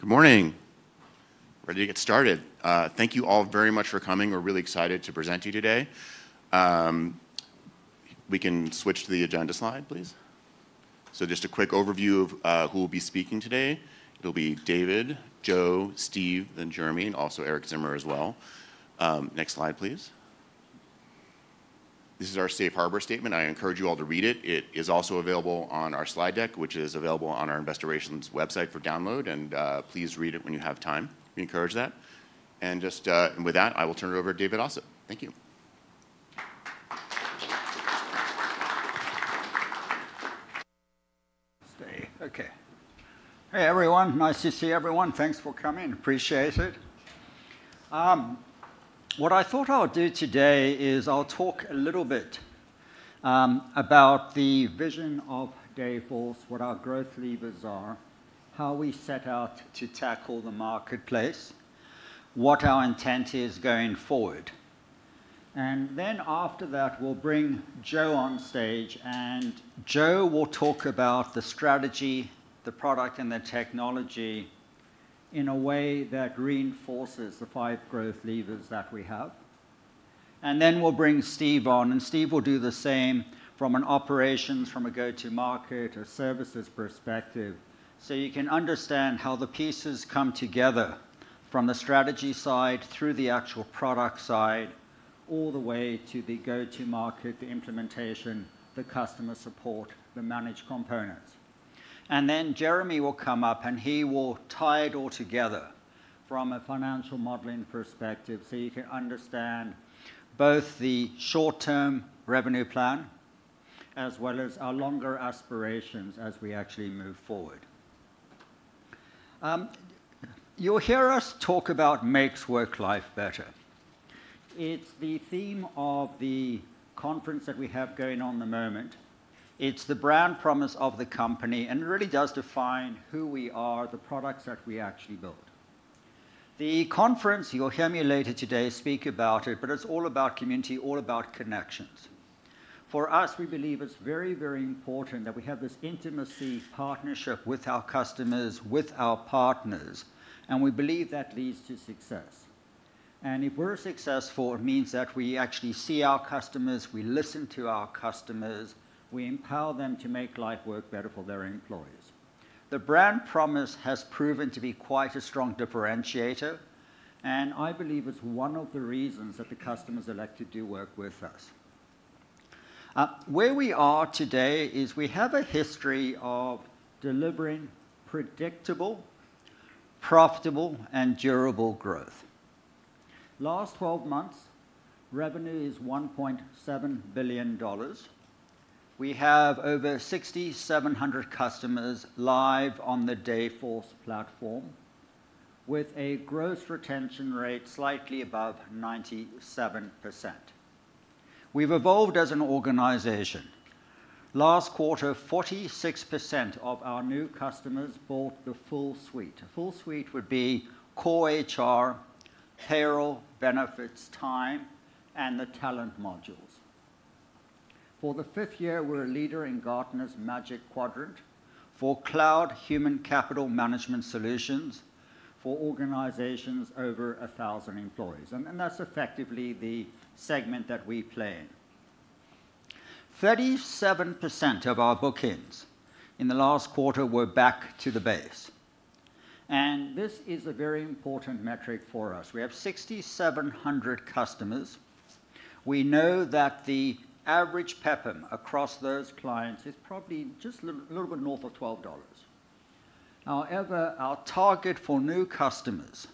Good morning. Ready to get started. Thank you all very much for coming. We're really excited to present you today. We can switch to the agenda slide, please. So just a quick overview of who will be speaking today. It'll be David, Joe, Steve, then Jeremy, and also Erik Zimmer as well. Next slide, please. This is our safe harbor statement. I encourage you all to read it. It is also available on our slide deck, which is available on our Investor Relations website for download. And please read it when you have time. We encourage that. And just with that, I will turn it over to David Ossip. Thank you. Dave. Okay. Hey, everyone. Nice to see everyone. Thanks for coming. Appreciate it. What I thought I'll do today is I'll talk a little bit about the vision of Dayforce, what our growth levers are, how we set out to tackle the marketplace, what our intent is going forward, and then after that, we'll bring Joe on stage, and Joe will talk about the strategy, the product, and the technology in a way that reinforces the five growth levers that we have, and then we'll bring Steve on, and Steve will do the same from an operations, from a go-to-market or services perspective, so you can understand how the pieces come together from the strategy side through the actual product side, all the way to the go-to-market, the implementation, the customer support, the managed components. And then Jeremy will come up, and he will tie it all together from a financial modeling perspective so you can understand both the short-term revenue plan as well as our longer aspirations as we actually move forward. You'll hear us talk about Makes Work Life Better. It's the theme of the conference that we have going on at the moment. It's the brand promise of the company. And it really does define who we are, the products that we actually build. The conference, you'll hear me later today speak about it, but it's all about community, all about connections. For us, we believe it's very, very important that we have this intimate partnership with our customers, with our partners. And we believe that leads to success. And if we're successful, it means that we actually see our customers, we listen to our customers, we empower them to make life work better for their employees. The brand promise has proven to be quite a strong differentiator. And I believe it's one of the reasons that the customers elect to do work with us. Where we are today is we have a history of delivering predictable, profitable, and durable growth. Last 12 months, revenue is $1.7 billion. We have over 6,700 customers live on the Dayforce platform with a gross retention rate slightly above 97%. We've evolved as an organization. Last quarter, 46% of our new customers bought the full suite. A full suite would be core HR, payroll, benefits, time, and the talent modules. For the fifth year, we're a leader in Gartner's Magic Quadrant, for cloud human capital management solutions for organizations over 1,000 employees. That's effectively the segment that we play in. 37% of our bookings in the last quarter were back to the base. And this is a very important metric for us. We have 6,700 customers. We know that the average PEPM across those clients is probably just a little bit north of $12. However, our target for new customers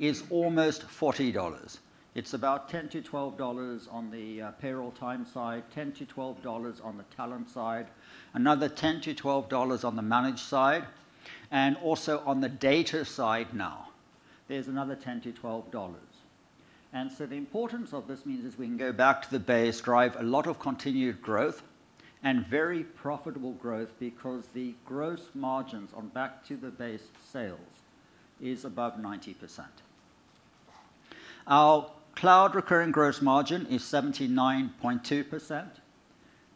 is almost $40. It's about $10-$12 on the payroll time side, $10-$12 on the talent side, another $10-$12 on the managed side, and also on the data side now. There's another $10-$12. And so the importance of this means is we can go back to the base, drive a lot of continued growth and very profitable growth because the gross margins on back-to-the-base sales is above 90%. Our cloud recurring gross margin is 79.2%.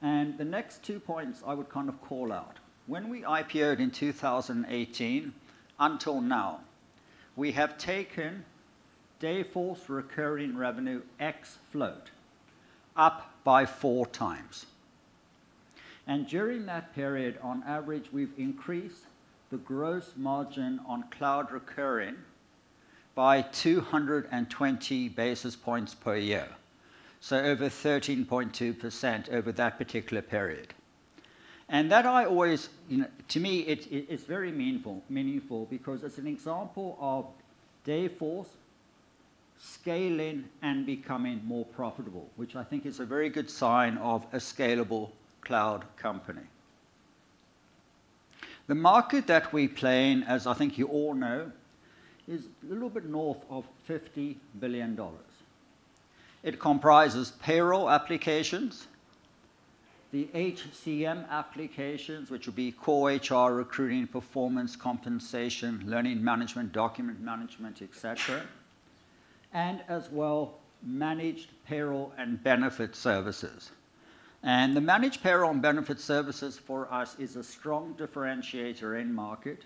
The next two points I would kind of call out. When we IPO'd in 2018 until now, we have taken Dayforce recurring revenue ex-float up by four times. And during that period, on average, we've increased the gross margin on cloud recurring by 220 basis points per year, so over 13.2% over that particular period. And that I always, to me, it's very meaningful because it's an example of Dayforce scaling and becoming more profitable, which I think is a very good sign of a scalable cloud company. The market that we play in, as I think you all know, is a little bit north of $50 billion. It comprises payroll applications, the HCM applications, which would be core HR, recruiting, performance, compensation, learning management, document management, etc., and as well managed payroll and benefit services. The managed payroll and benefit services for us is a strong differentiator in market.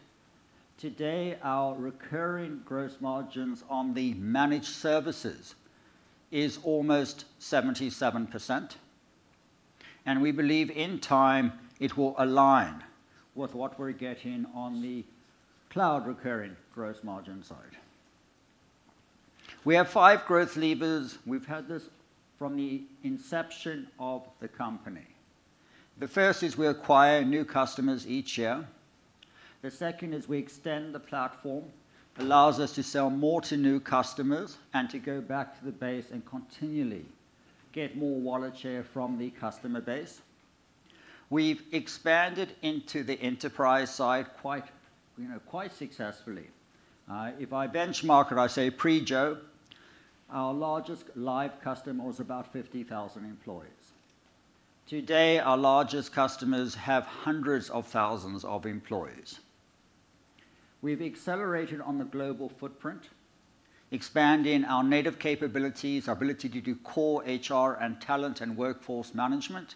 Today, our recurring gross margins on the managed services is almost 77%. We believe in time it will align with what we're getting on the cloud recurring gross margin side. We have five growth levers. We've had this from the inception of the company. The first is we acquire new customers each year. The second is we extend the platform, allows us to sell more to new customers and to go back to the base and continually get more Wallet share from the customer base. We've expanded into the enterprise side quite successfully. If I benchmark it, I say pre-Joe, our largest live customer was about 50,000 employees. Today, our largest customers have hundreds of thousands of employees. We've accelerated on the global footprint, expanding our native capabilities, our ability to do core HR and talent and workforce management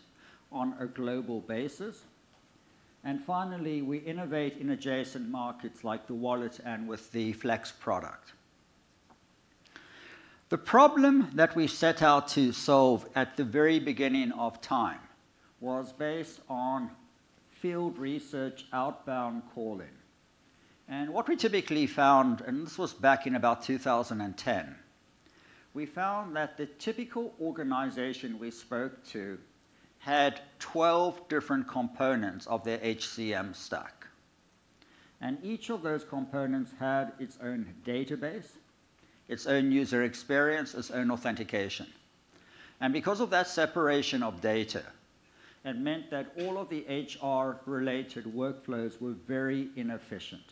on a global basis, and finally, we innovate in adjacent markets like the Wallet and with the Flex product. The problem that we set out to solve at the very beginning of time was based on field research outbound calling, and what we typically found, and this was back in about 2010, we found that the typical organization we spoke to had 12 different components of their HCM stack, and each of those components had its own database, its own user experience, its own authentication, and because of that separation of data, it meant that all of the HR-related workflows were very inefficient.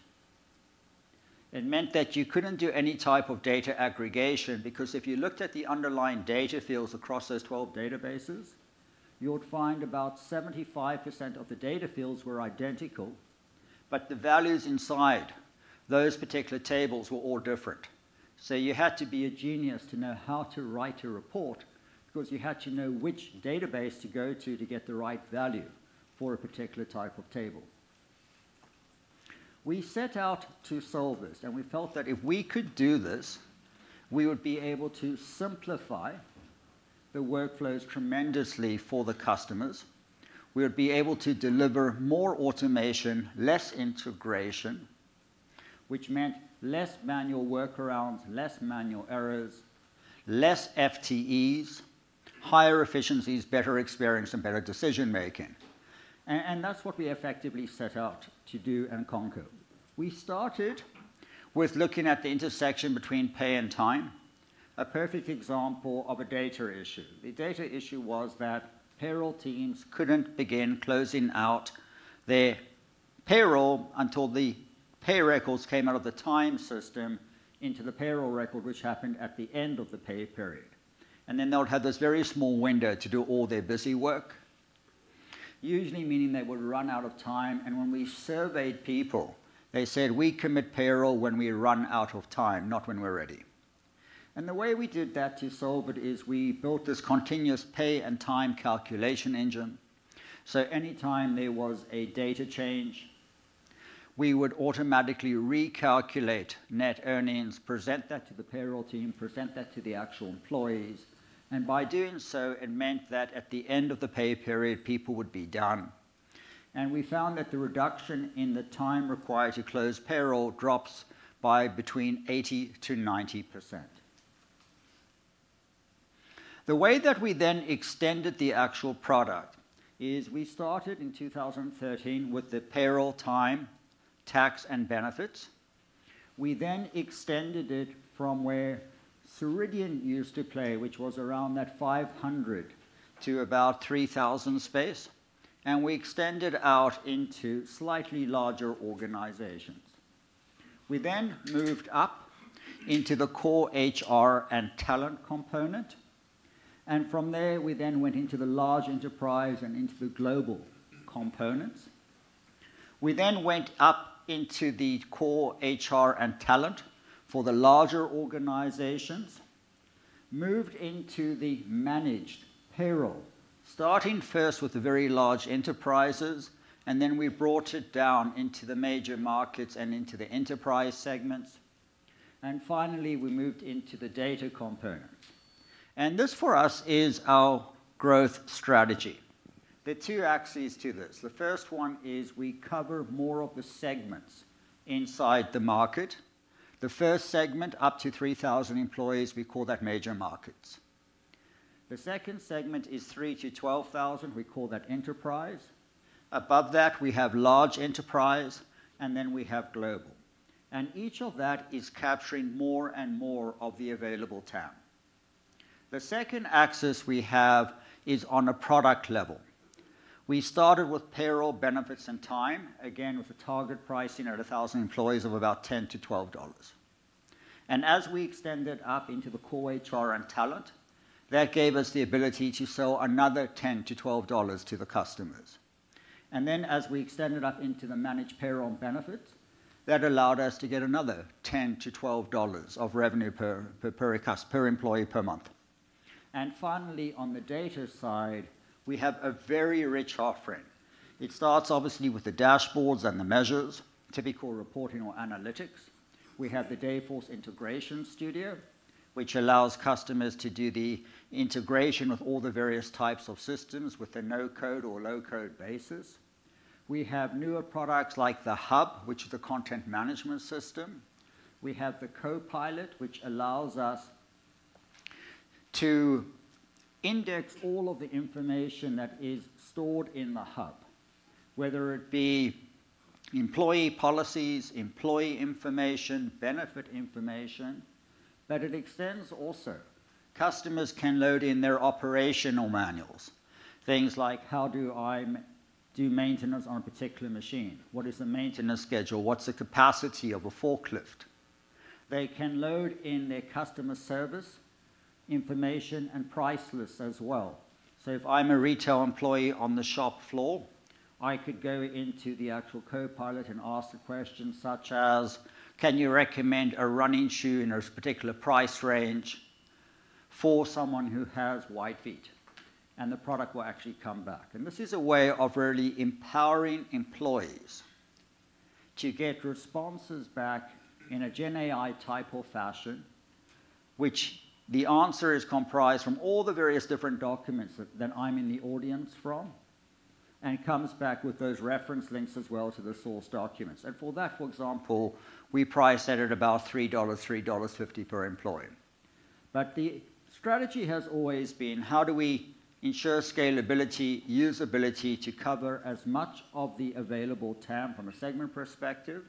It meant that you couldn't do any type of data aggregation because if you looked at the underlying data fields across those 12 databases, you would find about 75% of the data fields were identical, but the values inside those particular tables were all different. So you had to be a genius to know how to write a report because you had to know which database to go to to get the right value for a particular type of table. We set out to solve this, and we felt that if we could do this, we would be able to simplify the workflows tremendously for the customers. We would be able to deliver more automation, less integration, which meant less manual workarounds, less manual errors, less FTEs, higher efficiencies, better experience, and better decision-making. And that's what we effectively set out to do and conquer. We started with looking at the intersection between pay and time, a perfect example of a data issue. The data issue was that payroll teams couldn't begin closing out their payroll until the pay records came out of the time system into the payroll record, which happened at the end of the pay period. And then they would have this very small window to do all their busy work, usually meaning they would run out of time. And when we surveyed people, they said, "We commit payroll when we run out of time, not when we're ready." And the way we did that to solve it is we built this continuous pay and time calculation engine. So anytime there was a data change, we would automatically recalculate net earnings, present that to the payroll team, present that to the actual employees. By doing so, it meant that at the end of the pay period, people would be done. We found that the reduction in the time required to close payroll drops by between 80%-90%. The way that we then extended the actual product is we started in 2013 with the payroll, time, tax, and benefits. We then extended it from where Ceridian used to play, which was around that 500 to about 3,000 space. We extended out into slightly larger organizations. We then moved up into the core HR and talent component. From there, we then went into the large enterprise and into the global components. We then went up into the core HR and talent for the larger organizations, moved into the managed payroll, starting first with the very large enterprises, and then we brought it down into the major markets and into the enterprise segments, and finally, we moved into the data component, and this for us is our growth strategy. There are two axes to this. The first one is we cover more of the segments inside the market. The first segment, up to 3,000 employees, we call that major markets. The second segment is 3,000-12,000. We call that enterprise. Above that, we have large enterprise, and then we have global. And each of that is capturing more and more of the available time. The second axis we have is on a product level. We started with payroll, benefits, and time, again with a target pricing at 1,000 employees of about $10-$12, and as we extended up into the core HR and talent, that gave us the ability to sell another $10-$12 to the customers, and then as we extended up into the managed payroll and benefits, that allowed us to get another $10-$12 of revenue per employee per month, and finally, on the data side, we have a very rich offering. It starts obviously with the dashboards and the measures, typical reporting or analytics. We have the Dayforce Integration Studio, which allows customers to do the integration with all the various types of systems with the no-code or low-code basis. We have newer products like the Hub, which is the content management system. We have the Copilot, which allows us to index all of the information that is stored in the Hub, whether it be employee policies, employee information, benefit information. But it extends also. Customers can load in their operational manuals, things like, "How do I do maintenance on a particular machine? What is the maintenance schedule? What's the capacity of a forklift?" They can load in their customer service information and price lists as well. So if I'm a retail employee on the shop floor, I could go into the actual Copilot and ask a question such as, "Can you recommend a running shoe in a particular price range for someone who has wide feet?", and the product will actually come back. This is a way of really empowering employees to get responses back in a GenAI type of fashion, which the answer is comprised from all the various different documents that I'm in the audience from and comes back with those reference links as well to the source documents. For that, for example, we price it at about $3-$3.50 per employee. But the strategy has always been, "How do we ensure scalability, usability to cover as much of the available TAM from a segment perspective?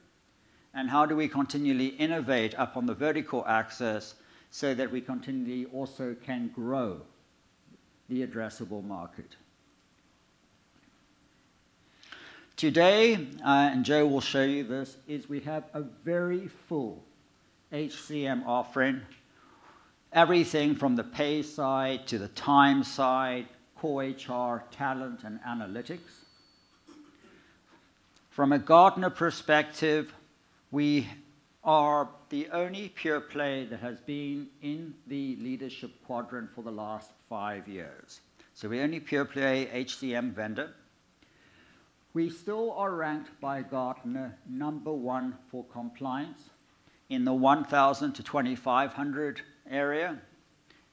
And how do we continually innovate up on the vertical axis so that we continually also can grow the addressable market?" Today, and Joe will show you this, is we have a very full HCM offering, everything from the pay side to the time side, core HR, talent, and analytics. From a Gartner perspective, we are the only pure-play that has been in the leadership quadrant for the last five years. So we're the only pure-play HCM vendor. We still are ranked by Gartner number one for compliance in the 1,000-2,500 area,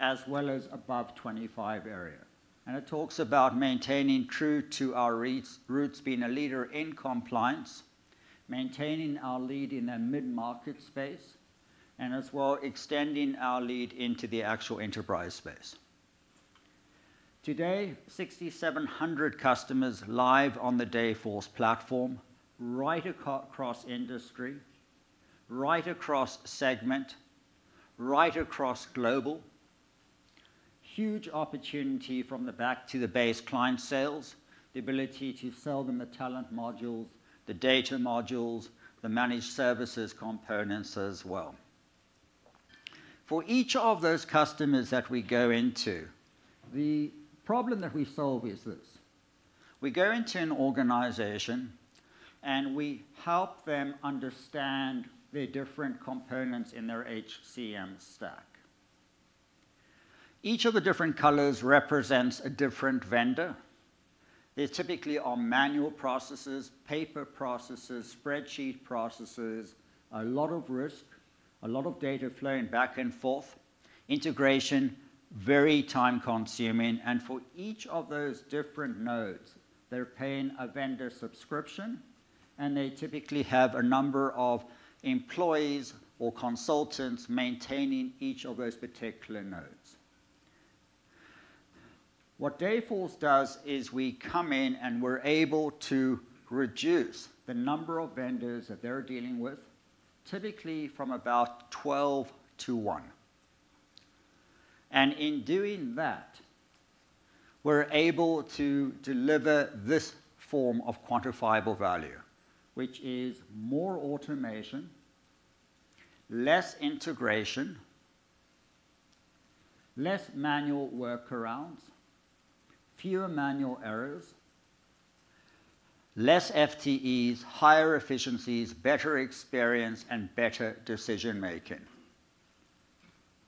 as well as above 2,500 area. And it talks about maintaining true to our roots, being a leader in compliance, maintaining our lead in the mid-market space, and as well extending our lead into the actual enterprise space. Today, 6,700 customers live on the Dayforce platform, right across industry, right across segment, right across global. Huge opportunity from the back to the base, client sales, the ability to sell them the talent modules, the data modules, the managed services components as well. For each of those customers that we go into, the problem that we solve is this. We go into an organization and we help them understand the different components in their HCM stack. Each of the different colors represents a different vendor. They typically are manual processes, paper processes, spreadsheet processes, a lot of risk, a lot of data flowing back and forth, integration, very time-consuming, and for each of those different nodes, they're paying a vendor subscription, and they typically have a number of employees or consultants maintaining each of those particular nodes. What Dayforce does is we come in and we're able to reduce the number of vendors that they're dealing with, typically from about 12 to one, and in doing that, we're able to deliver this form of quantifiable value, which is more automation, less integration, less manual workarounds, fewer manual errors, less FTEs, higher efficiencies, better experience, and better decision-making.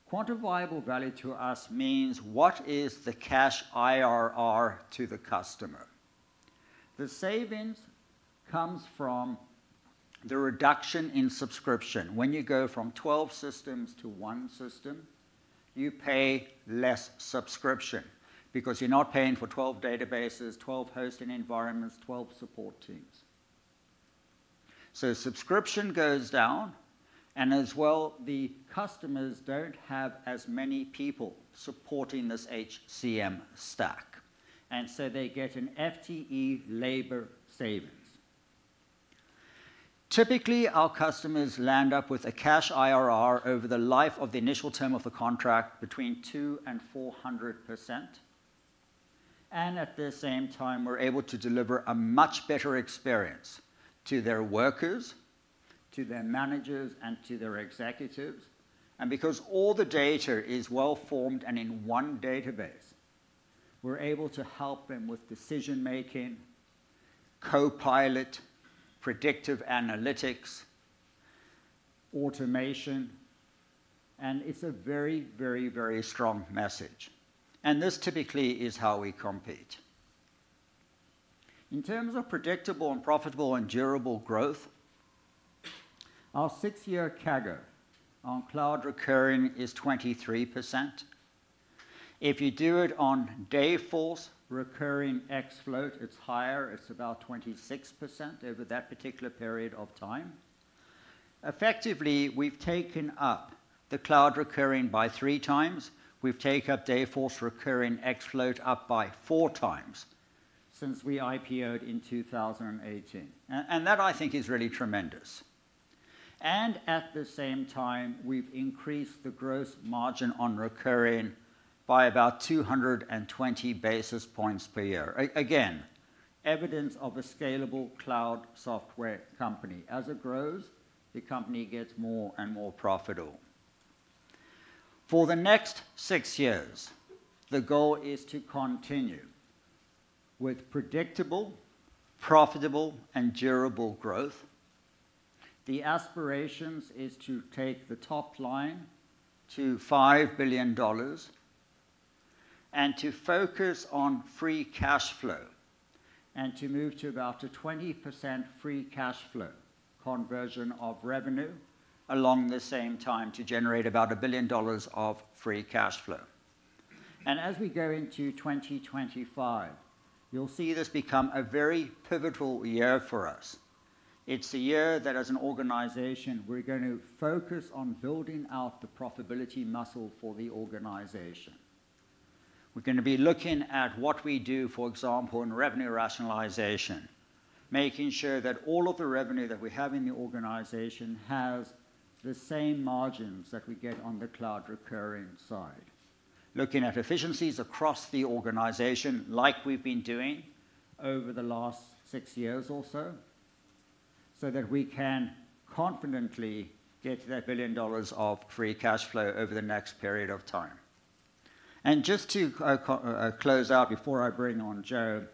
Quantifiable value to us means what is the cash IRR to the customer? The savings comes from the reduction in subscription. When you go from 12 systems to 1 system, you pay less subscription because you're not paying for 12 databases, 12 hosting environments, 12 support teams. So subscription goes down, and as well, the customers don't have as many people supporting this HCM stack. And so they get an FTE labor savings. Typically, our customers end up with a cash IRR over the life of the initial term of the contract between 2% and 400%. And at the same time, we're able to deliver a much better experience to their workers, to their managers, and to their executives. And because all the data is well-formed and in one database, we're able to help them with decision-making, Copilot, predictive analytics, automation. And it's a very, very, very strong message. This typically is how we compete. In terms of predictable and profitable and durable growth, our six-year CAGR on cloud recurring is 23%. If you do it on Dayforce recurring ex-float, it's higher. It's about 26% over that particular period of time. Effectively, we've taken up the cloud recurring by three times. We've taken up Dayforce recurring ex-float up by four times since we IPO'd in 2018. That, I think, is really tremendous. At the same time, we've increased the gross margin on recurring by about 220 basis points per year. Again, evidence of a scalable cloud software company. As it grows, the company gets more and more profitable. For the next six years, the goal is to continue with predictable, profitable, and durable growth. The aspiration is to take the top line to $5 billion and to focus on free cash flow and to move to about a 20% free cash flow conversion of revenue along the same time to generate about $1 billion of free cash flow, and as we go into 2025, you'll see this become a very pivotal year for us. It's a year that, as an organization, we're going to focus on building out the profitability muscle for the organization. We're going to be looking at what we do, for example, in revenue rationalization, making sure that all of the revenue that we have in the organization has the same margins that we get on the cloud recurring side, looking at efficiencies across the organization like we've been doing over the last six years or so, so that we can confidently get that $1 billion of free cash flow over the next period of time. And just to close out before I bring on Joe,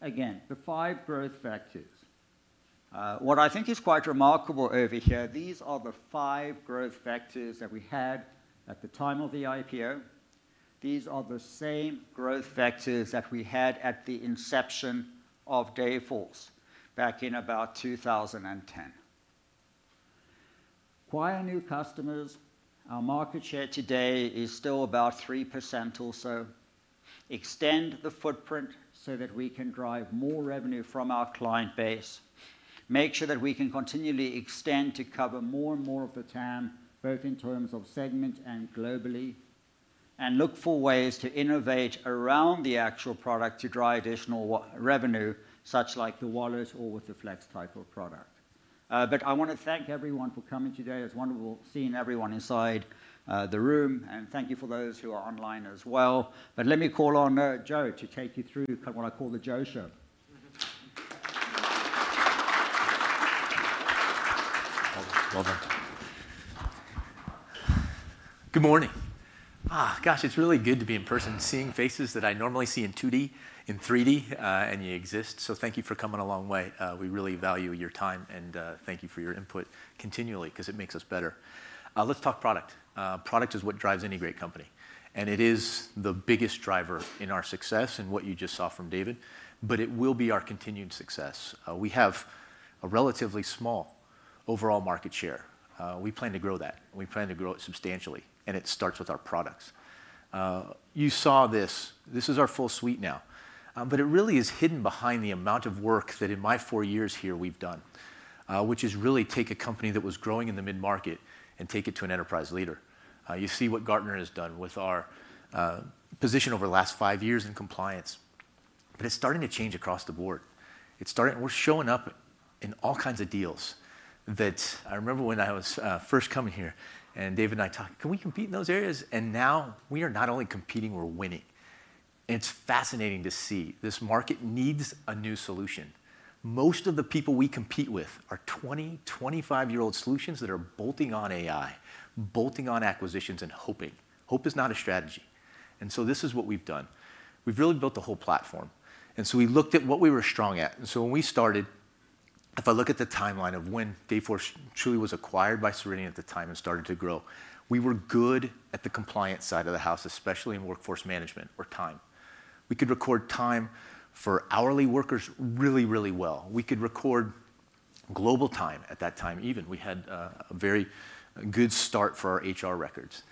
again, the five growth factors. What I think is quite remarkable over here, these are the five growth factors that we had at the time of the IPO. These are the same growth factors that we had at the inception of Dayforce back in about 2010. Acquire new customers. Our market share today is still about 3% or so. Extend the footprint so that we can drive more revenue from our client base. Make sure that we can continually extend to cover more and more of the time, both in terms of segment and globally, and look for ways to innovate around the actual product to drive additional revenue, such like the Wallet or with the Flex type of product. I want to thank everyone for coming today. It's wonderful seeing everyone inside the room. And thank you for those who are online as well. Let me call on Joe to take you through what I call the Joe Show. Good morning. Gosh, it's really good to be in person, seeing faces that I normally see in 2D, in 3D, and you exist. So thank you for coming a long way. We really value your time, and thank you for your input continually because it makes us better. Let's talk product. Product is what drives any great company. And it is the biggest driver in our success and what you just saw from David, but it will be our continued success. We have a relatively small overall market share. We plan to grow that. We plan to grow it substantially. And it starts with our products. You saw this. This is our full suite now. But it really is hidden behind the amount of work that, in my four years here, we've done, which is really take a company that was growing in the mid-market and take it to an enterprise leader. You see what Gartner has done with our position over the last five years in compliance. But it's starting to change across the board. We're showing up in all kinds of deals that I remember when I was first coming here and David and I talked, "Can we compete in those areas?" And now we are not only competing, we're winning. It's fascinating to see. This market needs a new solution. Most of the people we compete with are 20, 25-year-old solutions that are bolting on AI, bolting on acquisitions and hoping. Hope is not a strategy. And so this is what we've done. We've really built the whole platform. And so we looked at what we were strong at. And so when we started, if I look at the timeline of when Dayforce truly was acquired by Ceridian at the time and started to grow, we were good at the compliance side of the house, especially in Workforce Management or time. We could record time for hourly workers really, really well. We could record global time at that time even. We had a very good start for our HR records.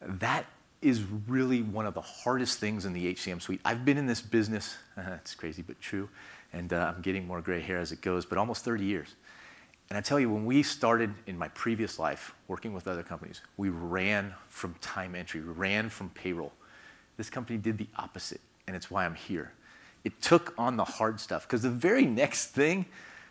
That is really one of the hardest things in the HCM suite. I've been in this business, it's crazy, but true, and I'm getting more gray hair as it goes, but almost 30 years, and I tell you, when we started in my previous life working with other companies, we ran from time entry, ran from payroll. This company did the opposite, and it's why I'm here. It took on the hard stuff because the very next thing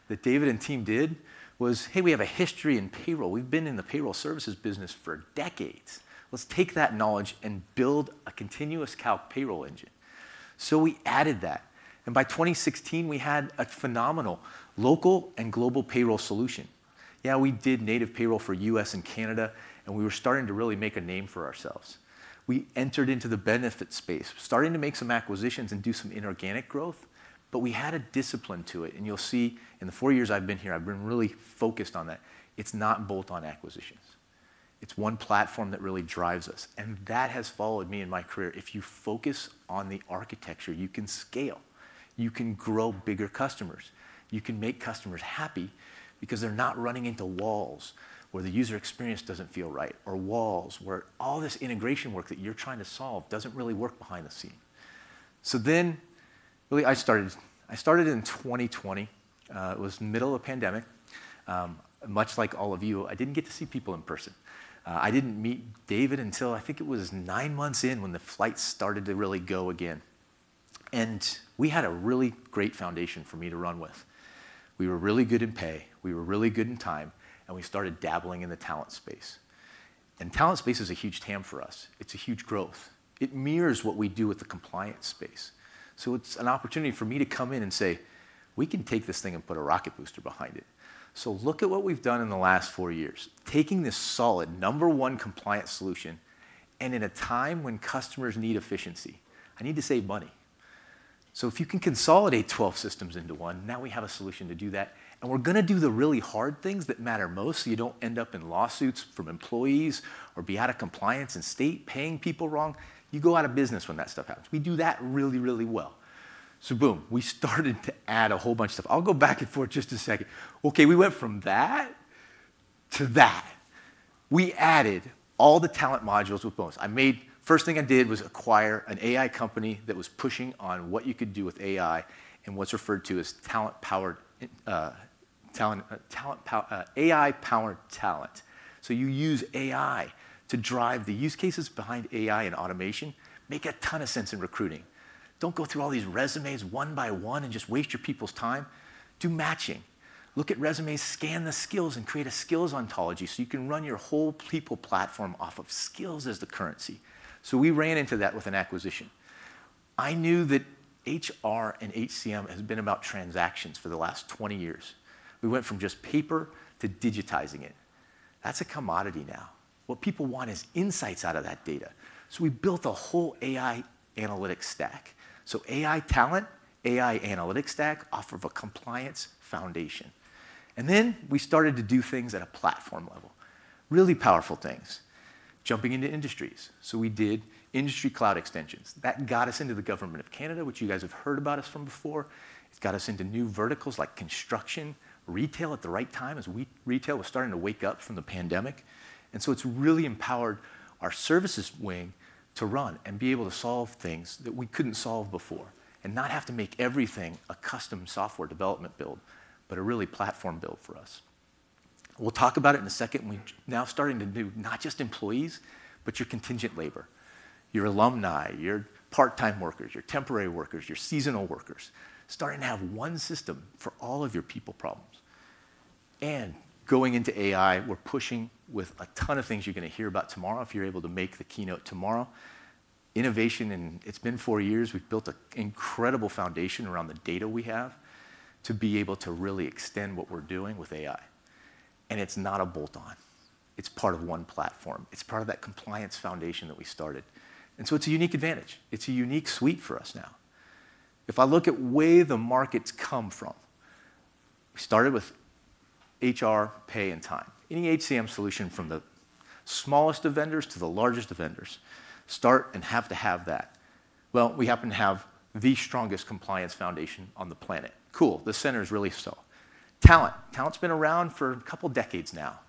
that David and team did was, "Hey, we have a history in payroll. We've been in the payroll services business for decades. Let's take that knowledge and build a continuous calc payroll engine." So we added that, and by 2016, we had a phenomenal local and global payroll solution. Yeah, we did native payroll for U.S. and Canada, and we were starting to really make a name for ourselves. We entered into the benefit space, starting to make some acquisitions and do some inorganic growth, but we had a discipline to it. And you'll see, in the four years I've been here, I've been really focused on that. It's not bolt-on acquisitions. It's one platform that really drives us. And that has followed me in my career. If you focus on the architecture, you can scale. You can grow bigger customers. You can make customers happy because they're not running into walls where the user experience doesn't feel right or walls where all this integration work that you're trying to solve doesn't really work behind the scene. So then, really, I started in 2020. It was the middle of a pandemic. Much like all of you, I didn't get to see people in person. I didn't meet David until I think it was nine months in when the flight started to really go again, and we had a really great foundation for me to run with. We were really good in pay. We were really good in time, and we started dabbling in the talent space. And talent space is a huge TAM for us. It's a huge growth. It mirrors what we do with the compliance space. So it's an opportunity for me to come in and say, "We can take this thing and put a rocket booster behind it." So look at what we've done in the last four years, taking this solid number one compliance solution and in a time when customers need efficiency. I need to save money. So if you can consolidate 12 systems into one, now we have a solution to do that. And we're going to do the really hard things that matter most so you don't end up in lawsuits from employees or be out of compliance and state paying people wrong. You go out of business when that stuff happens. We do that really, really well. So boom, we started to add a whole bunch of stuff. I'll go back and forth just a second. Okay, we went from that to that. We added all the talent modules with bonus. First thing I did was acquire an AI company that was pushing on what you could do with AI and what's referred to as AI-powered talent. So you use AI to drive the use cases behind AI and automation. Make a ton of sense in recruiting. Don't go through all these resumes one by one and just waste your people's time. Do matching. Look at resumes, scan the skills, and create a skills ontology so you can run your whole people platform off of skills as the currency. So we ran into that with an acquisition. I knew that HR and HCM has been about transactions for the last 20 years. We went from just paper to digitizing it. That's a commodity now. What people want is insights out of that data. So we built a whole AI analytics stack. So AI talent, AI analytics stack off of a compliance foundation. And then we started to do things at a platform level, really powerful things, jumping into industries. So we did industry cloud extensions. That got us into the Government of Canada, which you guys have heard about us from before. It's got us into new verticals like construction, retail at the right time as retail was starting to wake up from the pandemic. And so it's really empowered our services wing to run and be able to solve things that we couldn't solve before and not have to make everything a custom software development build, but a really platform build for us. We'll talk about it in a second. We're now starting to do not just employees, but your contingent labor, your alumni, your part-time workers, your temporary workers, your seasonal workers, starting to have one system for all of your people problems. And going into AI, we're pushing with a ton of things you're going to hear about tomorrow if you're able to make the keynote tomorrow. Innovation, and it's been four years. We've built an incredible foundation around the data we have to be able to really extend what we're doing with AI. And it's not a bolt-on. It's part of one platform. It's part of that compliance foundation that we started. And so it's a unique advantage. It's a unique suite for us now. If I look at where the markets come from, we started with HR, pay, and time. Any HCM solution from the smallest of vendors to the largest of vendors start and have to have that. Well, we happen to have the strongest compliance foundation on the planet. Cool. The center is really HCM. Talent. Talent's been around for a couple of decades now.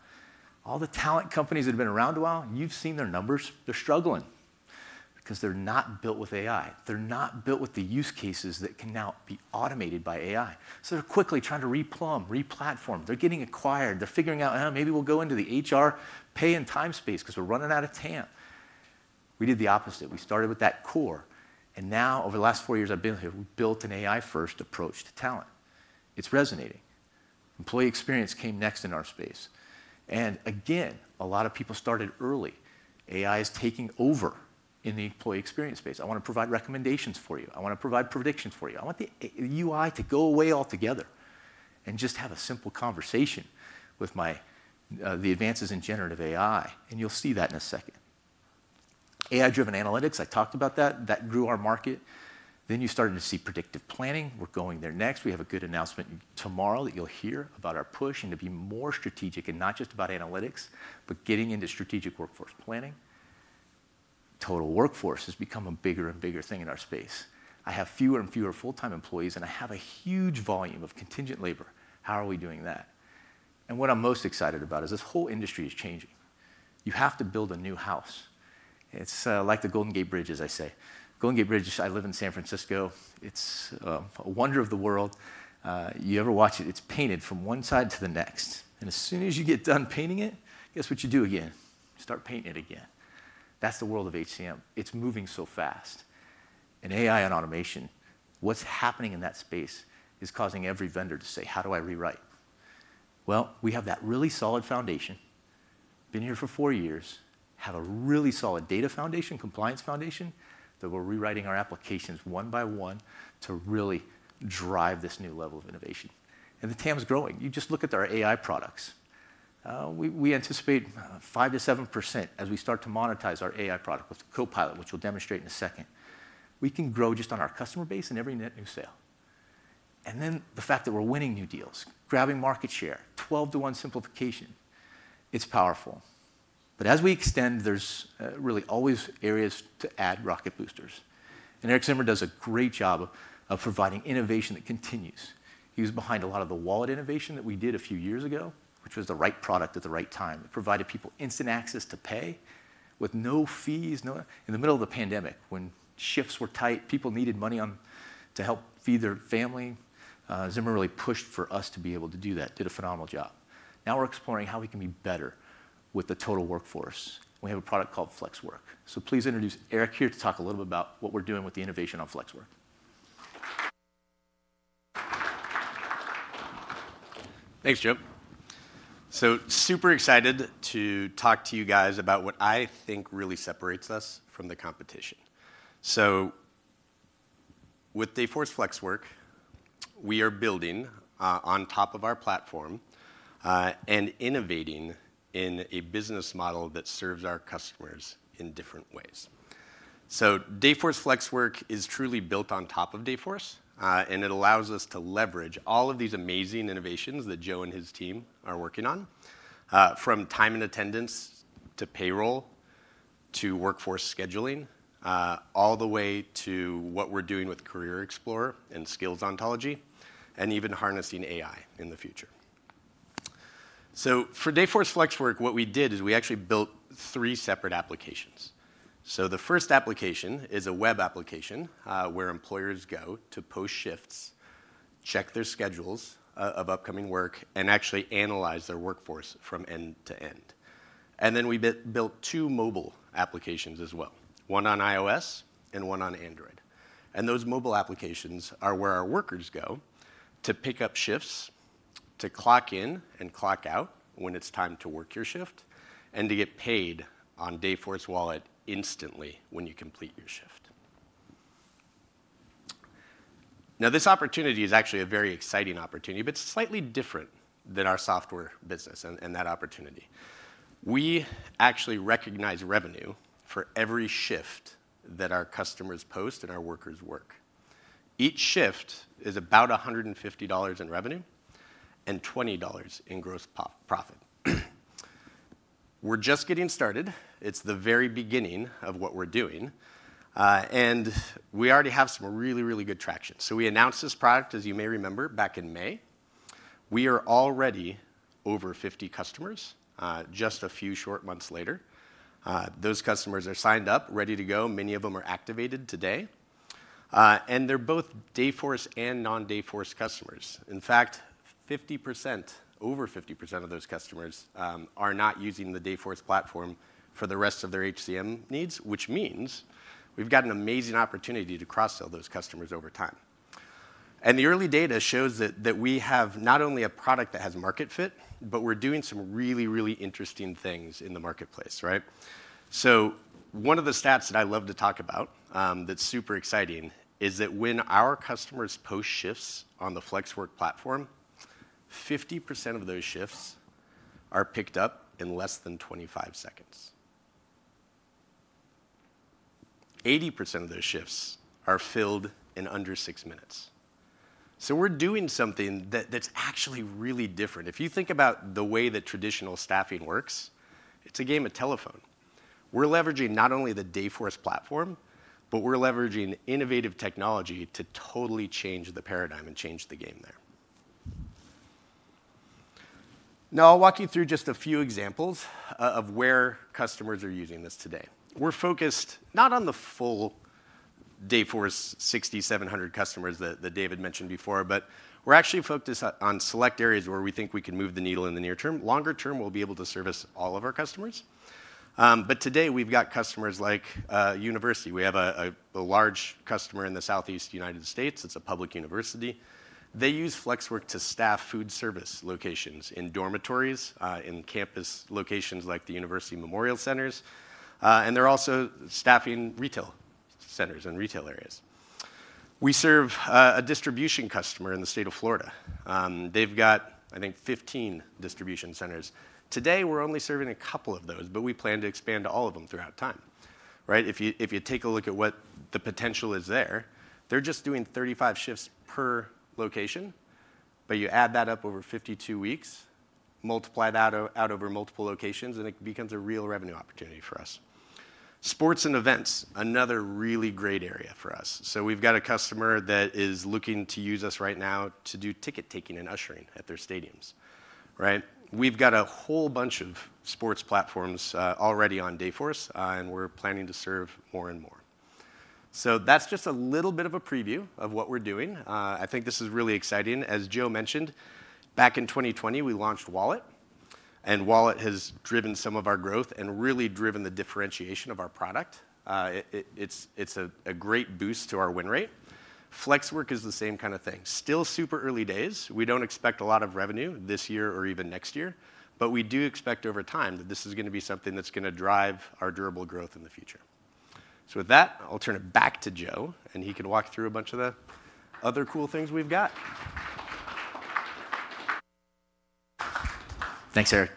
All the talent companies that have been around a while, you've seen their numbers. They're struggling because they're not built with AI. They're not built with the use cases that can now be automated by AI. So they're quickly trying to replumb, replatform. They're getting acquired. They're figuring out, "Maybe we'll go into the HR, pay, and time space because we're running out of TAM." We did the opposite. We started with that core. And now, over the last four years I've been here, we've built an AI-first approach to talent. It's resonating. Employee experience came next in our space. And again, a lot of people started early. AI is taking over in the employee experience space. I want to provide recommendations for you. I want to provide predictions for you. I want the UI to go away altogether and just have a simple conversation with the advances in generative AI. And you'll see that in a second. AI-driven analytics, I talked about that. That grew our market. Then you started to see predictive planning. We're going there next. We have a good announcement tomorrow that you'll hear about our push and to be more strategic and not just about analytics, but getting into strategic workforce planning. Total workforce has become a bigger and bigger thing in our space. I have fewer and fewer full-time employees, and I have a huge volume of contingent labor. How are we doing that? And what I'm most excited about is this whole industry is changing. You have to build a new house. It's like the Golden Gate Bridge, as I say. Golden Gate Bridge, I live in San Francisco. It's a wonder of the world. You ever watch it? It's painted from one side to the next. And as soon as you get done painting it, guess what you do again? Start painting it again. That's the world of HCM. It's moving so fast. And AI and automation, what's happening in that space is causing every vendor to say, "How do I rewrite?" Well, we have that really solid foundation. Been here for four years. Have a really solid data foundation, compliance foundation that we're rewriting our applications one by one to really drive this new level of innovation. And the TAM's growing. You just look at our AI products. We anticipate 5%-7% as we start to monetize our AI product with Copilot, which we'll demonstrate in a second. We can grow just on our customer base and every net new sale. And then the fact that we're winning new deals, grabbing market share, 12 to 1 simplification. It's powerful. But as we extend, there's really always areas to add rocket boosters. And Erik Zimmer does a great job of providing innovation that continues. He was behind a lot of the Wallet innovation that we did a few years ago, which was the right product at the right time. It provided people instant access to pay with no fees. In the middle of the pandemic, when shifts were tight, people needed money to help feed their family. Zimmer really pushed for us to be able to do that. Did a phenomenal job. Now we're exploring how we can be better with the total workforce. We have a product called Flexwork, so please introduce Erik here to talk a little bit about what we're doing with the innovation on Flexwork. Thanks, Joe, so super excited to talk to you guys about what I think really separates us from the competition, so with Dayforce Flexwork, we are building on top of our platform and innovating in a business model that serves our customers in different ways. Dayforce Flexwork is truly built on top of Dayforce, and it allows us to leverage all of these amazing innovations that Joe and his team are working on, from time and attendance to payroll to workforce scheduling, all the way to what we're doing with Career Explorer and skills ontology, and even harnessing AI in the future. For Dayforce Flexwork, what we did is we actually built three separate applications. The first application is a web application where employers go to post shifts, check their schedules of upcoming work, and actually analyze their workforce from end to end. We built two mobile applications as well, one on iOS and one on Android. Those mobile applications are where our workers go to pick up shifts, to clock in and clock out when it's time to work your shift, and to get paid on Dayforce Wallet instantly when you complete your shift. Now, this opportunity is actually a very exciting opportunity, but it's slightly different than our software business and that opportunity. We actually recognize revenue for every shift that our customers post and our workers work. Each shift is about $150 in revenue and $20 in gross profit. We're just getting started. It's the very beginning of what we're doing. We already have some really, really good traction. We announced this product, as you may remember, back in May. We are already over 50 customers just a few short months later. Those customers are signed up, ready to go. Many of them are activated today. They're both Dayforce and non-Dayforce customers. In fact, over 50% of those customers are not using the Dayforce platform for the rest of their HCM needs, which means we've got an amazing opportunity to cross-sell those customers over time. The early data shows that we have not only a product that has market fit, but we're doing some really, really interesting things in the marketplace. Right? One of the stats that I love to talk about that's super exciting is that when our customers post shifts on the Flexwork platform, 50% of those shifts are picked up in less than 25 seconds. 80% of those shifts are filled in under six minutes. We're doing something that's actually really different. If you think about the way that traditional staffing works, it's a game of telephone. We're leveraging not only the Dayforce platform, but we're leveraging innovative technology to totally change the paradigm and change the game there. Now, I'll walk you through just a few examples of where customers are using this today. We're focused not on the full Dayforce 6,700 customers that David mentioned before, but we're actually focused on select areas where we think we can move the needle in the near term. Longer term, we'll be able to service all of our customers. But today, we've got customers like university. We have a large customer in the Southeast United States. It's a public university. They use Flexwork to staff food service locations in dormitories, in campus locations like the University Memorial Centers. And they're also staffing retail centers and retail areas. We serve a distribution customer in the state of Florida. They've got, I think, 15 distribution centers. Today, we're only serving a couple of those, but we plan to expand to all of them throughout time. Right? If you take a look at what the potential is there, they're just doing 35 shifts per location. But you add that up over 52 weeks, multiply that out over multiple locations, and it becomes a real revenue opportunity for us. Sports and events, another really great area for us. So we've got a customer that is looking to use us right now to do ticket taking and ushering at their stadiums. Right? We've got a whole bunch of sports platforms already on Dayforce, and we're planning to serve more and more. So that's just a little bit of a preview of what we're doing. I think this is really exciting. As Joe mentioned, back in 2020, we launched Wallet, and Wallet has driven some of our growth and really driven the differentiation of our product. It's a great boost to our win rate. Flexwork is the same kind of thing. Still super early days. We don't expect a lot of revenue this year or even next year, but we do expect over time that this is going to be something that's going to drive our durable growth in the future. So with that, I'll turn it back to Joe, and he can walk through a bunch of the other cool things we've got. Thanks, Erik.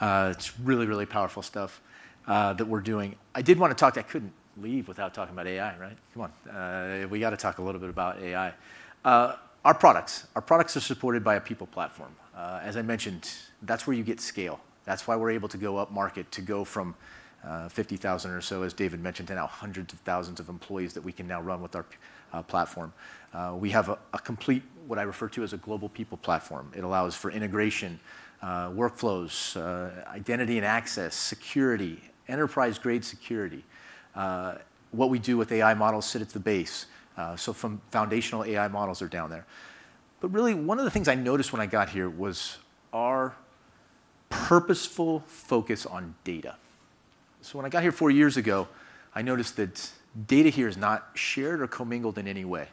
It's really, really powerful stuff that we're doing. I did want to talk to you. I couldn't leave without talking about AI, right? Come on. We got to talk a little bit about AI. Our products. Our products are supported by a people platform. As I mentioned, that's where you get scale. That's why we're able to go up market to go from 50,000 or so, as David mentioned, to now hundreds of thousands of employees that we can now run with our platform. We have a complete, what I refer to as a global people platform. It allows for integration, workflows, identity and access, security, enterprise-grade security. What we do with AI models sit at the base. So foundational AI models are down there. But really, one of the things I noticed when I got here was our purposeful focus on data. So when I got here four years ago, I noticed that data here is not shared or commingled in any way.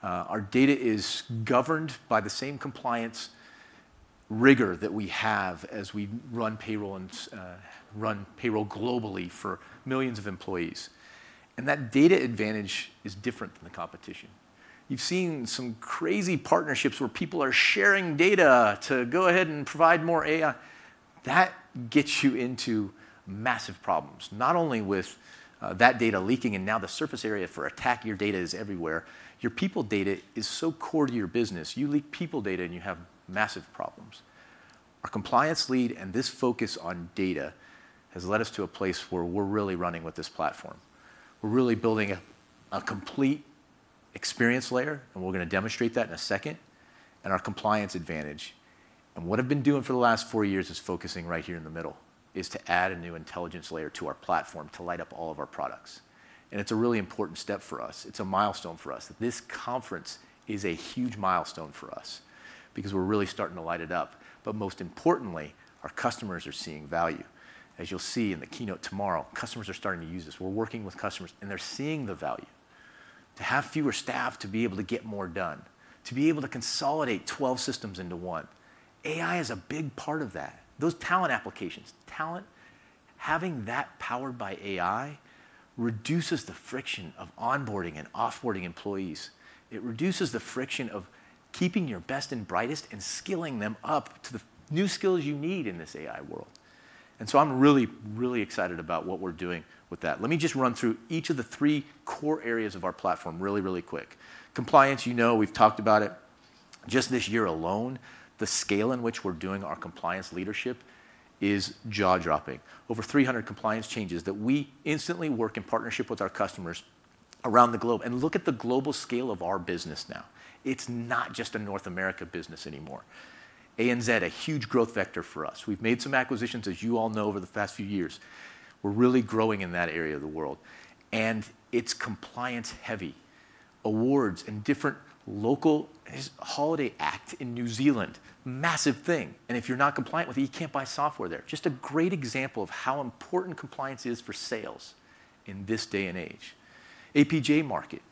Our data is governed by the same compliance rigor that we have as we run payroll globally for millions of employees. And that data advantage is different than the competition. You've seen some crazy partnerships where people are sharing data to go ahead and provide more AI. That gets you into massive problems, not only with that data leaking and now the surface area for attack your data is everywhere. Your people data is so core to your business. You leak people data, and you have massive problems. Our compliance lead and this focus on data has led us to a place where we're really running with this platform. We're really building a complete experience layer, and we're going to demonstrate that in a second, and our compliance advantage. And what I've been doing for the last four years is focusing right here in the middle to add a new intelligence layer to our platform to light up all of our products, and it's a really important step for us. It's a milestone for us. This conference is a huge milestone for us because we're really starting to light it up. But most importantly, our customers are seeing value. As you'll see in the keynote tomorrow, customers are starting to use this. We're working with customers, and they're seeing the value. To have fewer staff, to be able to get more done, to be able to consolidate 12 systems into one, AI is a big part of that. Those talent applications, talent, having that powered by AI reduces the friction of onboarding and offboarding employees. It reduces the friction of keeping your best and brightest and skilling them up to the new skills you need in this AI world. And so I'm really, really excited about what we're doing with that. Let me just run through each of the three core areas of our platform really, really quick. Compliance, you know we've talked about it. Just this year alone, the scale in which we're doing our compliance leadership is jaw-dropping. Over 300 compliance changes that we instantly work in partnership with our customers around the globe, and look at the global scale of our business now. It's not just a North America business anymore. ANZ, a huge growth vector for us. We've made some acquisitions, as you all know, over the past few years. We're really growing in that area of the world, and it's compliance-heavy. Awards and different local Holidays Act in New Zealand, massive thing, and if you're not compliant with it, you can't buy software there. Just a great example of how important compliance is for sales in this day and age. APJ market,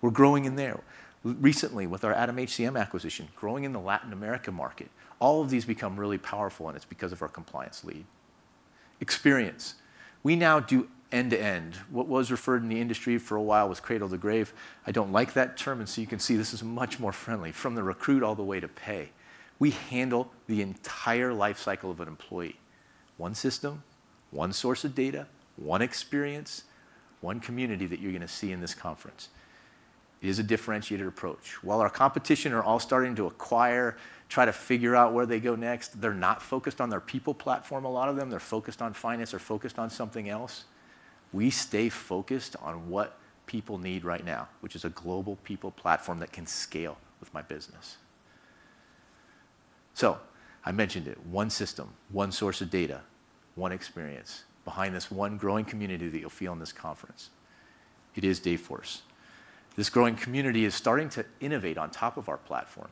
we're growing in there. Recently, with our ADAM HCM acquisition, growing in the Latin America market. All of these become really powerful, and it's because of our compliance-led experience. We now do end-to-end. What was referred to in the industry for a while was cradle to grave. I don't like that term, and so you can see this is much more friendly. From the recruit all the way to pay, we handle the entire life cycle of an employee. One system, one source of data, one experience, one community that you're going to see in this conference. It is a differentiated approach. While our competition are all starting to acquire, try to figure out where they go next, they're not focused on their people platform, a lot of them. They're focused on finance or focused on something else. We stay focused on what people need right now, which is a global people platform that can scale with my business. So I mentioned it. One system, one source of data, one experience behind this one growing community that you'll feel in this conference. It is Dayforce. This growing community is starting to innovate on top of our platform.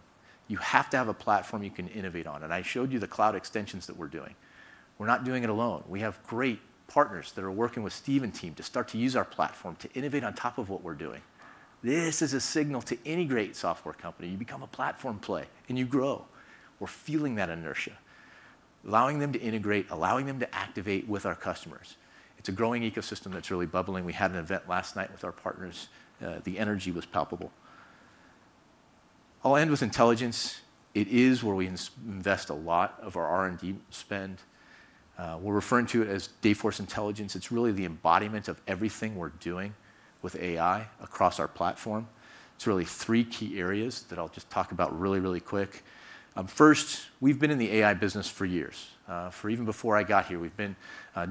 You have to have a platform you can innovate on. And I showed you the cloud extensions that we're doing. We're not doing it alone. We have great partners that are working with Steve and team to start to use our platform to innovate on top of what we're doing. This is a signal to any great software company. You become a platform play and you grow. We're feeling that inertia, allowing them to integrate, allowing them to activate with our customers. It's a growing ecosystem that's really bubbling. We had an event last night with our partners. The energy was palpable. I'll end with intelligence. It is where we invest a lot of our R&D spend. We're referring to it as Dayforce Intelligence. It's really the embodiment of everything we're doing with AI across our platform. It's really three key areas that I'll just talk about really, really quick. First, we've been in the AI business for years. Even before I got here, we've been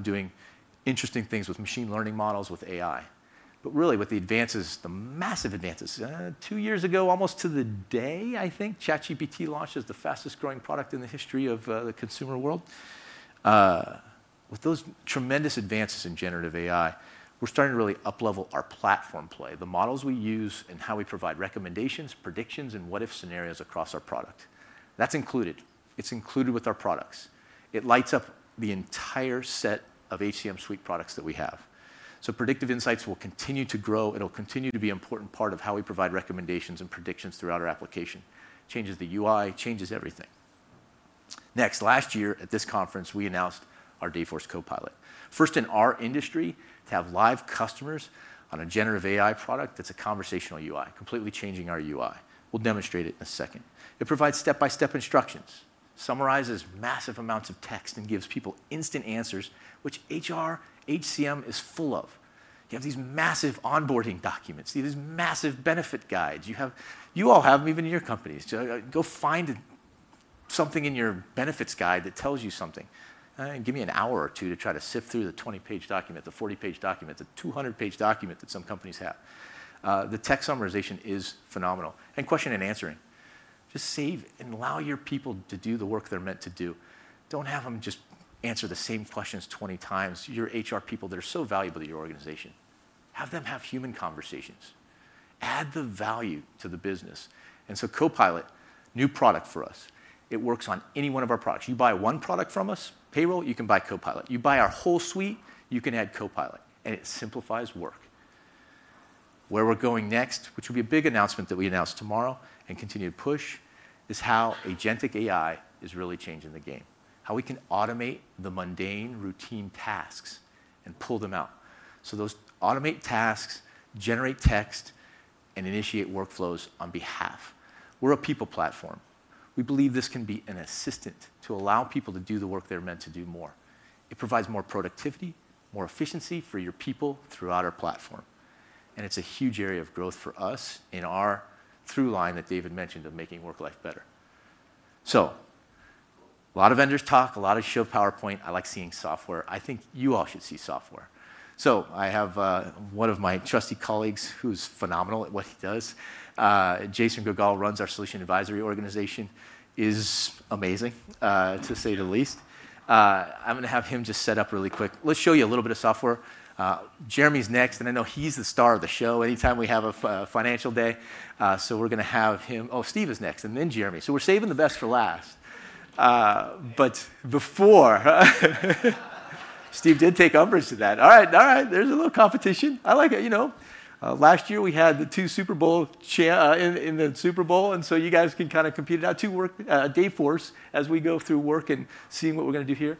doing interesting things with machine learning models with AI. But really, with the advances, the massive advances, two years ago, almost to the day, I think ChatGPT launched as the fastest growing product in the history of the consumer world. With those tremendous advances in generative AI, we're starting to really uplevel our platform play, the models we use and how we provide recommendations, predictions, and what-if scenarios across our product. That's included. It's included with our products. It lights up the entire set of HCM suite products that we have. So predictive insights will continue to grow. It'll continue to be an important part of how we provide recommendations and predictions throughout our application. Changes the UI, changes everything. Next, last year at this conference, we announced our Dayforce Copilot. First in our industry to have live customers on a generative AI product that's a conversational UI, completely changing our UI. We'll demonstrate it in a second. It provides step-by-step instructions, summarizes massive amounts of text, and gives people instant answers, which HR, HCM is full of. You have these massive onboarding documents. You have these massive benefit guides. You all have them even in your companies. Go find something in your benefits guide that tells you something. Give me an hour or two to try to sift through the 20-page document, the 40-page document, the 200-page document that some companies have. The tech summarization is phenomenal. And question and answering. Just save and allow your people to do the work they're meant to do. Don't have them just answer the same questions 20 times. Your HR people, they're so valuable to your organization. Have them have human conversations. Add the value to the business. And so Copilot, new product for us. It works on any one of our products. You buy one product from us, payroll, you can buy Copilot. You buy our whole suite, you can add Copilot. And it simplifies work. Where we're going next, which will be a big announcement that we announce tomorrow and continue to push, is how agentic AI is really changing the game. How we can automate the mundane routine tasks and pull them out. So those automate tasks generate text and initiate workflows on behalf. We're a people platform. We believe this can be an assistant to allow people to do the work they're meant to do more. It provides more productivity, more efficiency for your people throughout our platform. And it's a huge area of growth for us in our through line that David mentioned of making work life better. So a lot of vendors talk, a lot of show PowerPoint. I like seeing software. I think you all should see software. So I have one of my trusty colleagues who's phenomenal at what he does. Jason Gurgal runs our solution advisory organization. He's amazing, to say the least. I'm going to have him just set up really quick. Let's show you a little bit of software. Jeremy's next, and I know he's the star of the show anytime we have a financial day. So we're going to have him. Oh, Steve is next, and then Jeremy. So we're saving the best for last. But before, Steve did take umbrage to that. All right, all right. There's a little competition. I like it. Last year, we had the two Super Bowl teams in the Super Bowl, and so you guys can kind of compete it out today as we go through work and seeing what we're going to do here.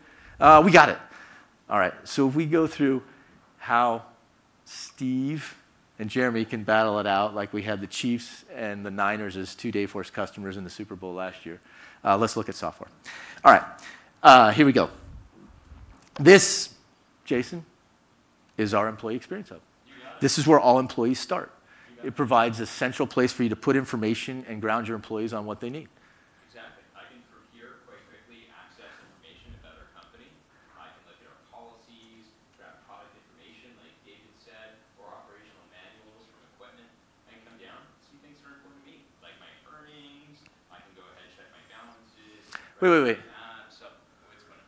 We got it. All right. So if we go through how Steve and Jeremy can battle it out like we had the Chiefs and the Niners as two Dayforce customers in the Super Bowl last year, let's look at software. All right. Here we go. This, Jason, is our employee experience Hub. This is where all employees start. It provides a central place for you to put information and ground your employees on what they need. Exactly. I can from here quite quickly access information about our company. I can look at our policies, grab product information like David said, or operational manuals from equipment, and come down and see things that are important to me, like my earnings. I can go ahead and check my balances. Wait, wait, wait. What's going on?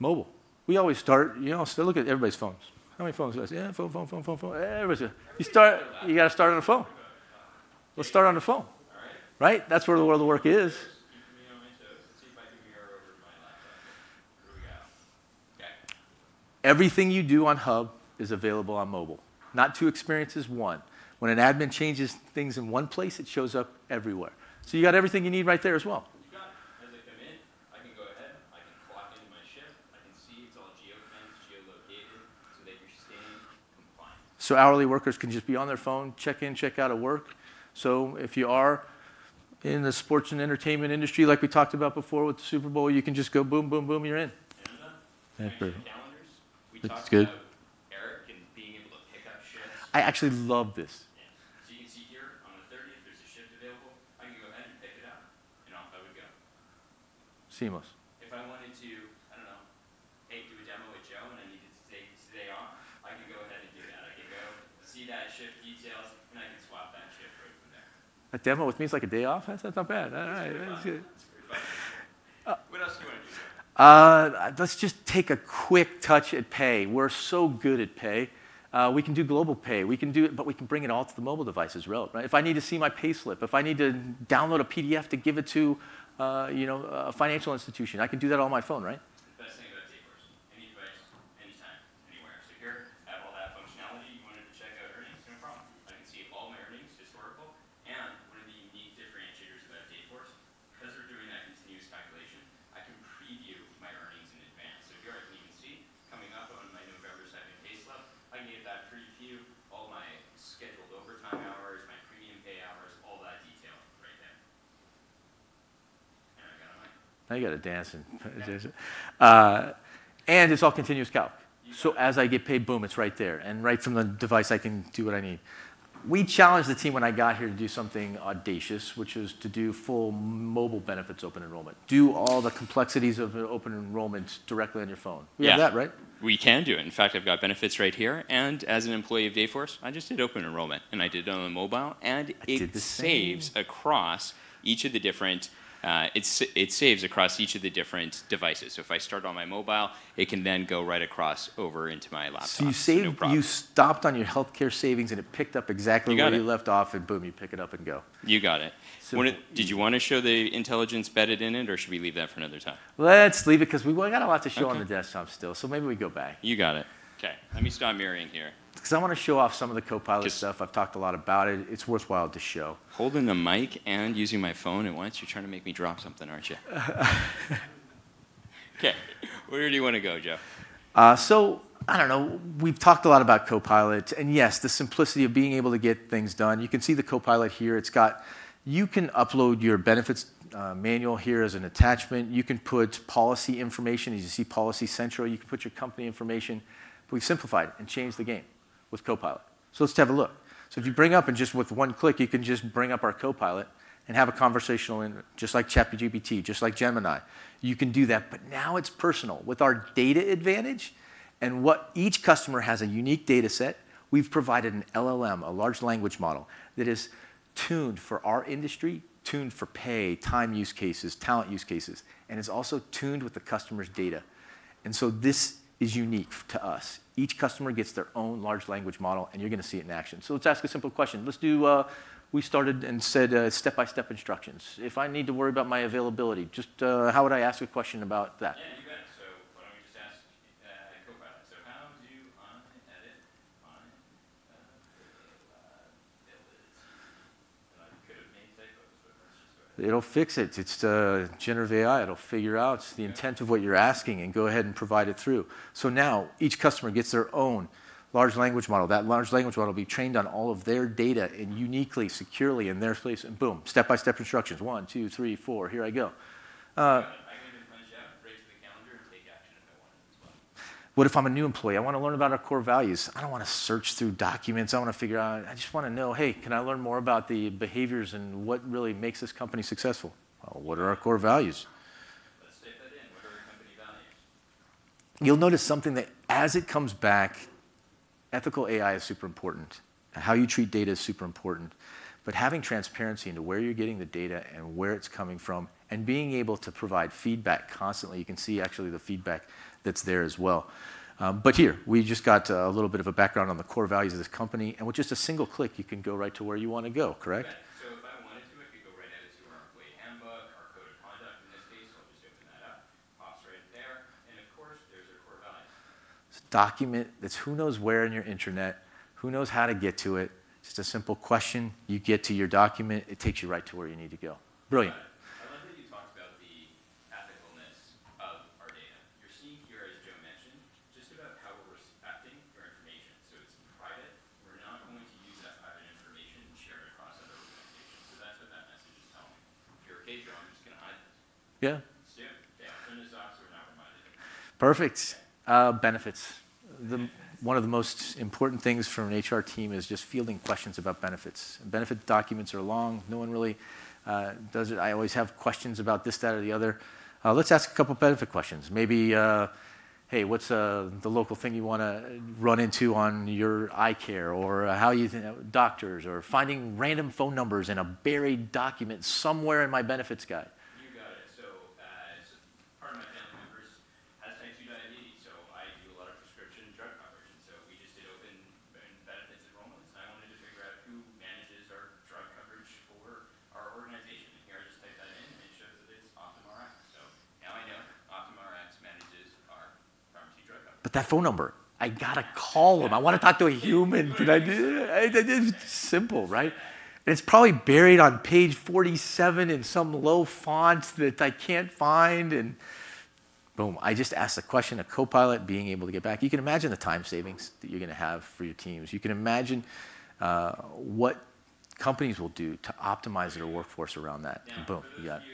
Mobile. We always start. You know, I still look at everybody's phones. How many phones do you guys have? Yeah, phone, phone, phone, phone, phone. Everybody's got it. You got to start on the phone. Let's start on the phone. All right. Right? That's where the world of work is. You can see if I do here over to my laptop. Here we go. Okay. Everything you do on Hub is available on mobile. Not two experiences, one. When an admin changes things in one place, it shows up everywhere. So you got everything you need right there as well. You got it. As I come in, I can go ahead. I can clock into my shift. I can see it's all geo-connected, geo-located so that you're staying compliant. So hourly workers can just be on their phone, check in, check out of work. So if you are in the sports and entertainment industry, like we talked about before with the Super Bowl, you can just go boom, boom, boom, you're in, and the calendars. We talked about Erik and being able to pick up shifts. I actually love this. Yeah. So you can see here on the 30th, there's a shift available. I can go ahead and pick it up, and off I would go. Seamless. If I wanted to, I don't know, hey, do a demo with Joe and I needed to take today off, I can go ahead and do that. I can go see that shift details, and I can swap that shift right from there. A demo with me is like a day off. That's not bad. That's great fun. What else do you want to do there? Let's just take a quick touch at pay. We're so good at pay. We can do global pay. We can do it, but we can bring it all to the mobile devices really. If I need to see my pay slip, if I need to download a PDF to give it to a financial institution, I can do that on my phone, right? devices. So if I start on my mobile, it can then go right across over into my laptop. So you stopped on your healthcare savings, and it picked up exactly where you left off, and boom, you pick it up and go. You got it. Did you want to show the intelligence embedded in it, or should we leave that for another time? Let's leave it because we got a lot to show on the desktop still. So maybe we go back. You got it. Okay. Let me stop mirroring here. Because I want to show off some of the Copilot stuff. I've talked a lot about it. It's worthwhile to show. Holding the mic and using my phone at once, you're trying to make me drop something, aren't you? Okay. Where do you want to go, Joe? So I don't know. We've talked a lot about Copilot. And yes, the simplicity of being able to get things done. You can see the Copilot here. You can upload your benefits manual here as an attachment. You can put policy information. As you see Policy Central, you can put your company information. We've simplified and changed the game with Copilot. So let's have a look. So if you bring up, and just with one click, you can just bring up our Copilot and have a conversational, just like ChatGPT, just like Gemini. You can do that. But now it's personal. With our data advantage and what each customer has a unique data set, we've provided an LLM, a large language model that is tuned for our industry, tuned for pay, time use cases, talent use cases, and is also tuned with the customer's data, and so this is unique to us. Each customer gets their own large language model, and you're going to see it in action, so let's ask a simple question. We started and said step-by-step instructions. If I need to worry about my availability, just how would I ask a question about that? Yeah, you bet, so why don't we just ask Copilot? So, how do you want to edit on the bulletin? And I could have made typos, but let's just go ahead. It'll fix it. It's a generative AI. It'll figure out the intent of what you're asking and go ahead and provide it through. So now each customer gets their own large language model. That large language model will be trained on all of their data and uniquely, securely in their space. And boom, step-by-step instructions. One, two, three, four. Here I go. I can just write to the calendar and take action if I wanted as well. What if I'm a new employee? I want to learn about our core values. I don't want to search through documents. I want to figure out. I just want to know, hey, can I learn more about the behaviors and what really makes this company successful? Well, what are our core values? Let's type that in. What are our company values? You'll notice something that as it comes back, ethical AI is super important. How you treat data is super important. But having transparency into where you're getting the data and where it's coming from and being able to provide feedback constantly, you can see actually the feedback that's there as well. But here, we just got a little bit of a background on the core values of this company. And with just a single click, you can go right to where you want to go, correct? So if I wanted to, I could go right out to our employee handbook, our code of conduct in this case. I'll just open that up. Pops right there. And of course, there's our core values. Document that's who knows where in your intranet, who knows how to get to it. Just a simple question. You get to your document. It takes you right to where you need to go. Brilliant. I like that you talked about the ethicalness of our data. You're seeing here, as Joe mentioned, just about how we're respecting your information. So it's private. We're not going to use that private information and share it across other organizations. So that's what that message is telling me. If you're okay, Joe, I'm just going to hide this. Yeah. Soon. They open this up, so we're not reminded of it. Perfect. Benefits. One of the most important things for an HR team is just fielding questions about benefits. Benefit documents are long. No one really does it. I always have questions about this, that, or the other. Let's ask a couple of benefit questions. Maybe, hey, what's the local thing you want to run into on your eye care or how you think doctors or finding random phone numbers in a buried document somewhere in my benefits guide. You got it. Part of my family members has Type 2 diabetes. So I do a lot of prescription drug coverage. And so we just did open benefits enrollments. I wanted to figure out who manages our drug coverage for our organization. And here I just type that in, and it shows that it's OptumRx. So now I know OptumRx manages our pharmacy drug coverage. But that phone number, I got to call them. I want to talk to a human. It's simple, right? It's probably buried on page 47 in some low font that I can't find. And boom, I just asked the question of Copilot being able to get back. You can imagine the time savings that you're going to have for your teams. You can imagine what companies will do to optimize their workforce around that. And boom, you got it.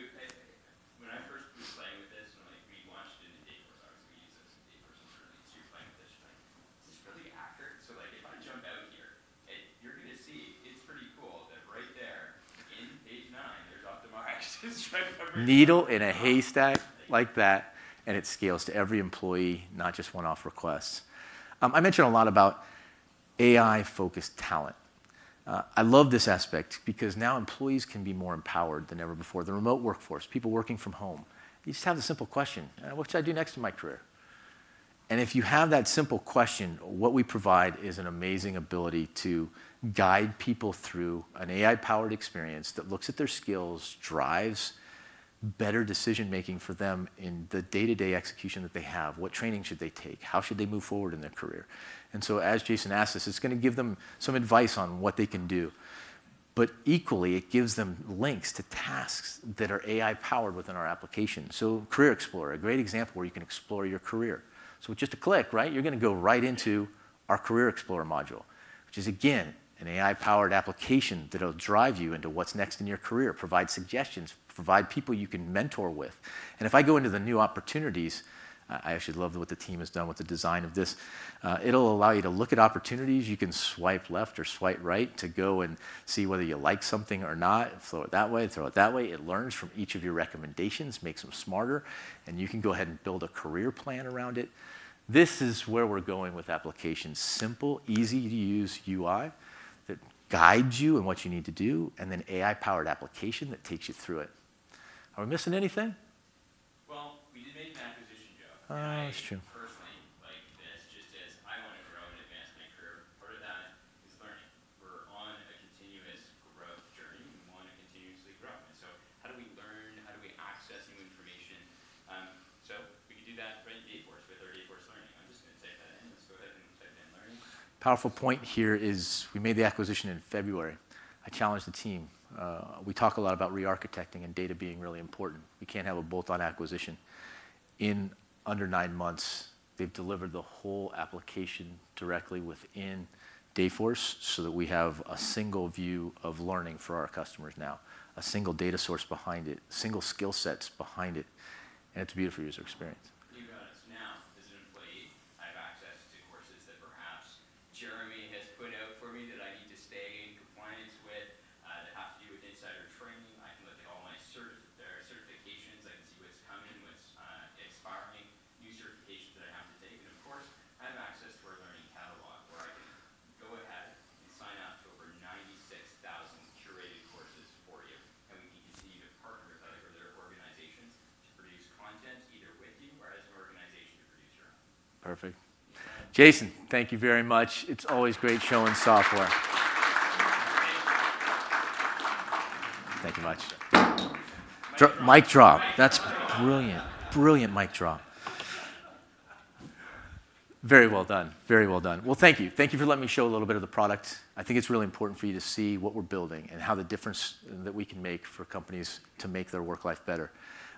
And if you have that simple question, what we provide is an amazing ability to guide people through an AI-powered experience that looks at their skills, drives better decision-making for them in the day-to-day execution that they have. What training should they take? How should they move forward in their career? And so as Jason asked this, it's going to give them some advice on what they can do. But equally, it gives them links to tasks that are AI-powered within our application. So Career Explorer, a great example where you can explore your career. So with just a click, right, you're going to go right into our Career Explorer module, which is, again, an AI-powered application that will drive you into what's next in your career, provide suggestions, provide people you can mentor with. And if I go into the new opportunities, I actually love what the team has done with the design of this. It'll allow you to look at opportunities. You can swipe left or swipe right to go and see whether you like something or not. Throw it that way, throw it that way. It learns from each of your recommendations, makes them smarter, and you can go ahead and build a career plan around it. This is where we're going with applications. Simple, easy-to-use UI that guides you in what you need to do, and then AI-powered application that takes you through it. Are we missing anything? Well, we did make an acquisition, Joe. That's true. First thing like this, just as I want to grow and advance my career, part of that is learning. We're on a continuous growth journey. We want to continuously grow. How do we learn? How do we access new information? We can do that right in Dayforce with our Dayforce Learning. I'm just going to type that in. Let's go ahead and type in learning. Powerful point here is we made the acquisition in February. I challenged the team. We talk a lot about re-architecting and data being really important. We can't have a bolt-on acquisition. In under nine months, they've delivered the whole application directly within Dayforce so that we have a single view of learning for our customers now, a single data source behind it, single skill sets behind it. It's a beautiful user experience.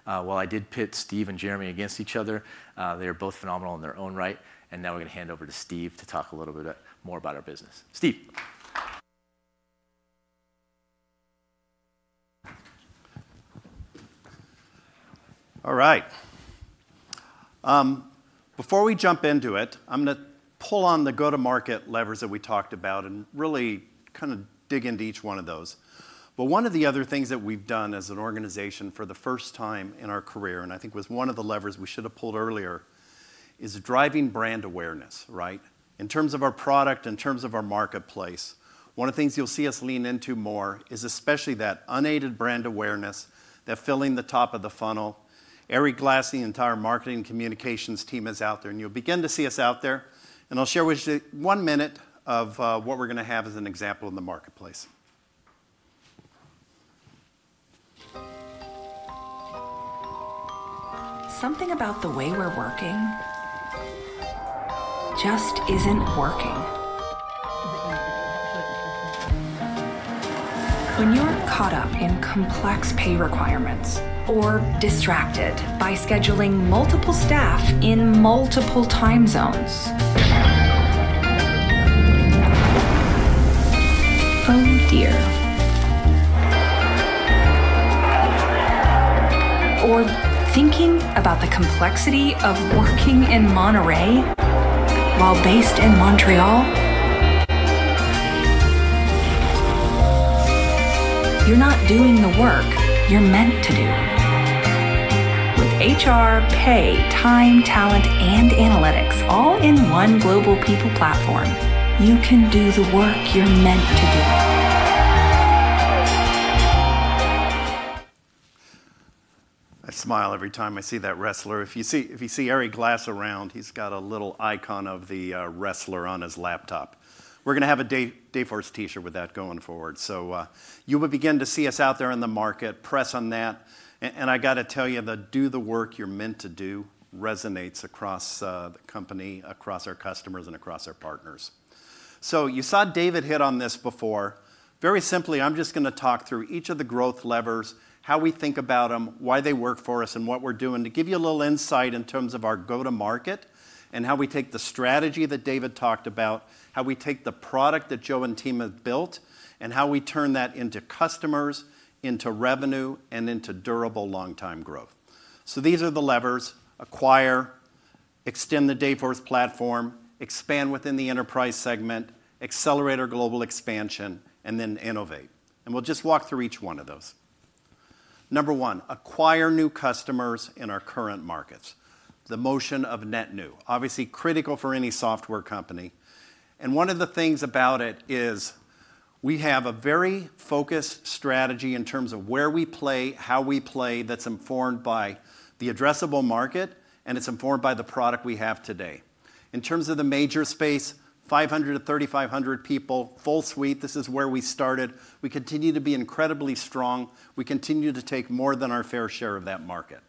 Well, I did pit Steve and Jeremy against each other. They are both phenomenal in their own right. And now we're going to hand over to Steve to talk a little bit more about our business. Steve. All right. Before we jump into it, I'm going to pull on the go-to-market levers that we talked about and really kind of dig into each one of those. But one of the other things that we've done as an organization for the first time in our career, and I think was one of the levers we should have pulled earlier, is driving brand awareness, right? In terms of our product, in terms of our marketplace, one of the things you'll see us lean into more is especially that unaided brand awareness, that filling the top of the funnel. Eric Glass, the entire marketing communications team is out there. And you'll begin to see us out there. I'll share with you one minute of what we're going to have as an example in the marketplace. Something about the way we're working just isn't working. When you're caught up in complex pay requirements or distracted by scheduling multiple staff in multiple time zones. Oh dear. Or thinking about the complexity of working in Monterey while based in Montreal. You're not doing the work you're meant to do. With HR, pay, time, talent, and analytics all in one global people platform, you can do the work you're meant to do. I smile every time I see that wrestler. If you see Eric Glass around, he's got a little icon of the wrestler on his laptop. We're going to have a Dayforce T-shirt with that going forward. You will begin to see us out there in the market, press on that. And I got to tell you, the do the work you're meant to do resonates across the company, across our customers, and across our partners. So you saw David hit on this before. Very simply, I'm just going to talk through each of the growth levers, how we think about them, why they work for us, and what we're doing to give you a little insight in terms of our go-to-market and how we take the strategy that David talked about, how we take the product that Joe and team have built, and how we turn that into customers, into revenue, and into durable long-time growth. So these are the levers: acquire, extend the Dayforce platform, expand within the enterprise segment, accelerate our global expansion, and then innovate. And we'll just walk through each one of those. Number one, acquire new customers in our current markets. The notion of net new, obviously critical for any software company. And one of the things about it is we have a very focused strategy in terms of where we play, how we play that's informed by the addressable market, and it's informed by the product we have today. In terms of the mid-market space, 500-3,500 people, full suite, this is where we started. We continue to be incredibly strong. We continue to take more than our fair share of that market.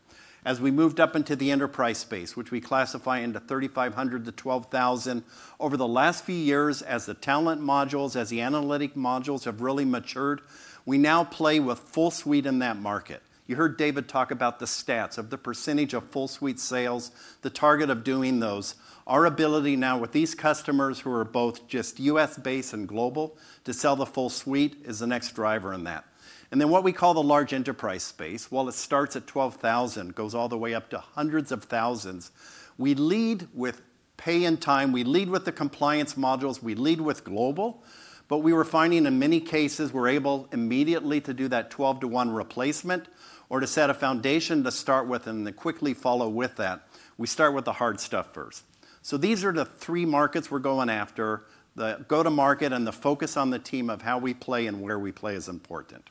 As we moved up into the enterprise space, which we classify into 3,500-12,000, over the last few years, as the talent modules, as the analytics modules have really matured, we now play with full suite in that market. You heard David talk about the stats of the percentage of full suite sales, the target of doing those. Our ability now with these customers who are both just U.S.-based and global to sell the full suite is the next driver in that, and then what we call the large enterprise space, while it starts at 12,000, goes all the way up to hundreds of thousands, we lead with pay and time. We lead with the compliance modules. We lead with global, but we were finding in many cases, we're able immediately to do that 12-to-1 replacement or to set a foundation to start with and then quickly follow with that. We start with the hard stuff first, so these are the three markets we're going after. The go-to-market and the focus on the team of how we play and where we play is important,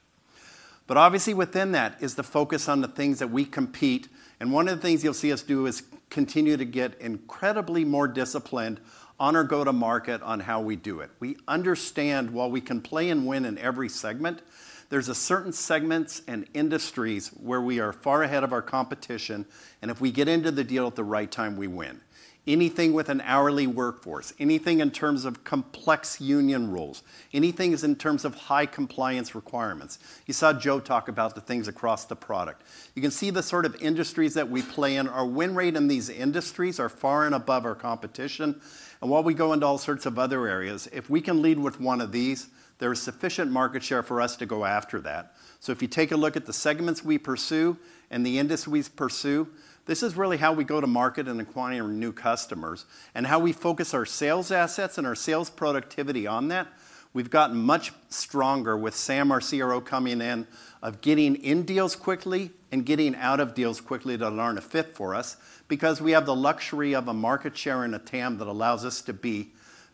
but obviously, within that is the focus on the things that we compete. And one of the things you'll see us do is continue to get incredibly more disciplined on our go-to-market on how we do it. We understand while we can play and win in every segment, there's certain segments and industries where we are far ahead of our competition. And if we get into the deal at the right time, we win. Anything with an hourly workforce, anything in terms of complex union rules, anything in terms of high compliance requirements. You saw Joe talk about the things across the product. You can see the sort of industries that we play in. Our win rate in these industries is far and above our competition. And while we go into all sorts of other areas, if we can lead with one of these, there is sufficient market share for us to go after that. So if you take a look at the segments we pursue and the industries we pursue, this is really how we go to market and acquire new customers and how we focus our sales assets and our sales productivity on that. We've gotten much stronger with Sam, our CRO, coming in on getting in deals quickly and getting out of deals quickly to learn a fit for us because we have the luxury of a market share and a TAM that allows us to be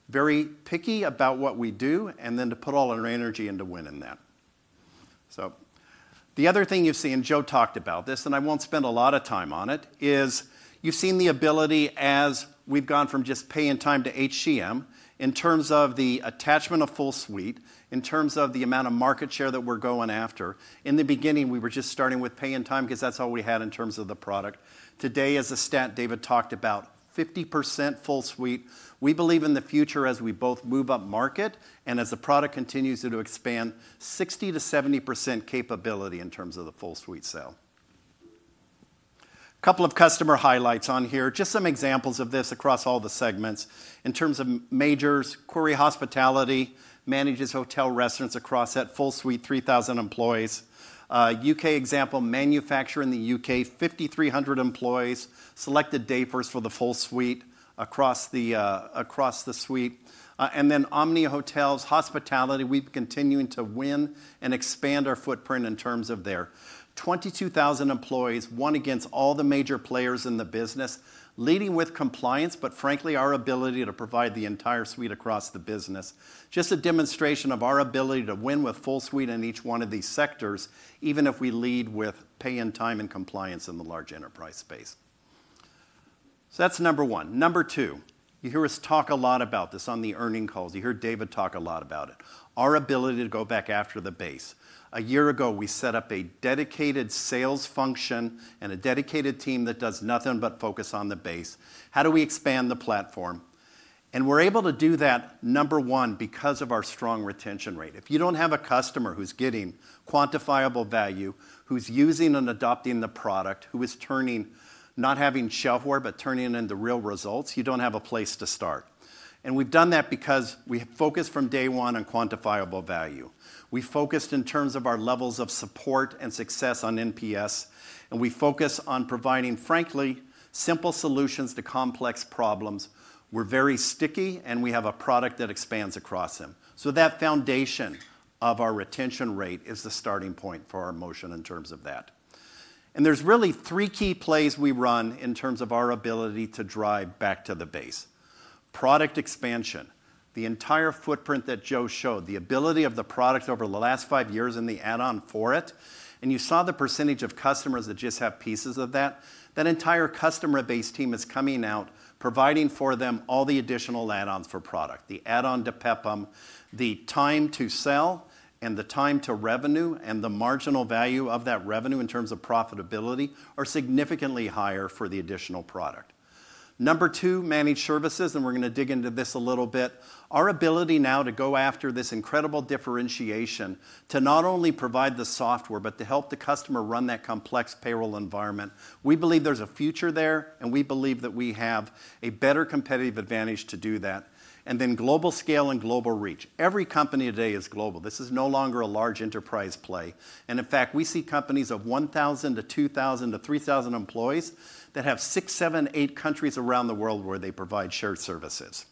very picky about what we do and then to put all our energy into winning that. The other thing you've seen, Joe talked about this, and I won't spend a lot of time on it, is you've seen the ability as we've gone from just pay and time to HCM in terms of the attachment of full suite, in terms of the amount of market share that we're going after. In the beginning, we were just starting with pay and time because that's all we had in terms of the product. Today, as a stat, David talked about 50% full suite. We believe in the future as we both move up market and as the product continues to expand, 60%-70% capability in terms of the full suite sale. A couple of customer highlights on here, just some examples of this across all the segments in terms of majors. Koury Hospitality manages hotel restaurants across that full suite, 3,000 employees. U.K. example, manufacturer in the U.K., 5,300 employees, selected Dayforce for the full suite across the suite. Then Omni Hotels, hospitality, we've continued to win and expand our footprint in terms of their 22,000 employees, won against all the major players in the business, leading with compliance, but frankly, our ability to provide the entire suite across the business. Just a demonstration of our ability to win with full suite in each one of these sectors, even if we lead with pay and time and compliance in the large enterprise space. That's number one. Number two, you hear us talk a lot about this on the earnings calls. You hear David talk a lot about it. Our ability to go back after the base. A year ago, we set up a dedicated sales function and a dedicated team that does nothing but focus on the base. How do we expand the platform? And we're able to do that, number one, because of our strong retention rate. If you don't have a customer who's getting quantifiable value, who's using and adopting the product, who is turning, not having shelfware, but turning into real results, you don't have a place to start. And we've done that because we focused from day one on quantifiable value. We focused in terms of our levels of support and success on NPS, and we focus on providing, frankly, simple solutions to complex problems. We're very sticky, and we have a product that expands across them. So that foundation of our retention rate is the starting point for our motion in terms of that. There's really three key plays we run in terms of our ability to drive back to the base: product expansion, the entire footprint that Joe showed, the ability of the product over the last five years and the add-on for it. You saw the percentage of customers that just have pieces of that. That entire customer base team is coming out, providing for them all the additional add-ons for product. The add-on to PEPM, the time to sell, and the time to revenue, and the marginal value of that revenue in terms of profitability are significantly higher for the additional product. Number two, managed services, and we're going to dig into this a little bit. Our ability now to go after this incredible differentiation to not only provide the software, but to help the customer run that complex payroll environment. We believe there's a future there, and we believe that we have a better competitive advantage to do that. And then global scale and global reach. Every company today is global. This is no longer a large enterprise play. And in fact, we see companies of 1,000 to 2,000 to 3,000 employees that have six, seven, eight countries around the world where they provide shared services.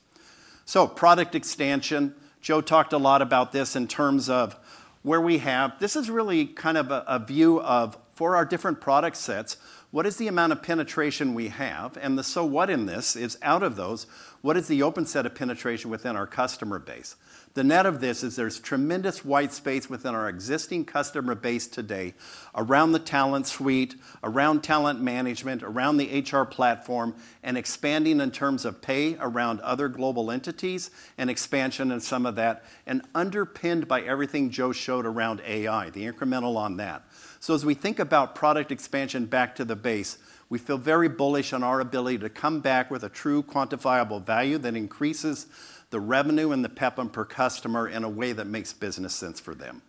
So product expansion, Joe talked a lot about this in terms of where we have. This is really kind of a view of, for our different product sets, what is the amount of penetration we have? And the so what in this is out of those, what is the open set of penetration within our customer base? The net of this is there's tremendous white space within our existing customer base today around the talent suite, around talent management, around the HR platform, and expanding in terms of pay around other global entities and expansion in some of that, and underpinned by everything Joe showed around AI, the incremental on that. So as we think about product expansion back to the base, we feel very bullish on our ability to come back with a true quantifiable value that increases the revenue and the PEPM per customer in a way that makes business sense for them.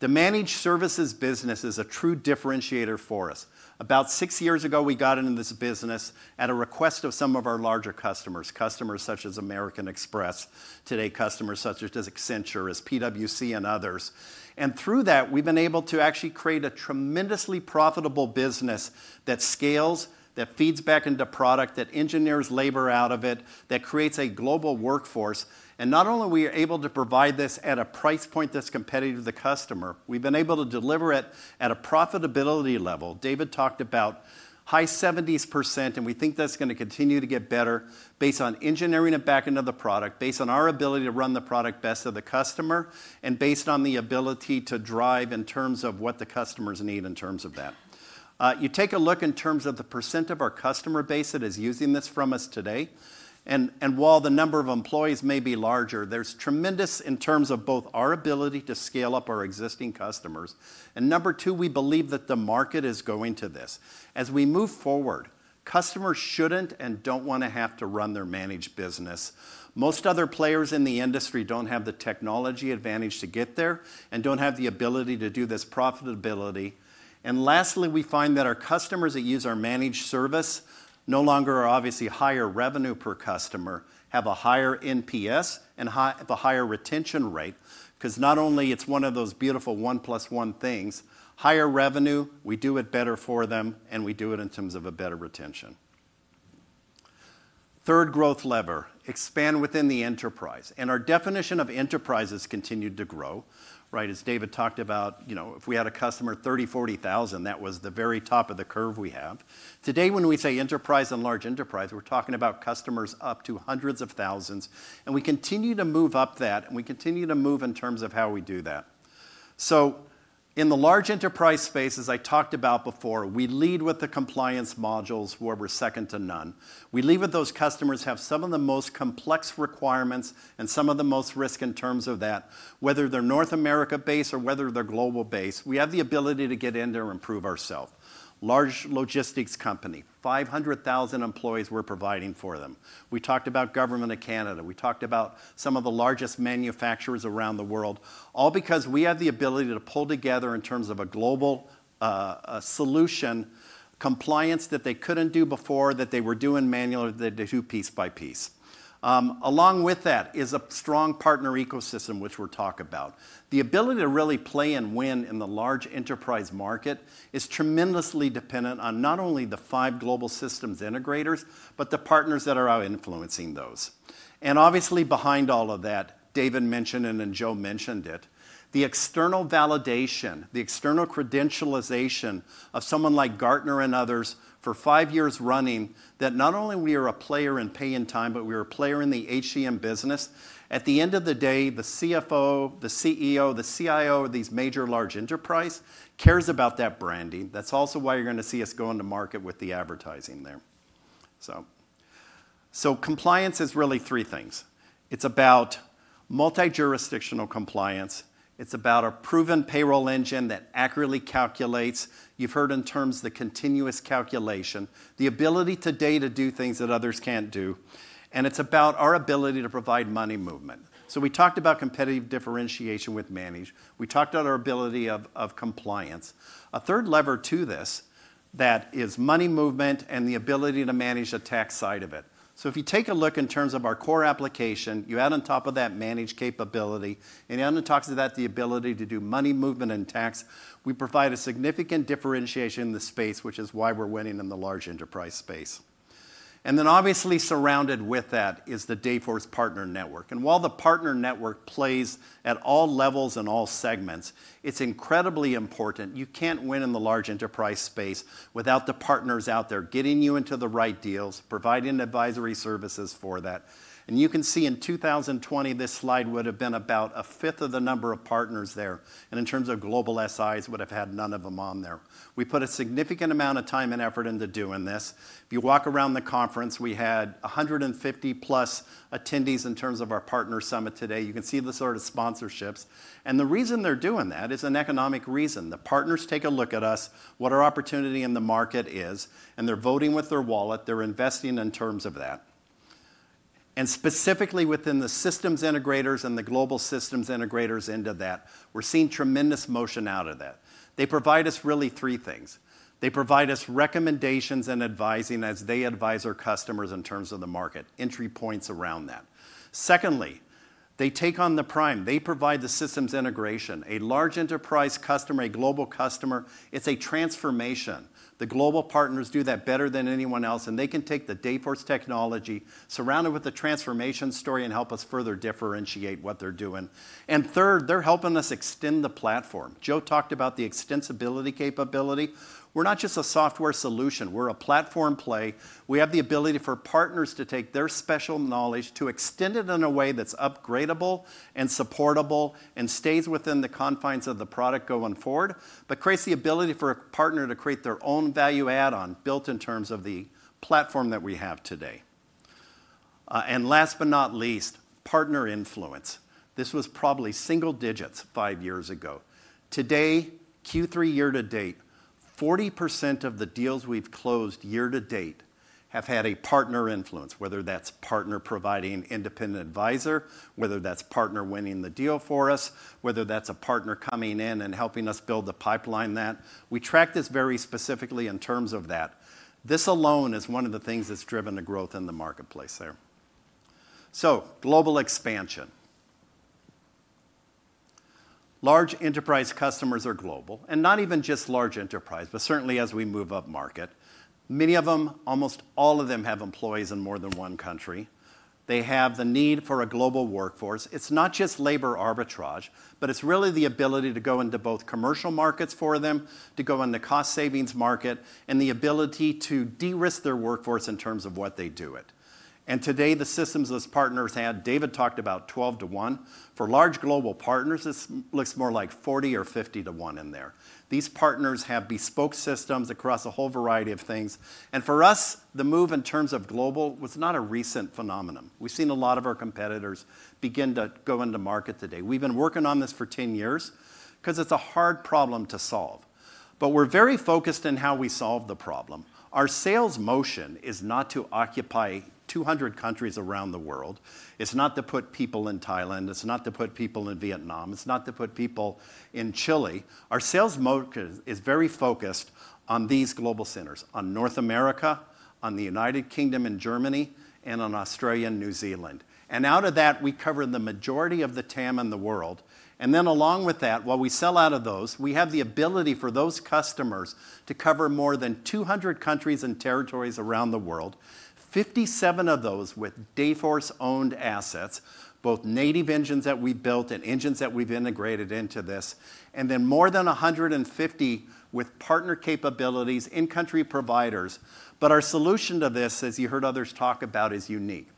The managed services business is a true differentiator for us. About six years ago, we got into this business at a request of some of our larger customers, customers such as American Express, today customers such as Accenture, and PwC, and others. Through that, we've been able to actually create a tremendously profitable business that scales, that feeds back into product, that engineers labor out of it, that creates a global workforce. Not only are we able to provide this at a price point that's competitive to the customer, we've been able to deliver it at a profitability level. David talked about high 70s%, and we think that's going to continue to get better based on engineering it back into the product, based on our ability to run the product best to the customer, and based on the ability to drive in terms of what the customers need in terms of that. You take a look in terms of the % of our customer base that is using this from us today. And while the number of employees may be larger, there's tremendous in terms of both our ability to scale up our existing customers. And number two, we believe that the market is going to this. As we move forward, customers shouldn't and don't want to have to run their managed business. Most other players in the industry don't have the technology advantage to get there and don't have the ability to do this profitably. And lastly, we find that our customers that use our managed service not only are obviously higher revenue per customer, have a higher NPS, and have a higher retention rate because not only it's one of those beautiful 1 + 1 things, higher revenue, we do it better for them, and we do it in terms of a better retention. Third growth lever, expand within the enterprise. And our definition of enterprise has continued to grow. Right? As David talked about, if we had a customer 30,000, 40,000, that was the very top of the curve we have. Today, when we say enterprise and large enterprise, we're talking about customers up to hundreds of thousands. And we continue to move up that, and we continue to move in terms of how we do that. So in the large enterprise space, as I talked about before, we lead with the compliance modules where we're second to none. We lead with those customers who have some of the most complex requirements and some of the most risk in terms of that, whether they're North America-based or whether they're global-based. We have the ability to get in there and improve ourself. Large logistics company, 500,000 employees we're providing for them. We talked about Government of Canada. We talked about some of the largest manufacturers around the world, all because we have the ability to pull together in terms of a global solution, compliance that they couldn't do before that they were doing manually that they do piece by piece. Along with that is a strong partner ecosystem, which we're talking about. The ability to really play and win in the large enterprise market is tremendously dependent on not only the five global systems integrators, but the partners that are out influencing those. And obviously, behind all of that, David mentioned it, and Joe mentioned it, the external validation, the external credentialization of someone like Gartner and others for five years running that not only we are a player in pay and time, but we are a player in the HCM business. At the end of the day, the CFO, the CEO, the CIO of these major large enterprises cares about that branding. That's also why you're going to see us go into market with the advertising there. So compliance is really three things. It's about multi-jurisdictional compliance. It's about a proven payroll engine that accurately calculates. You've heard in terms the continuous calculation, the ability today to do things that others can't do. And it's about our ability to provide money movement. So we talked about competitive differentiation with managed. We talked about our ability of compliance. A third lever to this that is money movement and the ability to manage the tax side of it. So, if you take a look in terms of our core application, you add on top of that managed capability, and it underpins that, the ability to do money movement and tax. We provide a significant differentiation in the space, which is why we're winning in the large enterprise space. And then, obviously, surrounded with that is the Dayforce Partner Network. And while the partner network plays at all levels and all segments, it's incredibly important. You can't win in the large enterprise space without the partners out there getting you into the right deals, providing advisory services for that. And you can see in 2020, this slide would have been about a fifth of the number of partners there. And in terms of global SIs, would have had none of them on there. We put a significant amount of time and effort into doing this. If you walk around the conference, we had 150+ attendees in terms of our partner summit today. You can see the sort of sponsorships, and the reason they're doing that is an economic reason. The partners take a look at us, what our opportunity in the market is, and they're voting with their Wallet. They're investing in terms of that. Specifically within the systems integrators and the global systems integrators into that, we're seeing tremendous motion out of that. They provide us really three things. They provide us recommendations and advising as they advise our customers in terms of the market, entry points around that. Secondly, they take on the prime. They provide the systems integration. A large enterprise customer, a global customer, it's a transformation. The global partners do that better than anyone else, and they can take the Dayforce technology, surround it with the transformation story, and help us further differentiate what they're doing, and third, they're helping us extend the platform. Joe talked about the extensibility capability. We're not just a software solution. We're a platform play. We have the ability for partners to take their special knowledge, to extend it in a way that's upgradable and supportable and stays within the confines of the product going forward, but creates the ability for a partner to create their own value add-on built in terms of the platform that we have today, and last but not least, partner influence. This was probably single digits five years ago. Today, Q3 year to date, 40% of the deals we've closed year to date have had a partner influence, whether that's partner providing independent advisor, whether that's partner winning the deal for us, whether that's a partner coming in and helping us build the pipeline that. We track this very specifically in terms of that. This alone is one of the things that's driven the growth in the marketplace there. So global expansion. Large enterprise customers are global, and not even just large enterprise, but certainly as we move up market. Many of them, almost all of them have employees in more than one country. They have the need for a global workforce. It's not just labor arbitrage, but it's really the ability to go into both commercial markets for them, to go into cost savings market, and the ability to de-risk their workforce in terms of what they do it. And today, the systems our partners add, David talked about 12 to 1. For large global partners, this looks more like 40 or 50 to 1 in there. These partners have bespoke systems across a whole variety of things. And for us, the move in terms of global was not a recent phenomenon. We've seen a lot of our competitors begin to go into market today. We've been working on this for 10 years because it's a hard problem to solve. But we're very focused in how we solve the problem. Our sales motion is not to occupy 200 countries around the world. It's not to put people in Thailand. It's not to put people in Vietnam. It's not to put people in Chile. Our sales motion is very focused on these global centers, on North America, on the United Kingdom and Germany, and on Australia and New Zealand. And out of that, we cover the majority of the TAM in the world. And then along with that, while we sell out of those, we have the ability for those customers to cover more than 200 countries and territories around the world, 57 of those with Dayforce-owned assets, both native engines that we've built and engines that we've integrated into this, and then more than 150 with partner capabilities in country providers. But our solution to this, as you heard others talk about, is unique.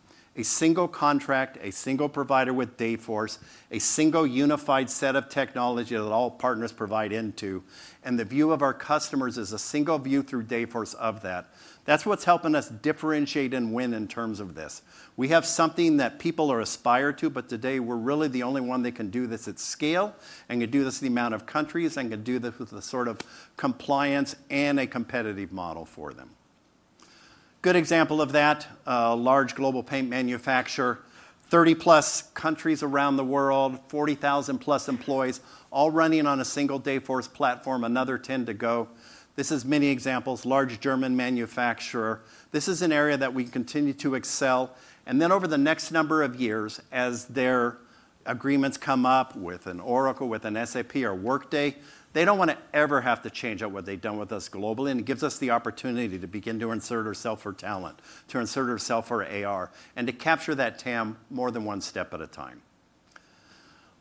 A single contract, a single provider with Dayforce, a single unified set of technology that all partners provide into, and the view of our customers is a single view through Dayforce of that. That's what's helping us differentiate and win in terms of this. We have something that people are aspire to, but today we're really the only one that can do this at scale and can do this in the amount of countries and can do this with a sort of compliance and a competitive model for them. Good example of that, large global paint manufacturer, 30+ countries around the world, 40,000+ employees, all running on a single Dayforce platform, another 10 to go. This is many examples, large German manufacturer. This is an area that we continue to excel. And then over the next number of years, as their agreements come up with an Oracle, with an SAP or Workday, they don't want to ever have to change out what they've done with us globally. And it gives us the opportunity to begin to insert ourselves for talent, to insert ourselves for AR, and to capture that TAM more than one step at a time.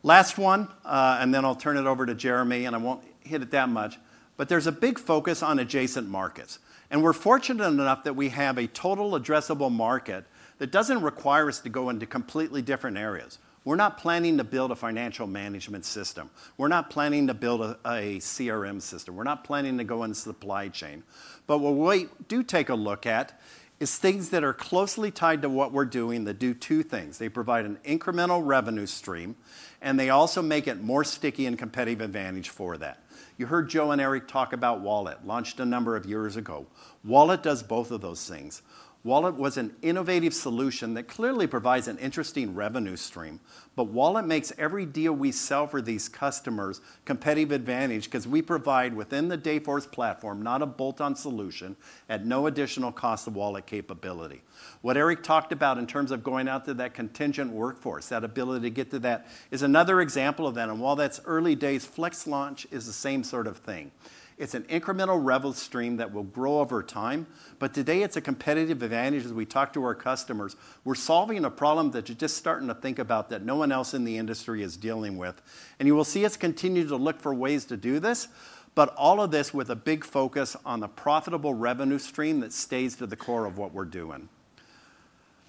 Last one, and then I'll turn it over to Jeremy, and I won't hit it that much, but there's a big focus on adjacent markets. And we're fortunate enough that we have a total addressable market that doesn't require us to go into completely different areas. We're not planning to build a financial management system. We're not planning to build a CRM system. We're not planning to go into supply chain. But what we do take a look at is things that are closely tied to what we're doing that do two things. They provide an incremental revenue stream, and they also make it more sticky and competitive advantage for that. You heard Joe and Erik talk about Wallet, launched a number of years ago. Wallet does both of those things. Wallet was an innovative solution that clearly provides an interesting revenue stream, but Wallet makes every deal we sell for these customers competitive advantage because we provide within the Dayforce platform, not a bolt-on solution at no additional cost of Wallet capability. What Erik talked about in terms of going out to that contingent workforce, that ability to get to that, is another example of that. And while that's early days, Flex launch is the same sort of thing. It's an incremental revenue stream that will grow over time, but today it's a competitive advantage as we talk to our customers. We're solving a problem that you're just starting to think about that no one else in the industry is dealing with. And you will see us continue to look for ways to do this, but all of this with a big focus on a profitable revenue stream that stays to the core of what we're doing.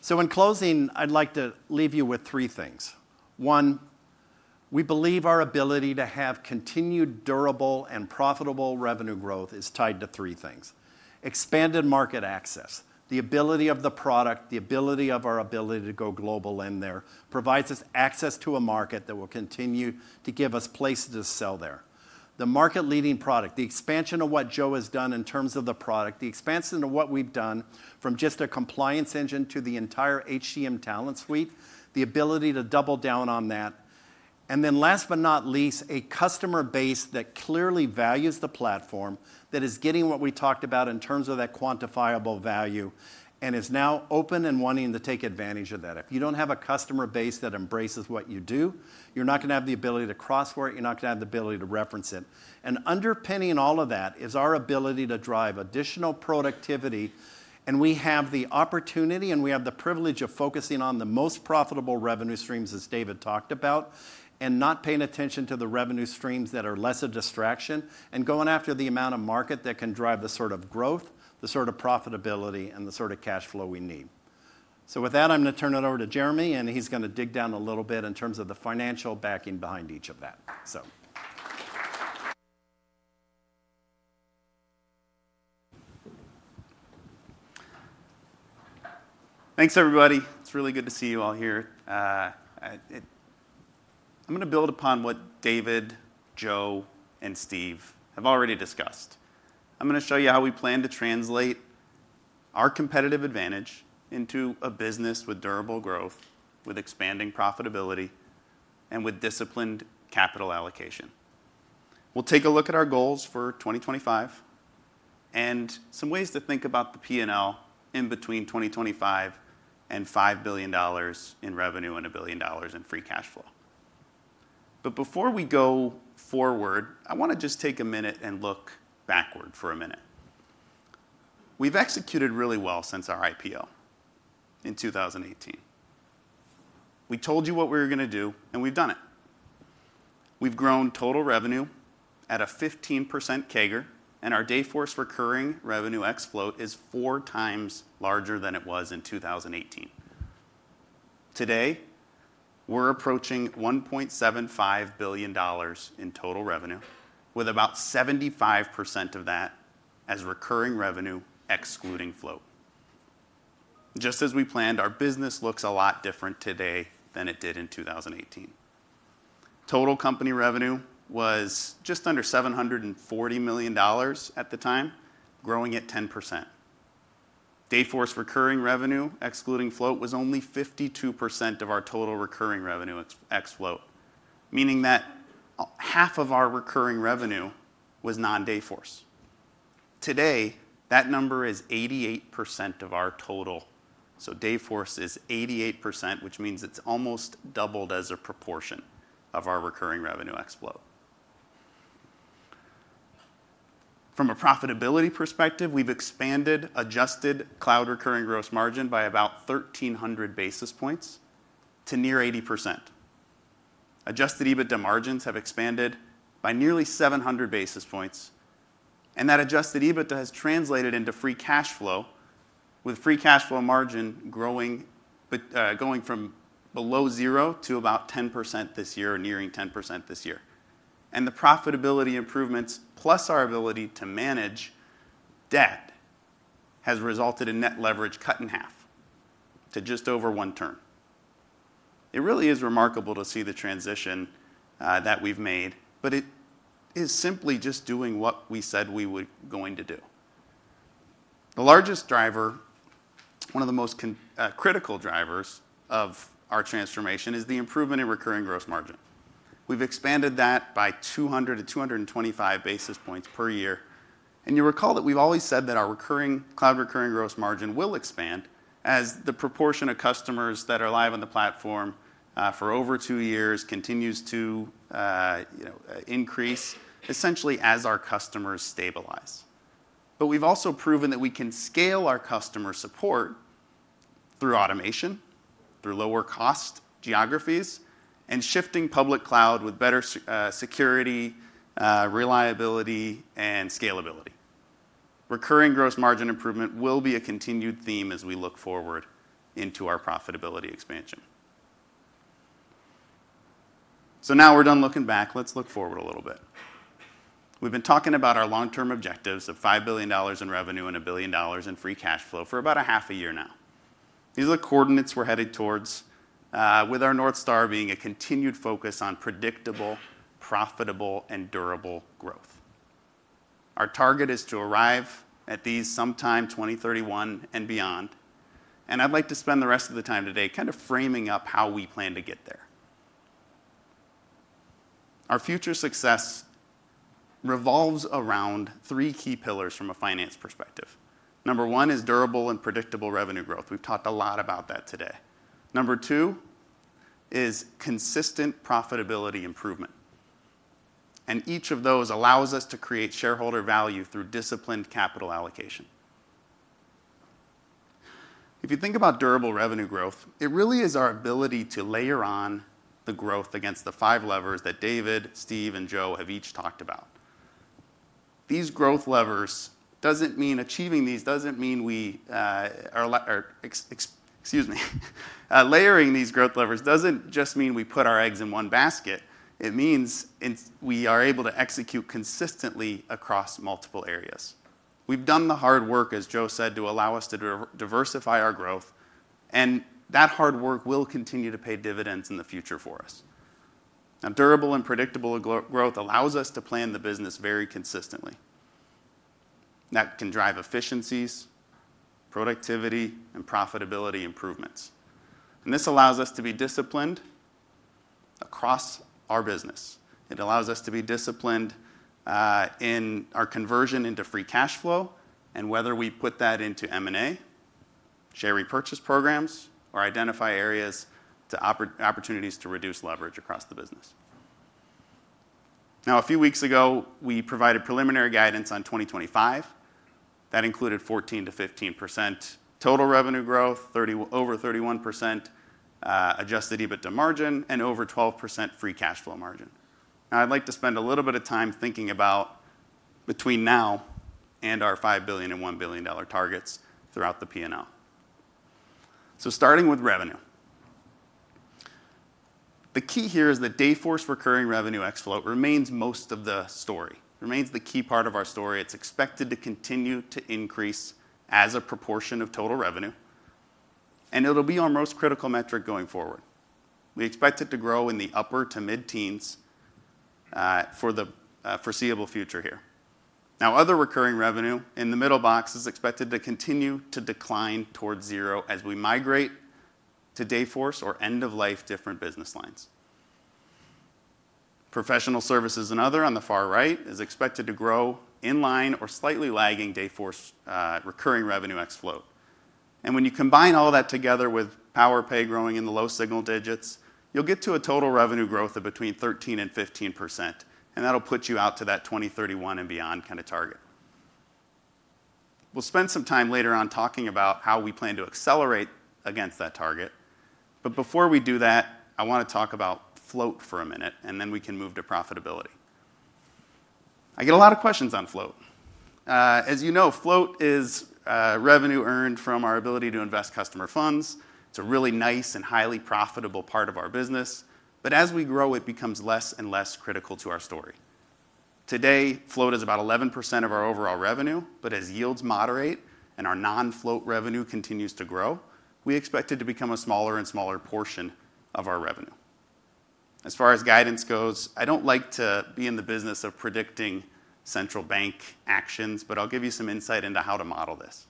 So in closing, I'd like to leave you with three things. One, we believe our ability to have continued durable and profitable revenue growth is tied to three things. Expanded market access, the ability of the product, the ability of our ability to go global in there provides us access to a market that will continue to give us places to sell there. The market-leading product, the expansion of what Joe has done in terms of the product, the expansion of what we've done from just a compliance engine to the entire HCM talent suite, the ability to double down on that, and then last but not least, a customer base that clearly values the platform that is getting what we talked about in terms of that quantifiable value and is now open and wanting to take advantage of that. If you don't have a customer base that embraces what you do, you're not going to have the ability to cross-sell. You're not going to have the ability to reference it. And underpinning all of that is our ability to drive additional productivity. We have the opportunity and we have the privilege of focusing on the most profitable revenue streams, as David talked about, and not paying attention to the revenue streams that are less a distraction and going after the amount of market that can drive the sort of growth, the sort of profitability, and the sort of cash flow we need. So with that, I'm going to turn it over to Jeremy, and he's going to dig down a little bit in terms of the financial backing behind each of that. Thanks, everybody. It's really good to see you all here. I'm going to build upon what David, Joe, and Steve have already discussed. I'm going to show you how we plan to translate our competitive advantage into a business with durable growth, with expanding profitability, and with disciplined capital allocation. We'll take a look at our goals for 2025 and some ways to think about the P&L in between 2025 and $5 billion in revenue and $1 billion in free cash flow. But before we go forward, I want to just take a minute and look backward for a minute. We've executed really well since our IPO in 2018. We told you what we were going to do, and we've done it. We've grown total revenue at a 15% CAGR, and our Dayforce recurring revenue ex float is four times larger than it was in 2018. Today, we're approaching $1.75 billion in total revenue, with about 75% of that as recurring revenue excluding float. Just as we planned, our business looks a lot different today than it did in 2018. Total company revenue was just under $740 million at the time, growing at 10%. Dayforce recurring revenue excluding float was only 52% of our total recurring revenue ex float, meaning that half of our recurring revenue was non-Dayforce. Today, that number is 88% of our total. So Dayforce is 88%, which means it's almost doubled as a proportion of our recurring revenue ex float. From a profitability perspective, we've expanded Adjusted Cloud Recurring Gross Margin by about 1,300 basis points to near 80%. Adjusted EBITDA margins have expanded by nearly 700 basis points. And that Adjusted EBITDA has translated into free cash flow, with free cash flow margin going from below zero to about 10% this year, nearing 10% this year. And the profitability improvements, plus our ability to manage debt, has resulted in net leverage cut in half to just over one turn. It really is remarkable to see the transition that we've made, but it is simply just doing what we said we were going to do. The largest driver, one of the most critical drivers of our transformation, is the improvement in recurring gross margin. We've expanded that by 200-225 basis points per year, and you'll recall that we've always said that our cloud recurring gross margin will expand as the proportion of customers that are live on the platform for over two years continues to increase, essentially as our customers stabilize, but we've also proven that we can scale our customer support through automation, through lower cost geographies, and shifting public cloud with better security, reliability, and scalability. Recurring gross margin improvement will be a continued theme as we look forward into our profitability expansion, so now we're done looking back. Let's look forward a little bit. We've been talking about our long-term objectives of $5 billion in revenue and $1 billion in free cash flow for about a half a year now. These are the coordinates we're headed towards, with our North Star being a continued focus on predictable, profitable, and durable growth. Our target is to arrive at these sometime 2031 and beyond, and I'd like to spend the rest of the time today kind of framing up how we plan to get there. Our future success revolves around three key pillars from a finance perspective. Number one is durable and predictable revenue growth. We've talked a lot about that today. Number two is consistent profitability improvement, and each of those allows us to create shareholder value through disciplined capital allocation. If you think about durable revenue growth, it really is our ability to layer on the growth against the five levers that David, Steve, and Joe have each talked about. Excuse me. Layering these growth levers doesn't just mean we put our eggs in one basket. It means we are able to execute consistently across multiple areas. We've done the hard work, as Joe said, to allow us to diversify our growth. And that hard work will continue to pay dividends in the future for us. Now, durable and predictable growth allows us to plan the business very consistently. That can drive efficiencies, productivity, and profitability improvements. And this allows us to be disciplined across our business. It allows us to be disciplined in our conversion into free cash flow and whether we put that into M&A, share repurchase programs, or identify areas to opportunities to reduce leverage across the business. Now, a few weeks ago, we provided preliminary guidance on 2025. That included 14%-15% total revenue growth, over 31% Adjusted EBITDA margin, and over 12% free cash flow margin. Now, I'd like to spend a little bit of time thinking about between now and our $5 billion and $1 billion targets throughout the P&L. So starting with revenue, the key here is that Dayforce recurring revenue ex float remains most of the story. It remains the key part of our story. It's expected to continue to increase as a proportion of total revenue. It'll be our most critical metric going forward. We expect it to grow in the upper to mid-teens for the foreseeable future here. Now, other recurring revenue in the middle box is expected to continue to decline towards zero as we migrate to Dayforce or end-of-life different business lines. Professional services and other on the far right is expected to grow in line or slightly lagging Dayforce recurring revenue ex float. And when you combine all that together with Powerpay growing in the low single digits, you'll get to a total revenue growth of between 13% and 15%. And that'll put you out to that 2031 and beyond kind of target. We'll spend some time later on talking about how we plan to accelerate against that target. But before we do that, I want to talk about float for a minute, and then we can move to profitability. I get a lot of questions on float. As you know, float is revenue earned from our ability to invest customer funds. It's a really nice and highly profitable part of our business. But as we grow, it becomes less and less critical to our story. Today, float is about 11% of our overall revenue. But as yields moderate and our non-float revenue continues to grow, we expect it to become a smaller and smaller portion of our revenue. As far as guidance goes, I don't like to be in the business of predicting central bank actions, but I'll give you some insight into how to model this.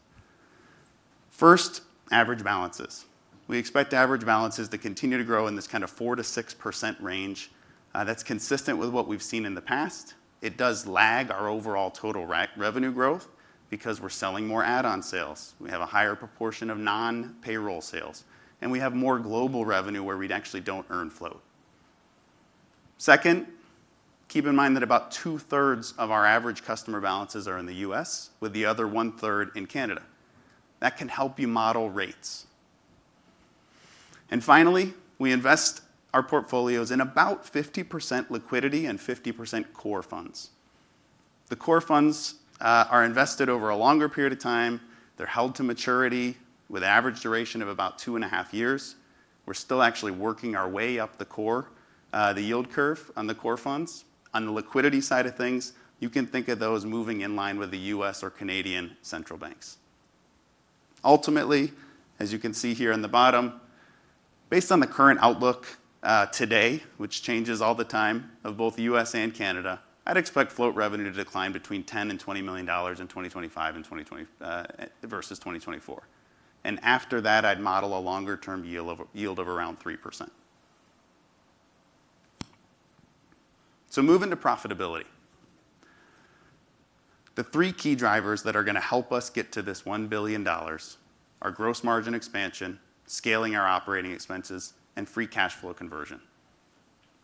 First, average balances. We expect average balances to continue to grow in this kind of 4%-6% range that's consistent with what we've seen in the past. It does lag our overall total revenue growth because we're selling more add-on sales. We have a higher proportion of non-payroll sales. We have more global revenue where we actually don't earn float. Second, keep in mind that about two-thirds of our average customer balances are in the U.S., with the other one-third in Canada. That can help you model rates. And finally, we invest our portfolios in about 50% liquidity and 50% core funds. The core funds are invested over a longer period of time. They're held to maturity with an average duration of about two and a half years. We're still actually working our way up the core, the yield curve on the core funds. On the liquidity side of things, you can think of those moving in line with the U.S. or Canadian central banks. Ultimately, as you can see here on the bottom, based on the current outlook today, which changes all the time of both the U.S. and Canada, I'd expect float revenue to decline between $10 million and $20 million in 2025 versus 2024, and after that, I'd model a longer-term yield of around 3%, so moving to profitability. The three key drivers that are going to help us get to this $1 billion are gross margin expansion, scaling our operating expenses, and free cash flow conversion.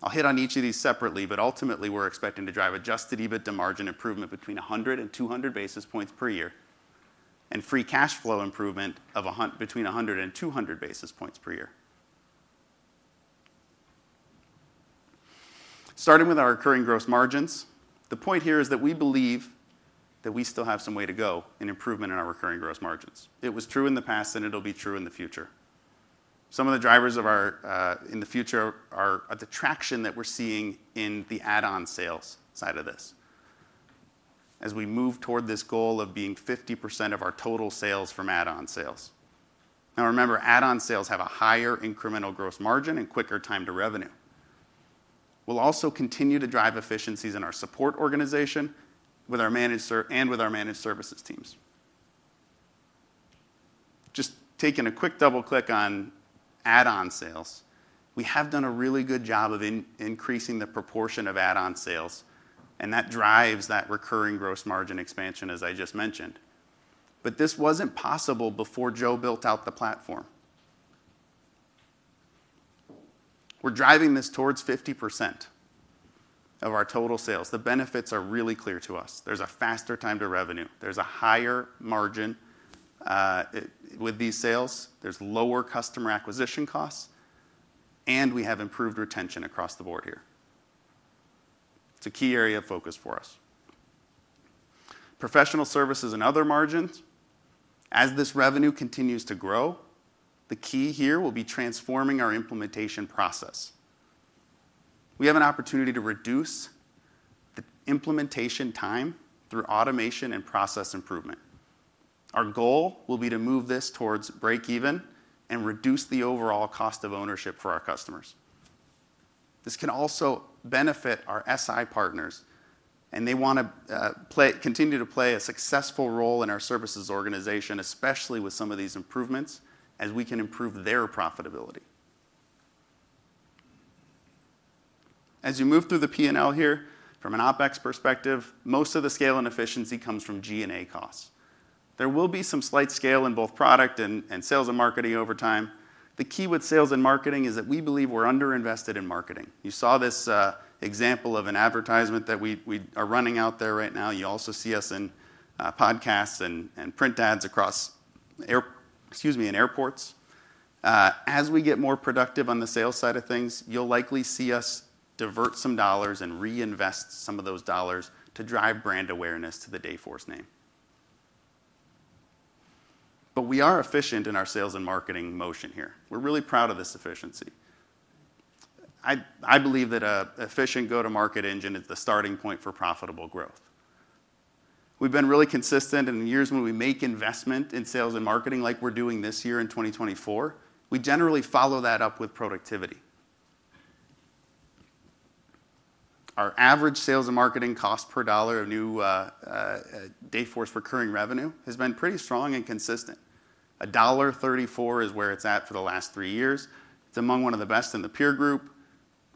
I'll hit on each of these separately, but ultimately, we're expecting to drive Adjusted EBITDA margin improvement between 100 and 200 basis points per year and free cash flow improvement between 100 and 200 basis points per year. Starting with our recurring gross margins, the point here is that we believe that we still have some way to go in improvement in our recurring gross margins. It was true in the past, and it'll be true in the future. Some of the drivers in the future are the traction that we're seeing in the add-on sales side of this as we move toward this goal of being 50% of our total sales from add-on sales. Now, remember, add-on sales have a higher incremental gross margin and quicker time to revenue. We'll also continue to drive efficiencies in our support organization and with our managed services teams. Just taking a quick double-click on add-on sales, we have done a really good job of increasing the proportion of add-on sales, and that drives that recurring gross margin expansion, as I just mentioned. But this wasn't possible before Joe built out the platform. We're driving this towards 50% of our total sales. The benefits are really clear to us. There's a faster time to revenue. There's a higher margin with these sales. There's lower customer acquisition costs, and we have improved retention across the board here. It's a key area of focus for us. Professional services and other margins. As this revenue continues to grow, the key here will be transforming our implementation process. We have an opportunity to reduce the implementation time through automation and process improvement. Our goal will be to move this towards break-even and reduce the overall cost of ownership for our customers. This can also benefit our SI partners, and they want to continue to play a successful role in our services organization, especially with some of these improvements as we can improve their profitability. As you move through the P&L here from an OpEx perspective, most of the scale and efficiency comes from G&A costs. There will be some slight scale in both product and sales and marketing over time. The key with sales and marketing is that we believe we're underinvested in marketing. You saw this example of an advertisement that we are running out there right now. You also see us in podcasts and print ads across airports. As we get more productive on the sales side of things, you'll likely see us divert some dollars and reinvest some of those dollars to drive brand awareness to the Dayforce name. But we are efficient in our sales and marketing motion here. We're really proud of this efficiency. I believe that an efficient go-to-market engine is the starting point for profitable growth. We've been really consistent in the years when we make investment in sales and marketing like we're doing this year in 2024. We generally follow that up with productivity. Our average sales and marketing cost per dollar of new Dayforce recurring revenue has been pretty strong and consistent. $1.34 is where it's at for the last three years. It's among one of the best in the peer group.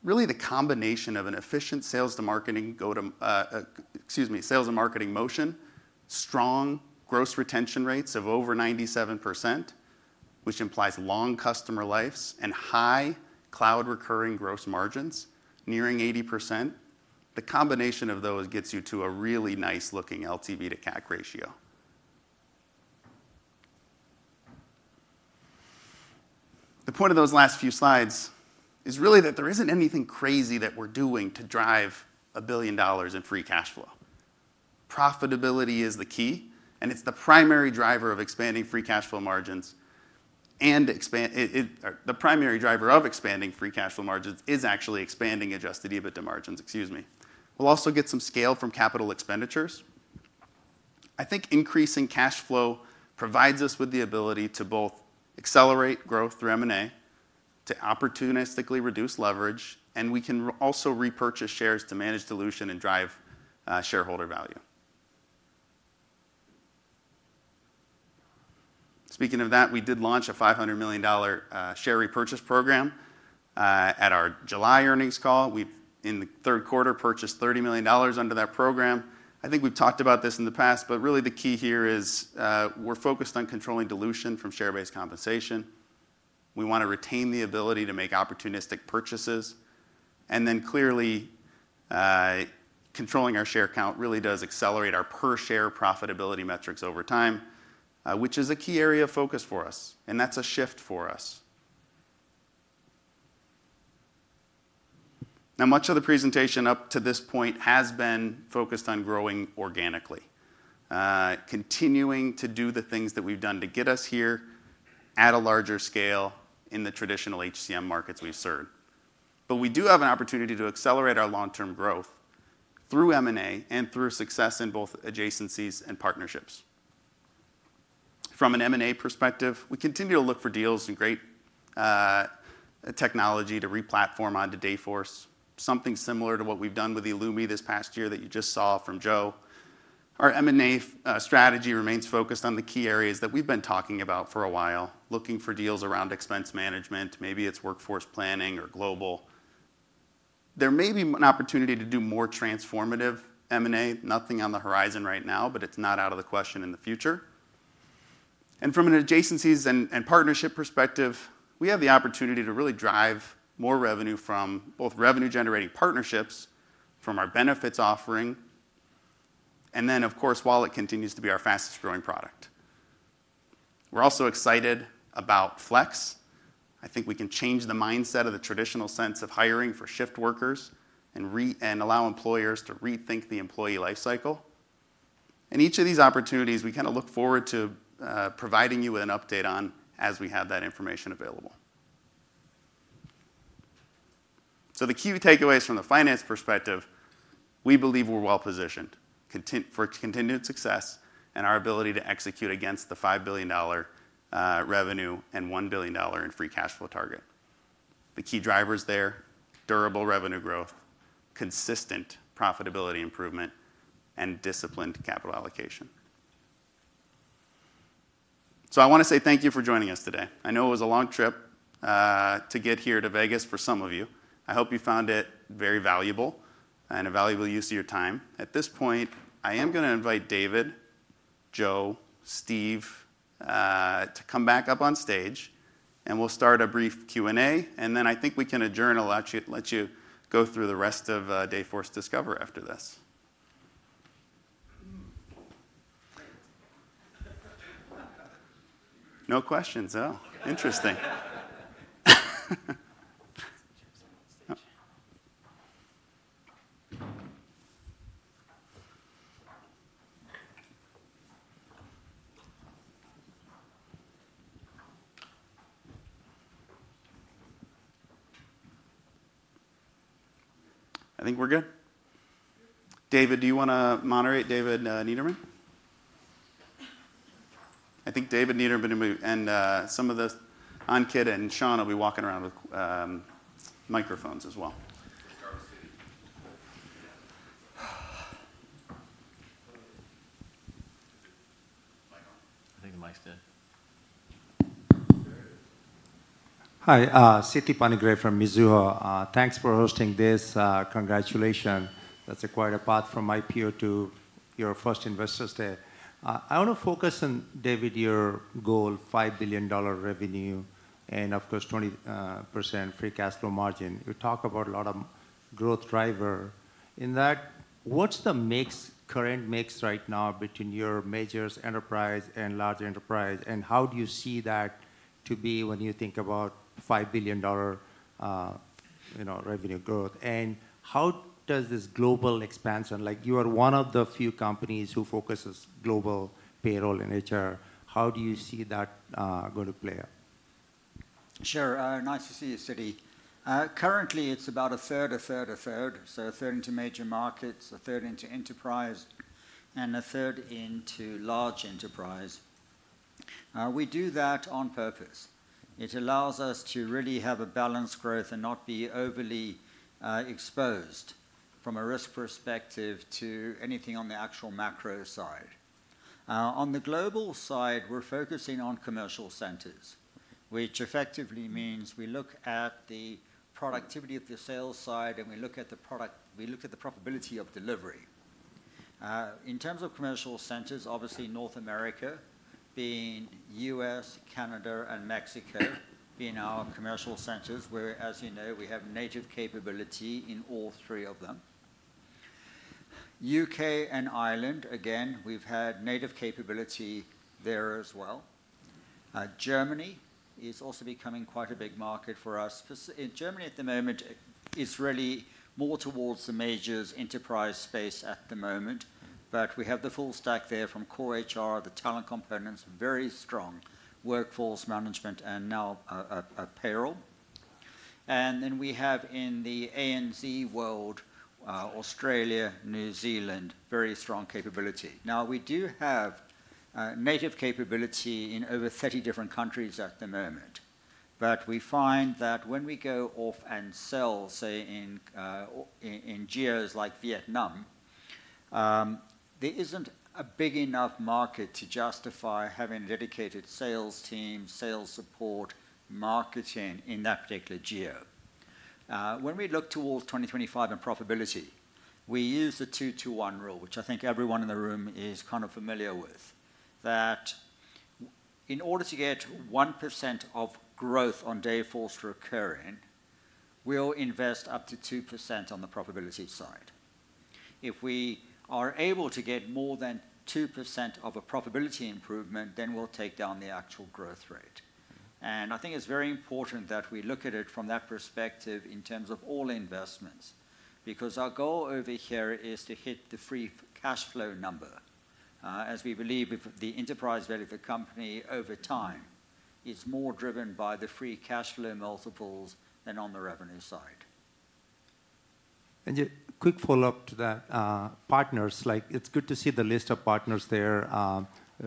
Really, the combination of an efficient sales to marketing excuse me, sales and marketing motion, strong gross retention rates of over 97%, which implies long customer lives and high cloud recurring gross margins nearing 80%. The combination of those gets you to a really nice-looking LTV to CAC ratio. The point of those last few slides is really that there isn't anything crazy that we're doing to drive $1 billion in free cash flow. Profitability is the key, and it's the primary driver of expanding free cash flow margins. And the primary driver of expanding free cash flow margins is actually expanding Adjusted EBITDA margins. Excuse me. We'll also get some scale from capital expenditures. I think increasing cash flow provides us with the ability to both accelerate growth through M&A, to opportunistically reduce leverage, and we can also repurchase shares to manage dilution and drive shareholder value. Speaking of that, we did launch a $500 million share repurchase program at our July earnings call. We've, in the third quarter, purchased $30 million under that program. I think we've talked about this in the past, but really the key here is we're focused on controlling dilution from share-based compensation. We want to retain the ability to make opportunistic purchases. And then clearly, controlling our share count really does accelerate our per-share profitability metrics over time, which is a key area of focus for us. And that's a shift for us. Now, much of the presentation up to this point has been focused on growing organically, continuing to do the things that we've done to get us here at a larger scale in the traditional HCM markets we've served. But we do have an opportunity to accelerate our long-term growth through M&A and through success in both adjacencies and partnerships. From an M&A perspective, we continue to look for deals and great technology to replatform onto Dayforce, something similar to what we've done with Eloomi this past year that you just saw from Joe. Our M&A strategy remains focused on the key areas that we've been talking about for a while, looking for deals around expense management, maybe it's workforce planning or global. There may be an opportunity to do more transformative M&A. Nothing on the horizon right now, but it's not out of the question in the future. And from an adjacencies and partnership perspective, we have the opportunity to really drive more revenue from both revenue-generating partnerships, from our benefits offering, and then, of course, while it continues to be our fastest-growing product. We're also excited about Flex. I think we can change the mindset of the traditional sense of hiring for shift workers and allow employers to rethink the employee lifecycle. And each of these opportunities, we kind of look forward to providing you with an update on as we have that information available. So the key takeaways from the finance perspective, we believe we're well-positioned for continued success and our ability to execute against the $5 billion revenue and $1 billion in free cash flow target. The key drivers there: durable revenue growth, consistent profitability improvement, and disciplined capital allocation. So I want to say thank you for joining us today. I know it was a long trip to get here to Vegas for some of you. I hope you found it very valuable and a valuable use of your time. At this point, I am going to invite David, Joe, Steve to come back up on stage. And we'll start a brief Q&A. And then I think we can adjourn and let you go through the rest of Dayforce Discover after this. No questions, huh? Interesting. I think we're good. David, do you want to moderate? David Niederman? I think David Niederman and some of the Ankit and Sean will be walking around with microphones as well. I think the mic's dead. Hi. Siti Panigrahi from Mizuho. Thanks for hosting this. Congratulations. That's quite a path from my peer to your first investors there. I want to focus on, David, your goal, $5 billion revenue and, of course, 20% free cash flow margin. You talk about a lot of growth drivers. In that, what's the current mix right now between your majors, enterprise, and large enterprise? And how do you see that to be when you think about $5 billion revenue growth? And how does this global expansion? You are one of the few companies who focuses global payroll in HR. How do you see that going to play out? Sure. Nice to see you, Siti. Currently, it's about a third, a third, a third, so a third into major markets, a third into enterprise, and a third into large enterprise. We do that on purpose. It allows us to really have a balanced growth and not be overly exposed from a risk perspective to anything on the actual macro side. On the global side, we're focusing on commercial centers, which effectively means we look at the productivity of the sales side and we look at the product. We look at the probability of delivery. In terms of commercial centers, obviously North America being U.S., Canada, and Mexico being our commercial centers, where, as you know, we have native capability in all three of them. U.K. and Ireland, again, we've had native capability there as well. Germany is also becoming quite a big market for us. Germany at the moment is really more towards the majors, enterprise space at the moment. But we have the full stack there from core HR, the talent components, very strong Workforce Management, and now payroll. And then we have in the ANZ world, Australia, New Zealand, very strong capability. Now, we do have native capability in over 30 different countries at the moment. But we find that when we go off and sell, say, in geos like Vietnam, there isn't a big enough market to justify having a dedicated sales team, sales support, marketing in that particular geo. When we look towards 2025 and profitability, we use the two-to-one rule, which I think everyone in the room is kind of familiar with, that in order to get 1% of growth on Dayforce recurring, we'll invest up to 2% on the profitability side. If we are able to get more than 2% of a profitability improvement, then we'll take down the actual growth rate. I think it's very important that we look at it from that perspective in terms of all investments because our goal over here is to hit the Free Cash Flow number, as we believe the enterprise value of the company over time is more driven by the Free Cash Flow multiples than on the revenue side. A quick follow-up to that, partners. It's good to see the list of partners there,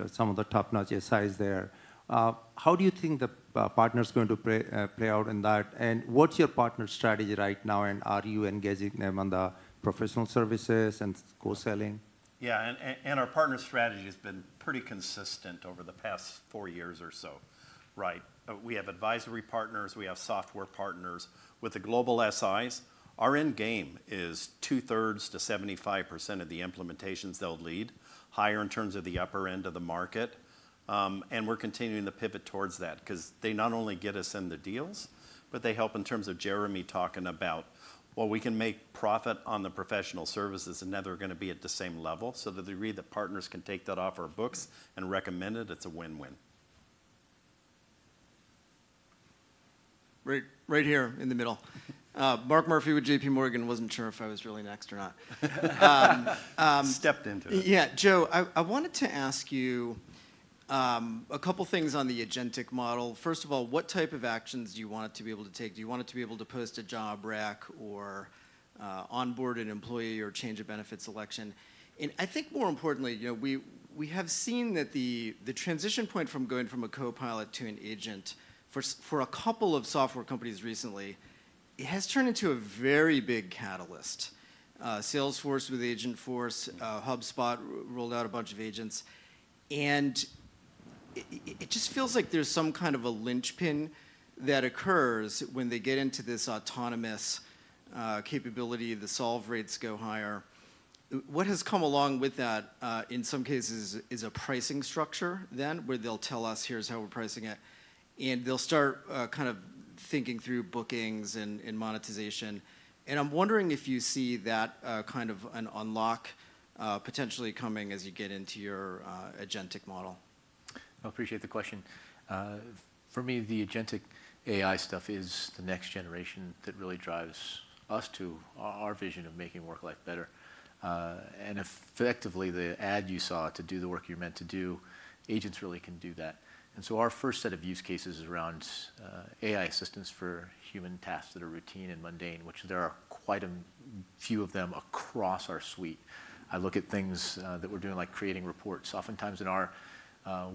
some of the top-notch SIs there. How do you think the partners are going to play out in that? What's your partner strategy right now? Are you engaging them on the professional services and co-selling? Yeah. Our partner strategy has been pretty consistent over the past four years or so. Right. We have advisory partners. We have software partners. With the global SIs, our end game is two-thirds to 75% of the implementations they'll lead, higher in terms of the upper end of the market, and we're continuing to pivot towards that because they not only get us in the deals, but they help in terms of Jeremy talking about, well, we can make profit on the professional services and never going to be at the same level, so to the degree that partners can take that off our books and recommend it, it's a win-win. Right here in the middle. Mark Murphy with JPMorgan wasn't sure if I was really next or not. Stepped into it. Yeah. Joe, I wanted to ask you a couple of things on the agentic model. First of all, what type of actions do you want to be able to take? Do you want to be able to post a job req or onboard an employee or change a benefits selection? And I think more importantly, we have seen that the transition point from going from a copilot to an agent for a couple of software companies recently has turned into a very big catalyst. Salesforce with Agentforce, HubSpot rolled out a bunch of agents. And it just feels like there's some kind of a linchpin that occurs when they get into this autonomous capability, the solve rates go higher. What has come along with that in some cases is a pricing structure then where they'll tell us, "Here's how we're pricing it." And they'll start kind of thinking through bookings and monetization. And I'm wondering if you see that kind of an unlock potentially coming as you get into your agentic model. I appreciate the question. For me, the agentic AI stuff is the next generation that really drives us to our vision of making work life better. And effectively, the ad you saw to do the work you're meant to do, agents really can do that. And so our first set of use cases is around AI assistance for human tasks that are routine and mundane, which there are quite a few of them across our suite. I look at things that we're doing, like creating reports. Oftentimes in our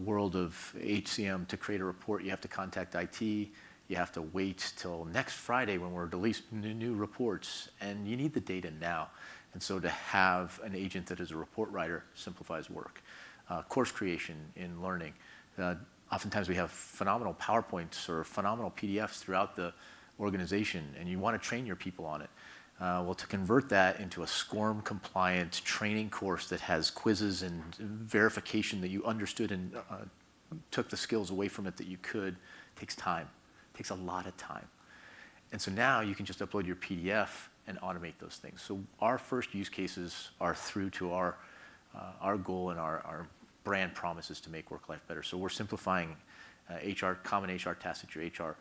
world of HCM, to create a report, you have to contact IT. You have to wait till next Friday when we release new reports. And you need the data now. And so to have an agent that is a report writer simplifies work. Course creation in learning. Oftentimes we have phenomenal PowerPoints or phenomenal PDFs throughout the organization, and you want to train your people on it. Well, to convert that into a SCORM-compliant training course that has quizzes and verification that you understood and took the skills away from it that you could, takes time. Takes a lot of time. And so now you can just upload your PDF and automate those things. So our first use cases are true to our goal and our brand promise is to make work life better. So we're simplifying common HR tasks that your HR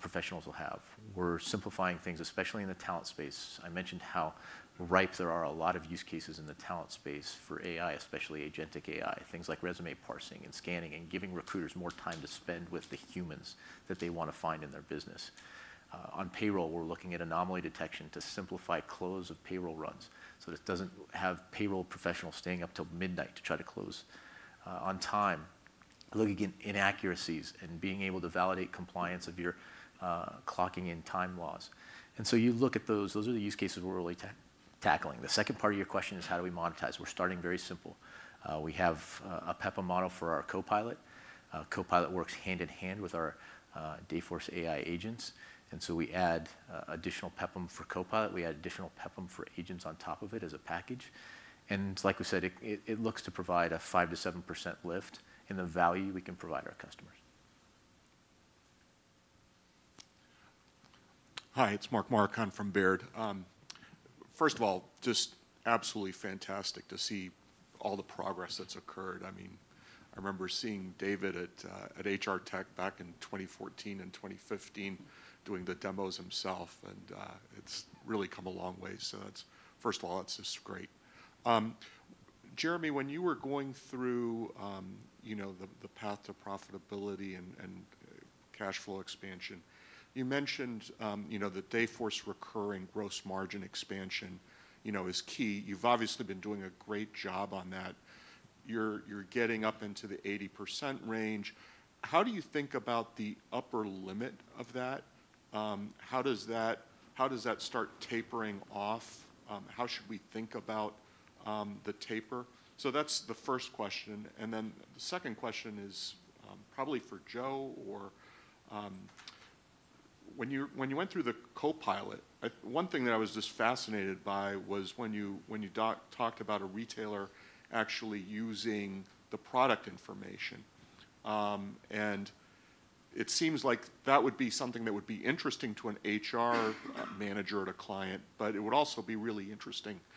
professionals will have. We're simplifying things, especially in the talent space. I mentioned how ripe there are a lot of use cases in the talent space for AI, especially agentic AI, things like resume parsing and scanning and giving recruiters more time to spend with the humans that they want to find in their business. On payroll, we're looking at anomaly detection to simplify close of payroll runs so that it doesn't have payroll professionals staying up till midnight to try to close on time. Looking at inaccuracies and being able to validate compliance of your clocking in time laws. And so you look at those. Those are the use cases we're really tackling. The second part of your question is, how do we monetize? We're starting very simple. We have a PEPM model for our Copilot. Copilot works hand in hand with our Dayforce AI agents. And so we add additional PEPM for Copilot. We add additional PEPM for agents on top of it as a package. And like we said, it looks to provide a 5%-7% lift in the value we can provide our customers. Hi, it's Mark Marcon from Baird. First of all, just absolutely fantastic to see all the progress that's occurred. I mean, I remember seeing David at HR Tech back in 2014 and 2015 doing the demos himself. And it's really come a long way. So first of all, that's just great. Jeremy, when you were going through the path to profitability and cash flow expansion, you mentioned that Dayforce recurring gross margin expansion is key. You've obviously been doing a great job on that. You're getting up into the 80% range. How do you think about the upper limit of that? How does that start tapering off? How should we think about the taper? So that's the first question. And then the second question is probably for Joe. When you went through the copilot, one thing that I was just fascinated by was when you talked about a retailer actually using the product information. And it seems like that would be something that would be interesting to an HR manager at a client, but it would also be really interesting to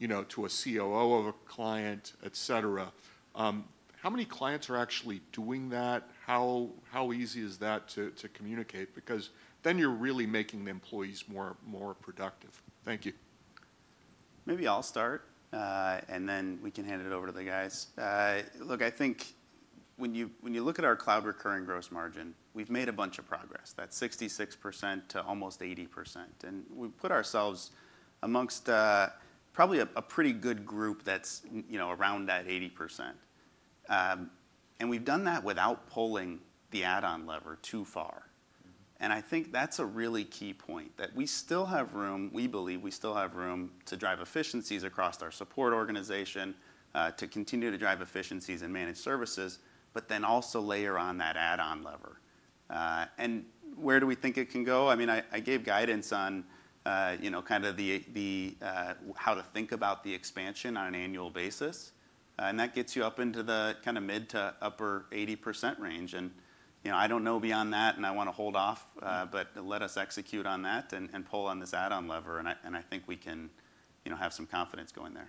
a COO of a client, etc. How many clients are actually doing that? How easy is that to communicate? Because then you're really making the employees more productive. Thank you. Maybe I'll start, and then we can hand it over to the guys. Look, I think when you look at our cloud recurring gross margin, we've made a bunch of progress. That's 66% to almost 80%. And we put ourselves amongst probably a pretty good group that's around that 80%. And we've done that without pulling the add-on lever too far. And I think that's a really key point that we still have room, we believe we still have room to drive efficiencies across our support organization, to continue to drive efficiencies and manage services, but then also layer on that add-on lever. And where do we think it can go? I mean, I gave guidance on kind of how to think about the expansion on an annual basis. And that gets you up into the kind of mid- to upper-80% range. And I don't know beyond that, and I want to hold off, but let us execute on that and pull on this add-on lever. And I think we can have some confidence going there.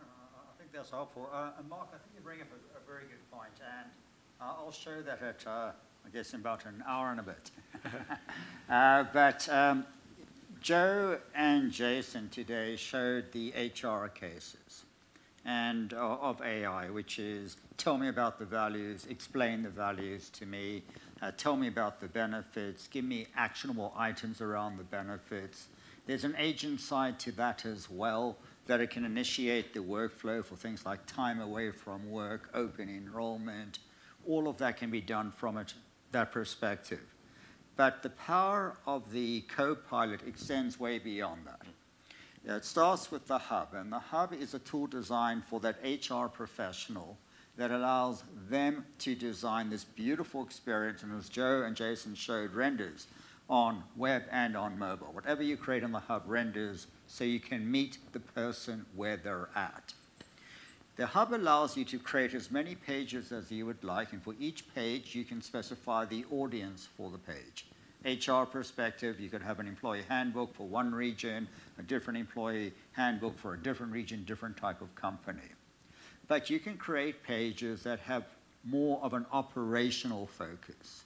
I think that's helpful. And Mark, I think you bring up a very good point. I'll share that at, I guess, in about an hour and a bit. Joe and Jason today showed the HR cases of AI, which is tell me about the values, explain the values to me, tell me about the benefits, give me actionable items around the benefits. There's an agent side to that as well that it can initiate the workflow for things like Time Away From Work, open enrollment. All of that can be done from that perspective. The power of the copilot extends way beyond that. It starts with the Hub. The Hub is a tool designed for that HR professional that allows them to design this beautiful experience, and as Joe and Jason showed, renders on web and on mobile. Whatever you create on the Hub renders so you can meet the person where they're at. The Hub allows you to create as many pages as you would like. And for each page, you can specify the audience for the page. HR perspective, you could have an employee handbook for one region, a different employee handbook for a different region, different type of company. But you can create pages that have more of an operational focus.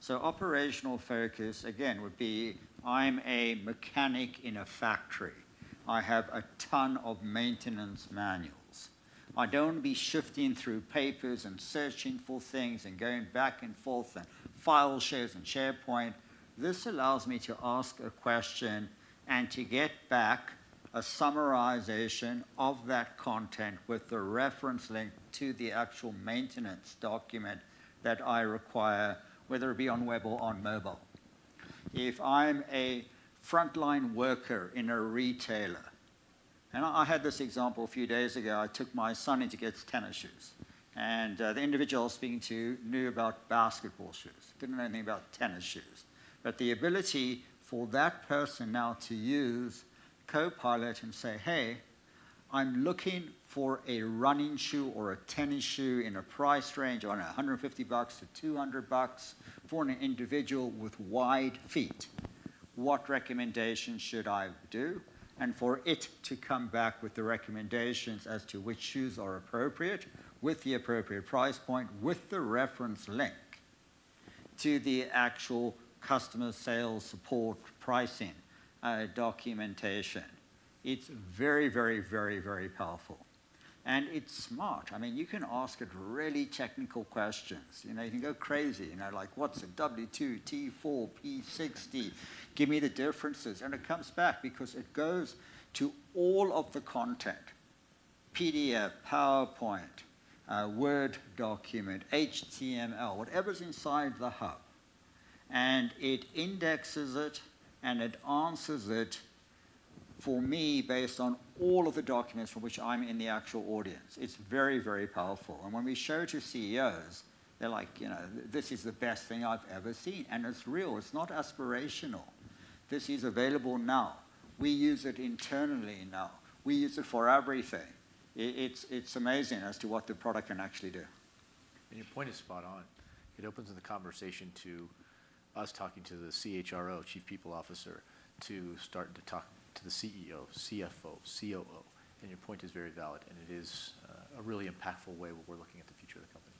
So operational focus, again, would be I'm a mechanic in a factory. I have a ton of maintenance manuals. I don't want to be sifting through papers and searching for things and going back and forth and file shares and SharePoint. This allows me to ask a question and to get back a summarization of that content with the reference link to the actual maintenance document that I require, whether it be on web or on mobile. If I'm a frontline worker in a retailer, and I had this example a few days ago. I took my son in to get his tennis shoes. The individual I was speaking to knew about basketball shoes, didn't know anything about tennis shoes. But the ability for that person now to use Copilot and say, "Hey, I'm looking for a running shoe or a tennis shoe in a price range of $150-$200 for an individual with wide feet. What recommendations should I do?" And for it to come back with the recommendations as to which shoes are appropriate with the appropriate price point, with the reference link to the actual customer sales support pricing documentation. It's very, very, very, very powerful. And it's smart. I mean, you can ask it really technical questions. You can go crazy, like what's a W-2, T4, P60? Give me the differences, and it comes back because it goes to all of the content: PDF, PowerPoint, Word document, HTML, whatever's inside the Hub. And it indexes it, and it answers it for me based on all of the documents for which I'm in the actual audience. It's very, very powerful, and when we show it to CEOs, they're like, "This is the best thing I've ever seen." And it's real. It's not aspirational. This is available now. We use it internally now. We use it for everything. It's amazing as to what the product can actually do, and your point is spot on. It opens the conversation to us talking to the CHRO, Chief People Officer, to start to talk to the CEO, CFO, COO. And your point is very valid, and it is a really impactful way we're looking at the future of the company.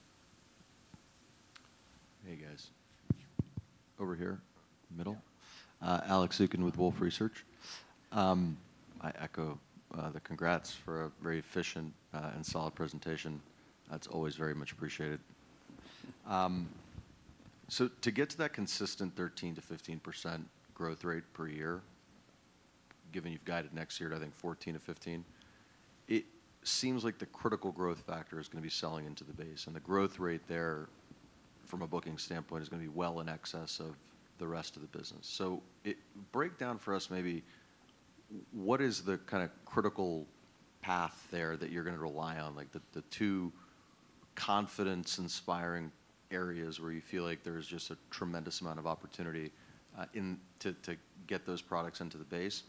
Hey, guys. Over here, middle. Alex Zukin with Wolfe Research. I echo the congrats for a very efficient and solid presentation. That's always very much appreciated. So to get to that consistent 13%-15% growth rate per year, given you've guided next year to, I think, 14%-15%, it seems like the critical growth factor is going to be selling into the base. And the growth rate there from a booking standpoint is going to be well in excess of the rest of the business. So break down for us maybe what is the kind of critical path there that you're going to rely on, like the two confidence-inspiring areas where you feel like there's just a tremendous amount of opportunity to get those products into the base.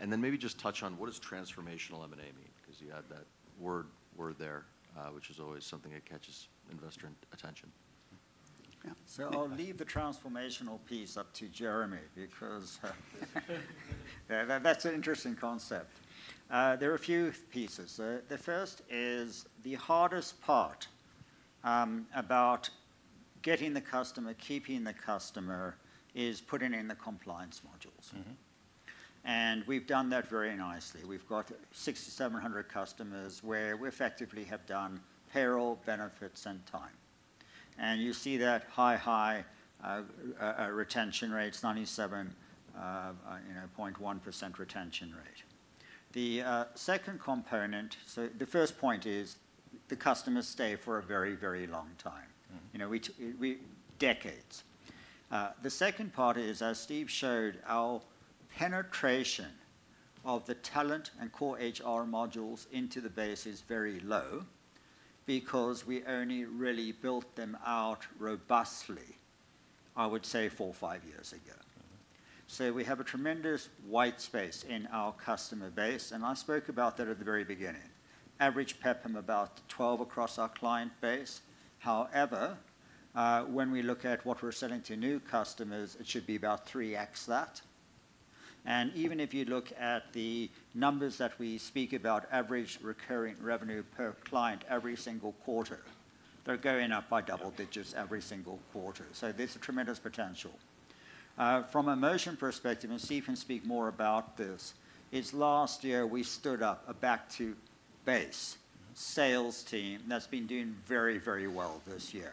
And then maybe just touch on what does transformational M&A mean? Because you had that word there, which is always something that catches investor attention. So I'll leave the transformational piece up to Jeremy because that's an interesting concept. There are a few pieces. The first is the hardest part about getting the customer, keeping the customer is putting in the compliance modules. And we've done that very nicely. We've got 6,700 customers where we effectively have done payroll, benefits, and time. And you see that high, high retention rates, 97.1% retention rate. The second component, so the first point is the customers stay for a very, very long time, decades. The second part is, as Steve showed, our penetration of the talent and core HR modules into the base is very low because we only really built them out robustly, I would say, four or five years ago. So we have a tremendous white space in our customer base. I spoke about that at the very beginning. Average PEPM about 12% across our client base. However, when we look at what we're selling to new customers, it should be about 3X that. Even if you look at the numbers that we speak about, average recurring revenue per client every single quarter, they're going up by double digits every single quarter. There's a tremendous potential. From a motion perspective, and Steve can speak more about this, is last year we stood up a back-to-base sales team that's been doing very, very well this year.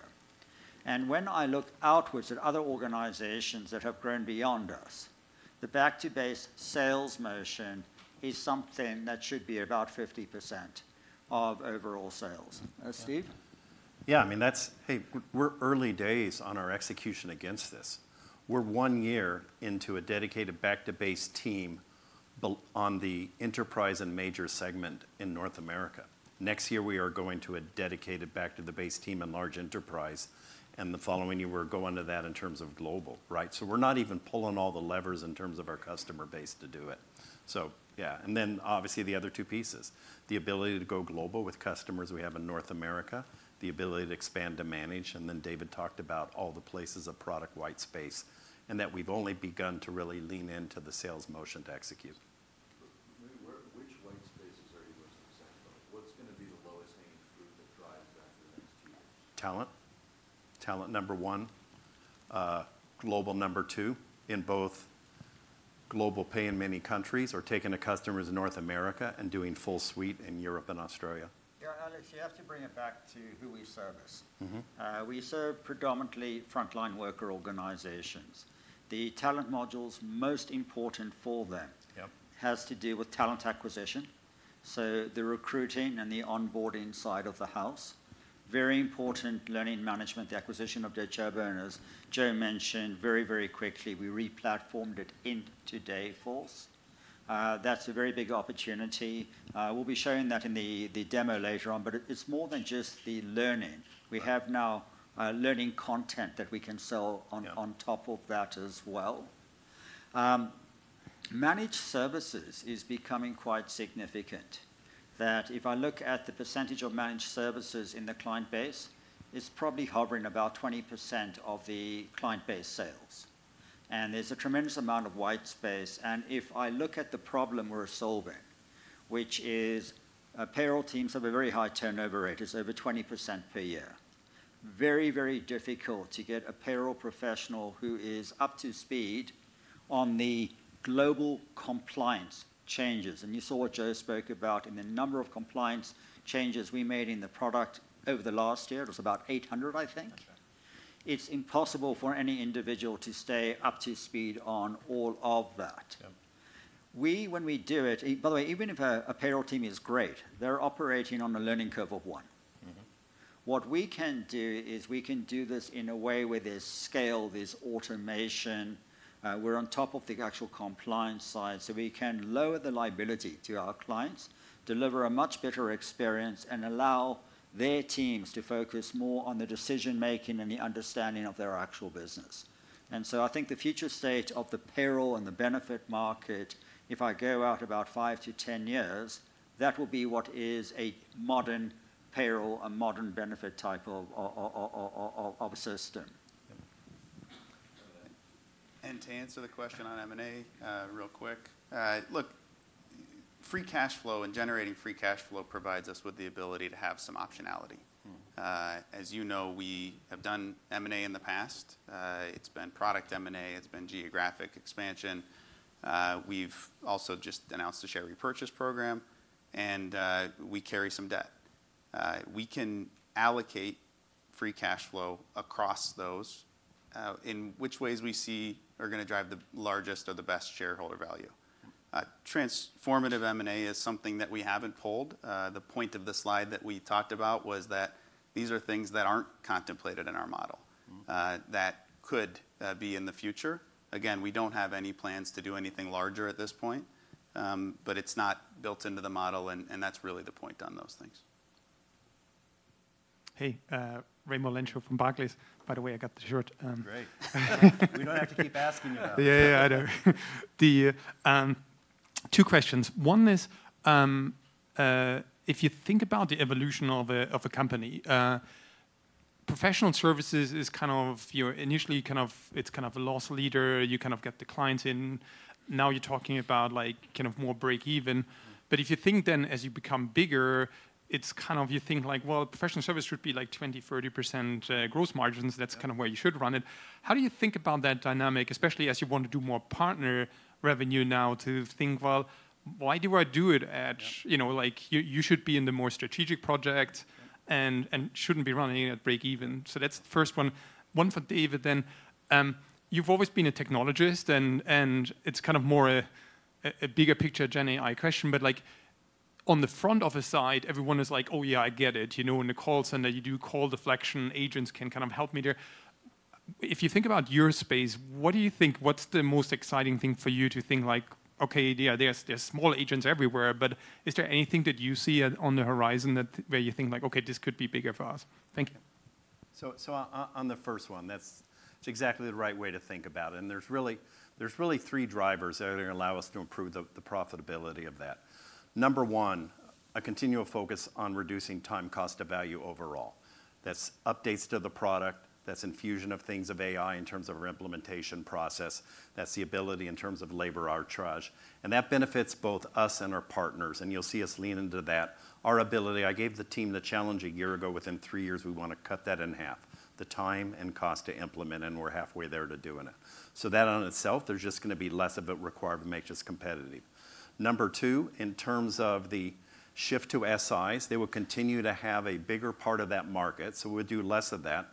When I look outwards at other organizations that have grown beyond us, the back-to-base sales motion is something that should be about 50% of overall sales. Steve? Yeah. I mean, that's, hey, we're early days on our execution against this. We're one year into a dedicated back-to-base team on the enterprise and major segment in North America. Next year, we are going to a dedicated back-to-the-base team in large enterprise. And the following year, we're going to that in terms of global, right? So we're not even pulling all the levers in terms of our customer base to do it. So yeah. And then obviously the other two pieces, the ability to go global with customers we have in North America, the ability to expand to manage. And then David talked about all the places of product white space and that we've only begun to really lean into the sales motion to execute. Which white spaces are you most excited about? What's going to be the lowest-hanging fruit that drives that for the next two years? Talent. Talent number one. Global number two in both global payroll in many countries or taking a customer in North America and doing full suite in Europe and Australia. You have to bring it back to who we service. We serve predominantly frontline worker organizations. The talent modules most important for them has to do with talent acquisition. So the recruiting and the onboarding side of the house. Very important learning management, the acquisition of eloomi. Joe mentioned very, very quickly, we replatformed it into Dayforce. That's a very big opportunity. We'll be showing that in the demo later on. But it's more than just the learning. We have now learning content that we can sell on top of that as well. Managed services is becoming quite significant. That if I look at the percentage of managed services in the client base, it's probably hovering about 20% of the client base sales, and there's a tremendous amount of white space. If I look at the problem we're solving, which is payroll teams have a very high turnover rate, it's over 20% per year. Very, very difficult to get a payroll professional who is up to speed on the global compliance changes. You saw what Joe spoke about in the number of compliance changes we made in the product over the last year. It was about 800, I think. It's impossible for any individual to stay up to speed on all of that. When we do it, by the way, even if a payroll team is great, they're operating on a learning curve of one. What we can do is we can do this in a way where there's scale, there's automation. We're on top of the actual compliance side, so we can lower the liability to our clients, deliver a much better experience, and allow their teams to focus more on the decision-making and the understanding of their actual business, and so I think the future state of the payroll and the benefit market, if I go out about five to 10 years, that will be what is a modern payroll and modern benefit type of system, and to answer the question on M&A real quick, look, free cash flow and generating free cash flow provides us with the ability to have some optionality. As you know, we have done M&A in the past. It's been product M&A. It's been geographic expansion. We've also just announced a share repurchase program. We carry some debt. We can allocate free cash flow across those in which ways we see are going to drive the largest or the best shareholder value. Transformative M&A is something that we haven't pulled. The point of the slide that we talked about was that these are things that aren't contemplated in our model that could be in the future. Again, we don't have any plans to do anything larger at this point. But it's not built into the model. And that's really the point on those things. Hey, Raimo Lenschow from Barclays. By the way, I got the shirt. Great. We don't have to keep asking you about it. Yeah, yeah, I know. Two questions. One is if you think about the evolution of a company, professional services is kind of initially kind of it's kind of a loss leader. You kind of get the clients in. Now you're talking about kind of more break-even. But if you think then as you become bigger, it's kind of you think like, well, professional services should be like 20%, 30% gross margins. That's kind of where you should run it. How do you think about that dynamic, especially as you want to do more partner revenue now to think, well, why do I do it at you should be in the more strategic project and shouldn't be running at break-even? So that's the first one. One for David then. You've always been a technologist, and it's kind of more a bigger picture GenAI question. But on the frontend side, everyone is like, oh yeah, I get it. In the call center, you do call deflection. Agents can kind of help me there. If you think about your space, what do you think? What's the most exciting thing for you to think like, okay, there's small agents everywhere. But is there anything that you see on the horizon where you think like, okay, this could be bigger for us? Thank you. So on the first one, that's exactly the right way to think about it. And there's really three drivers that are going to allow us to improve the profitability of that. Number one, a continual focus on reducing time cost of value overall. That's updates to the product. That's infusion of things of AI in terms of our implementation process. That's the ability in terms of labor arbitrage. And that benefits both us and our partners. And you'll see us lean into that. Our ability, I gave the team the challenge a year ago. Within three years, we want to cut that in half, the time and cost to implement. And we're halfway there to doing it. So that on itself, there's just going to be less of it required to make us competitive. Number two, in terms of the shift to SIs, they will continue to have a bigger part of that market. So we'll do less of that.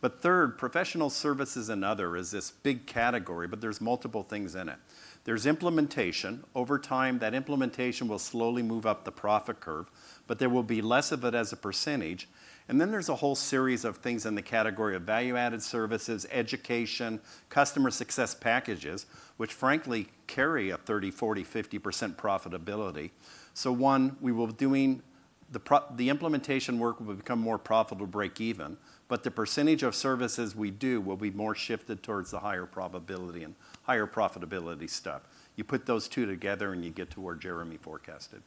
But third, professional services and other is this big category. But there's multiple things in it. There's implementation. Over time, that implementation will slowly move up the profit curve. But there will be less of it as a percentage. And then there's a whole series of things in the category of value-added services, education, customer success packages, which frankly carry a 30%, 40%, 50% profitability. So one, we will be doing the implementation work will become more profitable break-even. But the percentage of services we do will be more shifted towards the higher probability and higher profitability stuff. You put those two together and you get to where Jeremy forecasted.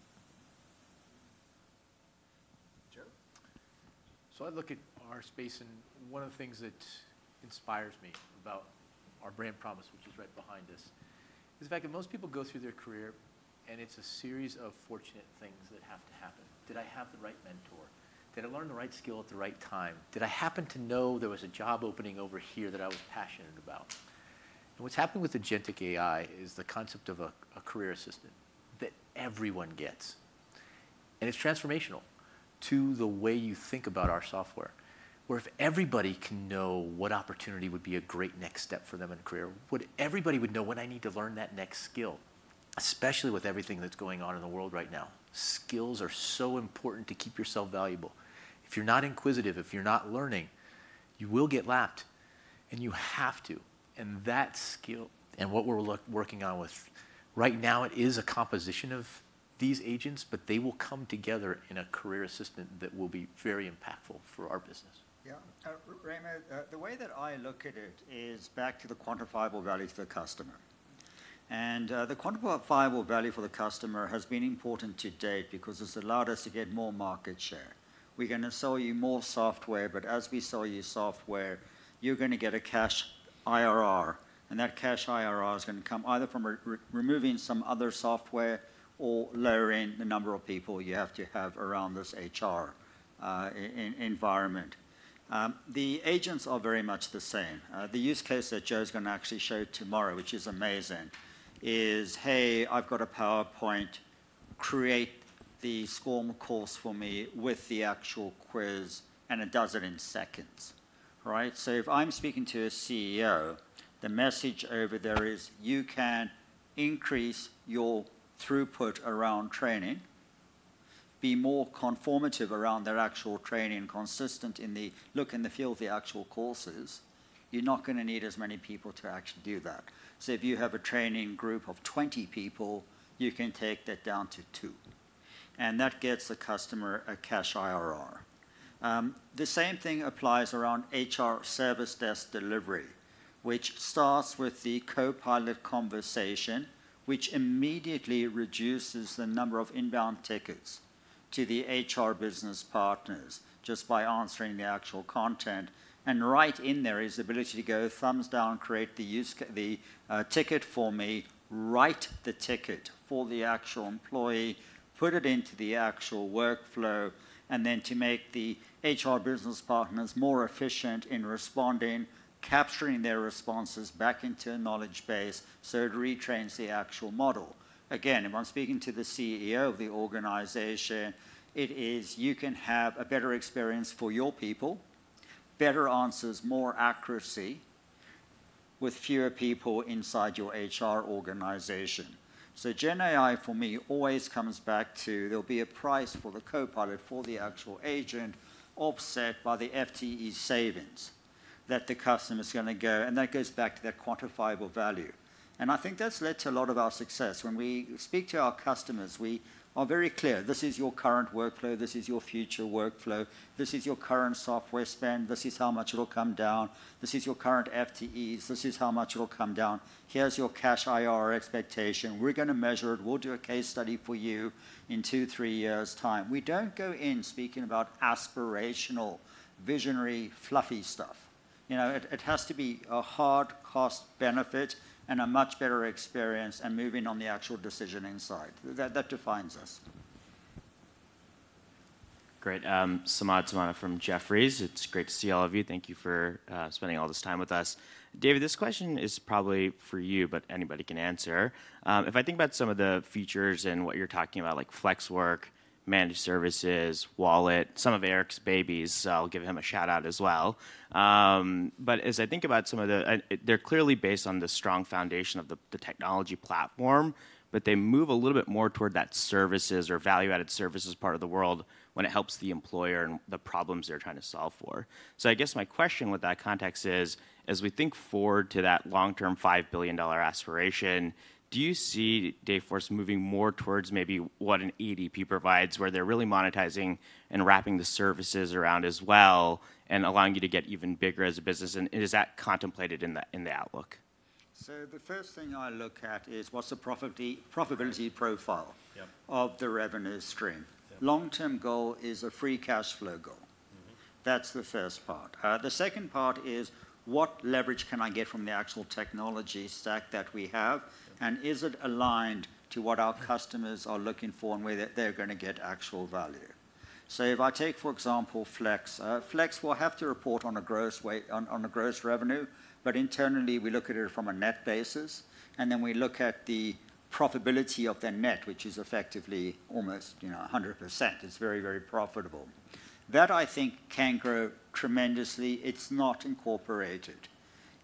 Joe? So I look at our space. And one of the things that inspires me about our brand promise, which is right behind us, is the fact that most people go through their career and it's a series of fortunate things that have to happen. Did I have the right mentor? Did I learn the right skill at the right time? Did I happen to know there was a job opening over here that I was passionate about? And what's happened with agentic AI is the concept of a career assistant that everyone gets. And it's transformational to the way you think about our software. Whereas if everybody can know what opportunity would be a great next step for them in a career, would everybody know when I need to learn that next skill? Especially with everything that's going on in the world right now, skills are so important to keep yourself valuable. If you're not inquisitive, if you're not learning, you will get lapped. And you have to. And that skill and what we're working on with right now, it is a composition of these agents. But they will come together in a career assistant that will be very impactful for our business. Yeah. Raimo, the way that I look at it is back to the quantifiable value for the customer. And the quantifiable value for the customer has been important to date because it's allowed us to get more market share. We're going to sell you more software. But as we sell you software, you're going to get a cash IRR. And that cash IRR is going to come either from removing some other software or lowering the number of people you have to have around this HR environment. The agents are very much the same. The use case that Joe's going to actually show tomorrow, which is amazing, is, hey, I've got a PowerPoint. Create the SCORM course for me with the actual quiz. And it does it in seconds, right? So if I'm speaking to a CEO, the message over there is you can increase your throughput around training, be more conformant around their actual training, consistent in the look and the feel of the actual courses. You're not going to need as many people to actually do that. So if you have a training group of 20 people, you can take that down to two. That gets the customer a cash IRR. The same thing applies around HR service desk delivery, which starts with the Copilot conversation, which immediately reduces the number of inbound tickets to the HR business partners just by answering the actual content. And right in there is the ability to go thumbs down, create the ticket for me, write the ticket for the actual employee, put it into the actual workflow, and then to make the HR business partners more efficient in responding, capturing their responses back into a knowledge base. So it retrains the actual model. Again, if I'm speaking to the CEO of the organization, it is, you can have a better experience for your people, better answers, more accuracy with fewer people inside your HR organization. So, GenAI for me always comes back to there'll be a price for the copilot for the actual agent offset by the FTE savings that the customer's going to go. And that goes back to that quantifiable value. And I think that's led to a lot of our success. When we speak to our customers, we are very clear. This is your current workflow. This is your future workflow. This is your current software spend. This is how much it'll come down. This is your current FTEs. This is how much it'll come down. Here's your cash IRR expectation. We're going to measure it. We'll do a case study for you in two, three years' time. We don't go in speaking about aspirational, visionary, fluffy stuff. It has to be a hard cost benefit and a much better experience and moving on the actual decision inside. That defines us. Great. Samad Samana from Jefferies. It's great to see all of you. Thank you for spending all this time with us. David, this question is probably for you. But anybody can answer. If I think about some of the features and what you're talking about, like Flexwork, managed services, Wallet, some of Eric's babies, I'll give him a shout-out as well. But as I think about some of them, they're clearly based on the strong foundation of the technology platform. But they move a little bit more toward that services or value-added services part of the world when it helps the employer and the problems they're trying to solve for. So I guess my question with that context is, as we think forward to that long-term $5 billion aspiration, do you see Dayforce moving more towards maybe what an EDP provides, where they're really monetizing and wrapping the services around as well and allowing you to get even bigger as a business? And is that contemplated in the outlook? So the first thing I look at is what's the profitability profile of the revenue stream. Long-term goal is a free cash flow goal. That's the first part. The second part is what leverage can I get from the actual technology stack that we have? And is it aligned to what our customers are looking for and where they're going to get actual value? So if I take, for example, Flex, Flex will have to report on a gross revenue. But internally, we look at it from a net basis. And then we look at the profitability of their net, which is effectively almost 100%. It's very, very profitable. That, I think, can grow tremendously. It's not incorporated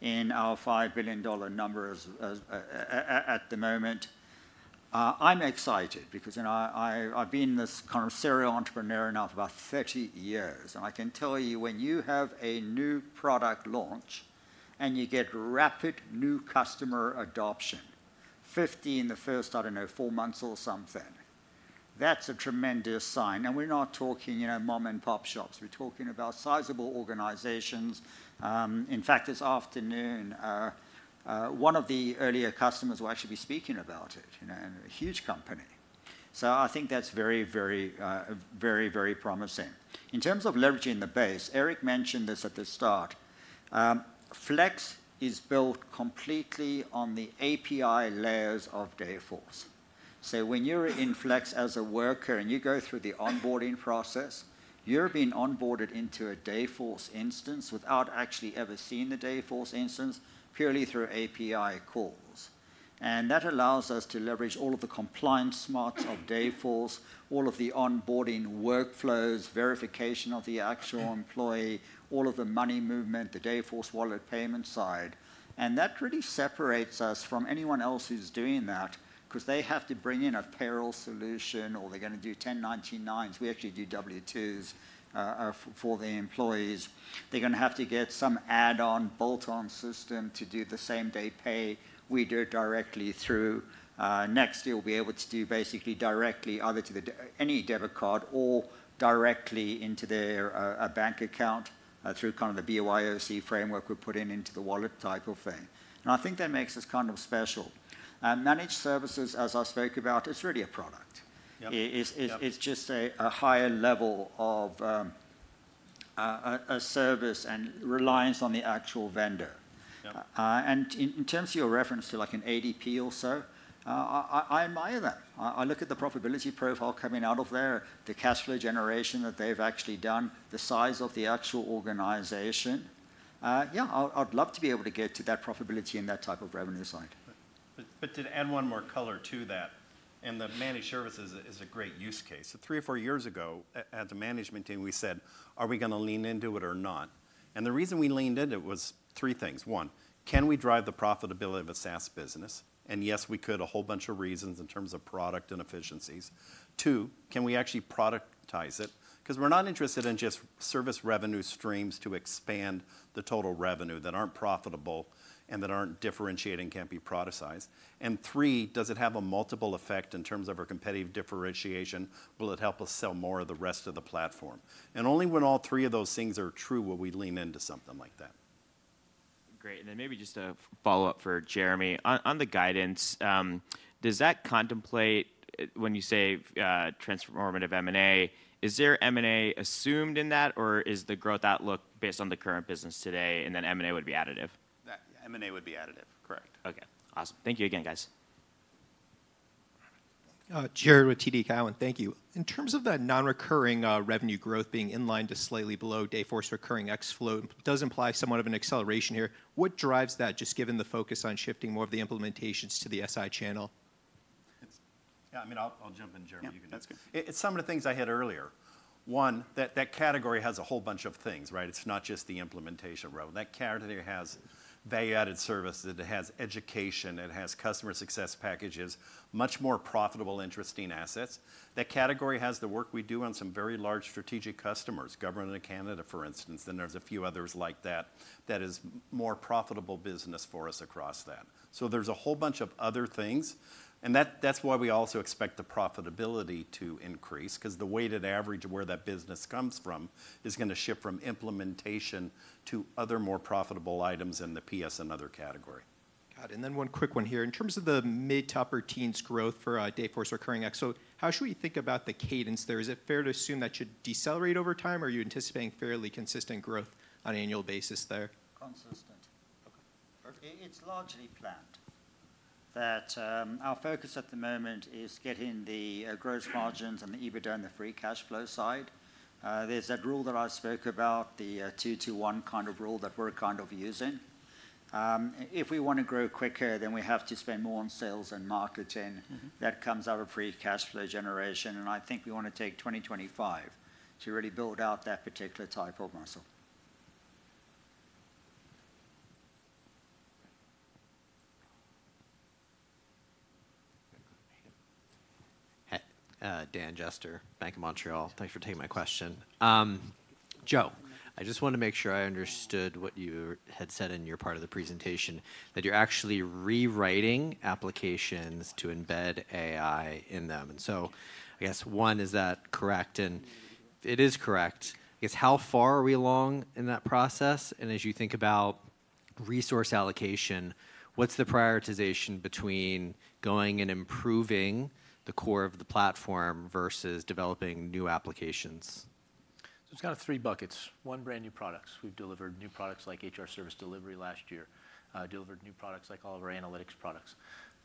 in our $5 billion number at the moment. I'm excited because I've been this kind of serial entrepreneur now for about 30 years. And I can tell you, when you have a new product launch and you get rapid new customer adoption, 50 in the first, I don't know, four months or something, that's a tremendous sign. And we're not talking mom-and-pop shops. We're talking about sizable organizations. In fact, this afternoon, one of the earlier customers will actually be speaking about it, a huge company. So I think that's very, very promising. In terms of leveraging the base, Erik mentioned this at the start. Flex is built completely on the API layers of Dayforce. When you're in Flex as a worker and you go through the onboarding process, you're being onboarded into a Dayforce instance without actually ever seeing the Dayforce instance, purely through API calls. That allows us to leverage all of the compliance smarts of Dayforce, all of the onboarding workflows, verification of the actual employee, all of the money movement, the Dayforce Wallet payment side. That really separates us from anyone else who's doing that because they have to bring in a payroll solution or they're going to do 1099s. We actually do W-2s for the employees. They're going to have to get some add-on, bolt-on system to do the same day pay. We do it directly through Next. You'll be able to do basically directly either to any debit card or directly into their bank account through kind of the BYOC framework we've put in the Wallet type of thing. I think that makes us kind of special. Managed services, as I spoke about, it's really a product. It's just a higher level of service and reliance on the actual vendor. In terms of your reference to like an ADP or so, I admire that. I look at the profitability profile coming out of there, the cash flow generation that they've actually done, the size of the actual organization. Yeah, I'd love to be able to get to that profitability in that type of revenue side, but to add one more color to that, and the managed services is a great use case. Three or four years ago, as a management team, we said, are we going to lean into it or not? And the reason we leaned into it was three things. One, can we drive the profitability of a SaaS business? And yes, we could, a whole bunch of reasons in terms of product and efficiencies. Two, can we actually productize it? Because we're not interested in just service revenue streams to expand the total revenue that aren't profitable and that aren't differentiating can't be productized. And three, does it have a multiple effect in terms of our competitive differentiation? Will it help us sell more of the rest of the platform? And only when all three of those things are true will we lean into something like that. Great. And then maybe just a follow-up for Jeremy. On the guidance, does that contemplate when you say transformative M&A, is there M&A assumed in that? Or is the growth outlook based on the current business today and then M&A would be additive? M&A would be additive, correct. OK. Awesome. Thank you again, guys. Jared with TD Cowen. Thank you. In terms of that non-recurring revenue growth being in line to slightly below Dayforce recurring ex flow, does imply somewhat of an acceleration here. What drives that, just given the focus on shifting more of the implementations to the SI channel? Yeah. I mean, I'll jump in, Jeremy. That's good. It's some of the things I hit earlier. One, that category has a whole bunch of things, right? It's not just the implementation row. That category has value-added services. It has education. It has customer success packages, much more profitable, interesting assets. That category has the work we do on some very large strategic customers, Government of Canada, for instance. Then there's a few others like that that is more profitable business for us across that. So there's a whole bunch of other things. And that's why we also expect the profitability to increase because the weighted average of where that business comes from is going to shift from implementation to other more profitable items in the PS and other category. Got it. And then one quick one here. In terms of the mid- to upper-teens growth for Dayforce recurring ex, so how should we think about the cadence there? Is it fair to assume that should decelerate over time? Or are you anticipating fairly consistent growth on an annual basis there? Consistent. It's largely planned. Our focus at the moment is getting the gross margins and the EBITDA and the free cash flow side. There's that rule that I spoke about, the two to one kind of rule that we're kind of using. If we want to grow quicker, then we have to spend more on sales and marketing. That comes out of free cash flow generation. I think we want to take 2025 to really build out that particular type of muscle. Dan Jester, Bank of Montreal. Thanks for taking my question. Joe, I just wanted to make sure I understood what you had said in your part of the presentation, that you're actually rewriting applications to embed AI in them. So I guess, one, is that correct? If it is correct, I guess, how far are we along in that process? And as you think about resource allocation, what's the prioritization between going and improving the core of the platform versus developing new applications? So it's got three buckets. One, brand new products. We've delivered new products like HR Service Delivery last year, delivered new products like all of our analytics products.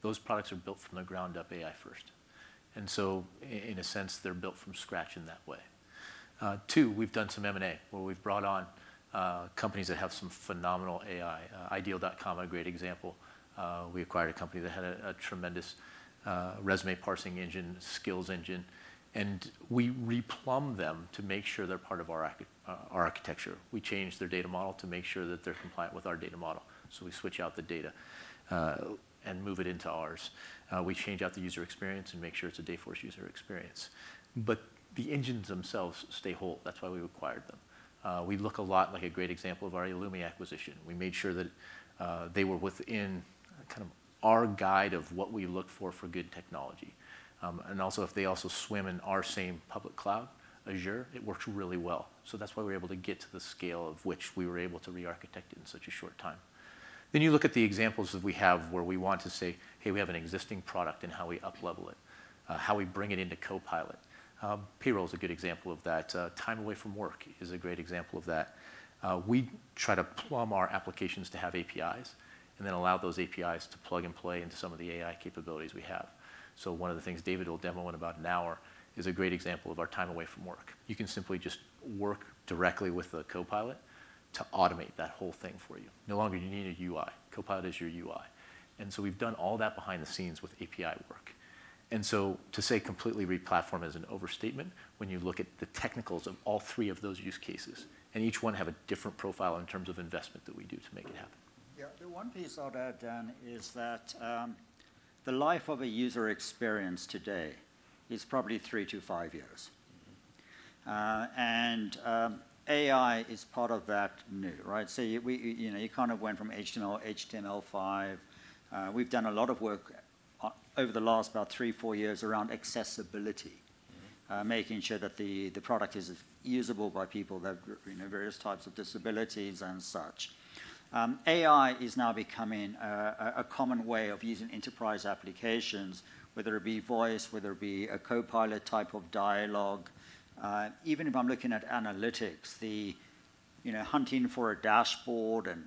Those products are built from the ground up AI first. And so in a sense, they're built from scratch in that way. Two, we've done some M&A where we've brought on companies that have some phenomenal AI. Ideal.com, a great example. We acquired a company that had a tremendous resume parsing engine, skills engine. And we re-plumb them to make sure they're part of our architecture. We change their data model to make sure that they're compliant with our data model. So we switch out the data and move it into ours. We change out the user experience and make sure it's a Dayforce user experience. But the engines themselves stay whole. That's why we acquired them. We look a lot like a great example of our eloomi acquisition. We made sure that they were within kind of our guide of what we look for for good technology. And also, if they also swim in our same public cloud, Azure, it works really well. So that's why we're able to get to the scale of which we were able to re-architect it in such a short time. Then you look at the examples that we have where we want to say, hey, we have an existing product and how we up-level it, how we bring it into Copilot. Payroll is a good example of that. Time away from work is a great example of that. We try to plumb our applications to have APIs and then allow those APIs to plug and play into some of the AI capabilities we have. So one of the things David will demo in about an hour is a great example of our Time Away From Work. You can simply just work directly with the Copilot to automate that whole thing for you. No longer do you need a UI. Copilot is your UI. And so we've done all that behind the scenes with API work. And so to say completely re-platform is an overstatement when you look at the technicals of all three of those use cases. And each one has a different profile in terms of investment that we do to make it happen. Yeah. The one piece I'll add, Dan, is that the life of a user experience today is probably three to five years. AI is part of that new, right? You kind of went from HTML, HTML5. We've done a lot of work over the last about three, four years around accessibility, making sure that the product is usable by people that have various types of disabilities and such. AI is now becoming a common way of using enterprise applications, whether it be voice, whether it be a Copilot type of dialogue. Even if I'm looking at analytics, the hunting for a dashboard and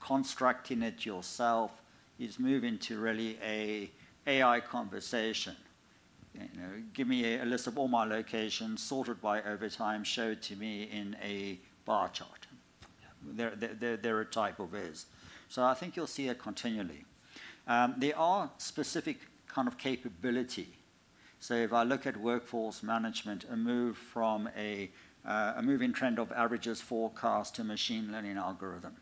constructing it yourself is moving to really an AI conversation. Give me a list of all my locations sorted by overtime, show it to me in a bar chart. There are types of these. I think you'll see it continually. There are specific kind of capability. So if I look at Workforce Management, a move from a moving trend of averages forecast to machine learning algorithm,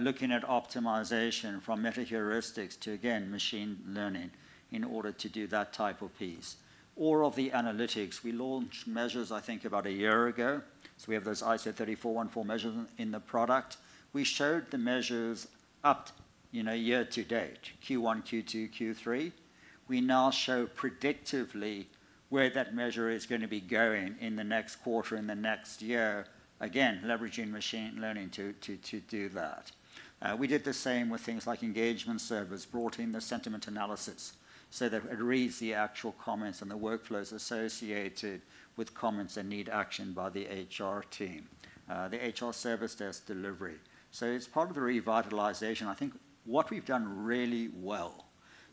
looking at optimization from metaheuristics to, again, machine learning in order to do that type of piece. All of the analytics, we launched measures, I think, about a year ago. So we have those ISO 30414 measures in the product. We showed the measures up year to date, Q1, Q2, Q3. We now show predictively where that measure is going to be going in the next quarter, in the next year, again, leveraging machine learning to do that. We did the same with things like engagement surveys, brought in the sentiment analysis so that it reads the actual comments and the workflows associated with comments that need action by the HR team, the HR service desk delivery. So it's part of the revitalization. I think what we've done really well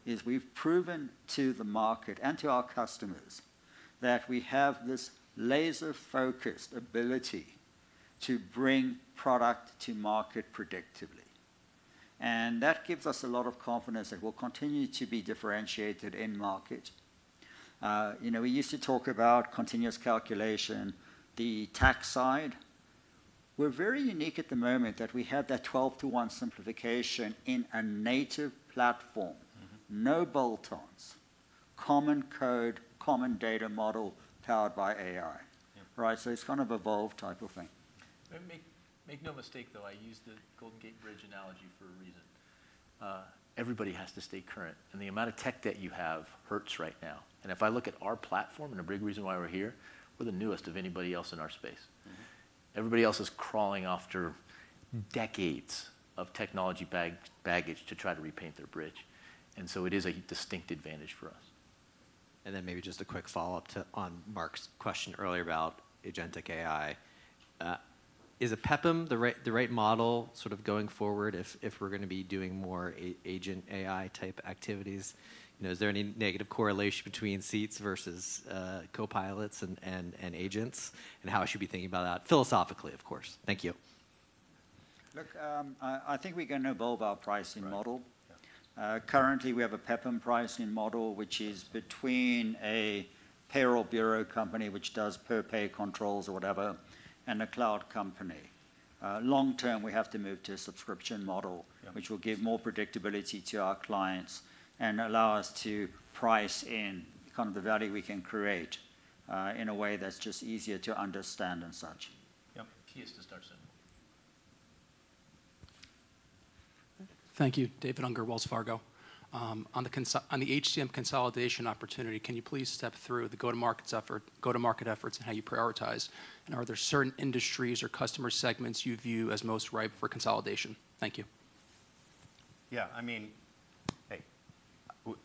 is we've proven to the market and to our customers that we have this laser-focused ability to bring product to market predictably, and that gives us a lot of confidence that we'll continue to be differentiated in market. We used to talk about continuous calculation, the tax side. We're very unique at the moment that we have that 12 to 1 simplification in a native platform, no bolt-ons, common code, common data model powered by AI, right? So it's kind of evolved type of thing. Make no mistake, though, I use the Golden Gate Bridge analogy for a reason. Everybody has to stay current, and the amount of tech that you have hurts right now, and if I look at our platform, and a big reason why we're here, we're the newest of anybody else in our space. Everybody else is crawling after decades of technology baggage to try to repaint their bridge, and so it is a distinct advantage for us. Then maybe just a quick follow-up on Mark's question earlier about agentic AI. Is a PEPM the right model sort of going forward if we're going to be doing more agentic AI type activities? Is there any negative correlation between seats versus Copilots and agents? And how should we be thinking about that? Philosophically, of course. Thank you. Look, I think we can evolve our pricing model. Currently, we have a PEPM pricing model, which is between a payroll bureau company, which does per payrolls or whatever, and a cloud company. Long term, we have to move to a subscription model, which will give more predictability to our clients and allow us to price in kind of the value we can create in a way that's just easier to understand and such. Yep. Key is to start simple. Thank you, David Unger, Wells Fargo.On the HCM consolidation opportunity, can you please step through the go-to-market efforts and how you prioritize? And are there certain industries or customer segments you view as most ripe for consolidation? Thank you. Yeah. I mean, hey,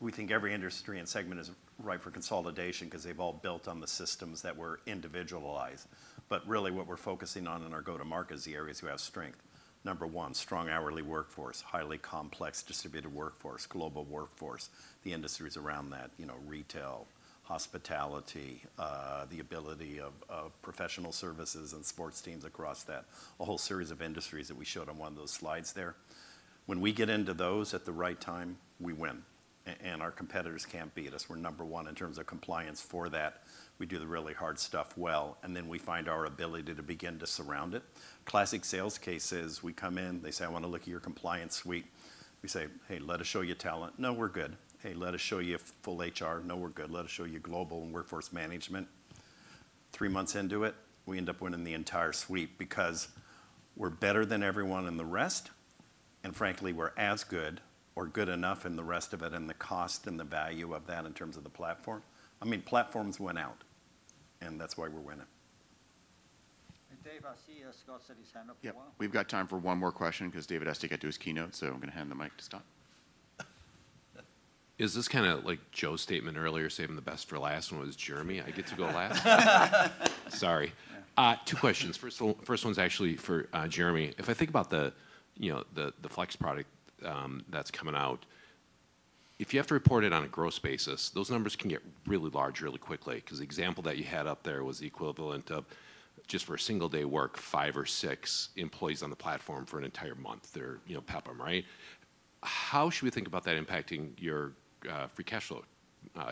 we think every industry and segment is ripe for consolidation because they've all built on the systems that were individualized. But really, what we're focusing on in our go-to-market is the areas we have strength. Number one, strong hourly workforce, highly complex distributed workforce, global workforce, the industries around that, retail, hospitality, the ability of professional services and sports teams across that, a whole series of industries that we showed on one of those slides there. When we get into those at the right time, we win, and our competitors can't beat us. We're number one in terms of compliance for that. We do the really hard stuff well, and then we find our ability to begin to surround it. A classic sales case is we come in, they say, I want to look at your compliance suite. We say, hey, let us show you talent. No, we're good. Hey, let us show you full HR. No, we're good. Let us show you global and Workforce Management. Three months into it, we end up winning the entire suite because we're better than everyone in the rest. And frankly, we're as good or good enough in the rest of it and the cost and the value of that in terms of the platform. I mean, platforms went out. And that's why we're winning. Hey, Dave, I see Scott's raised his hand up. Yeah. We've got time for one more question because David has to get to his keynote. So I'm going to hand the mic to Scott. Is this kind of like Joe's statement earlier, saving the best for last? When it was Jeremy, I get to go last. Sorry. Two questions. First one's actually for Jeremy. If I think about the Flex product that's coming out, if you have to report it on a gross basis, those numbers can get really large really quickly. Because the example that you had up there was the equivalent of just for a single day work, five or six employees on the platform for an entire month. They're PEPM, right? How should we think about that impacting your free cash flow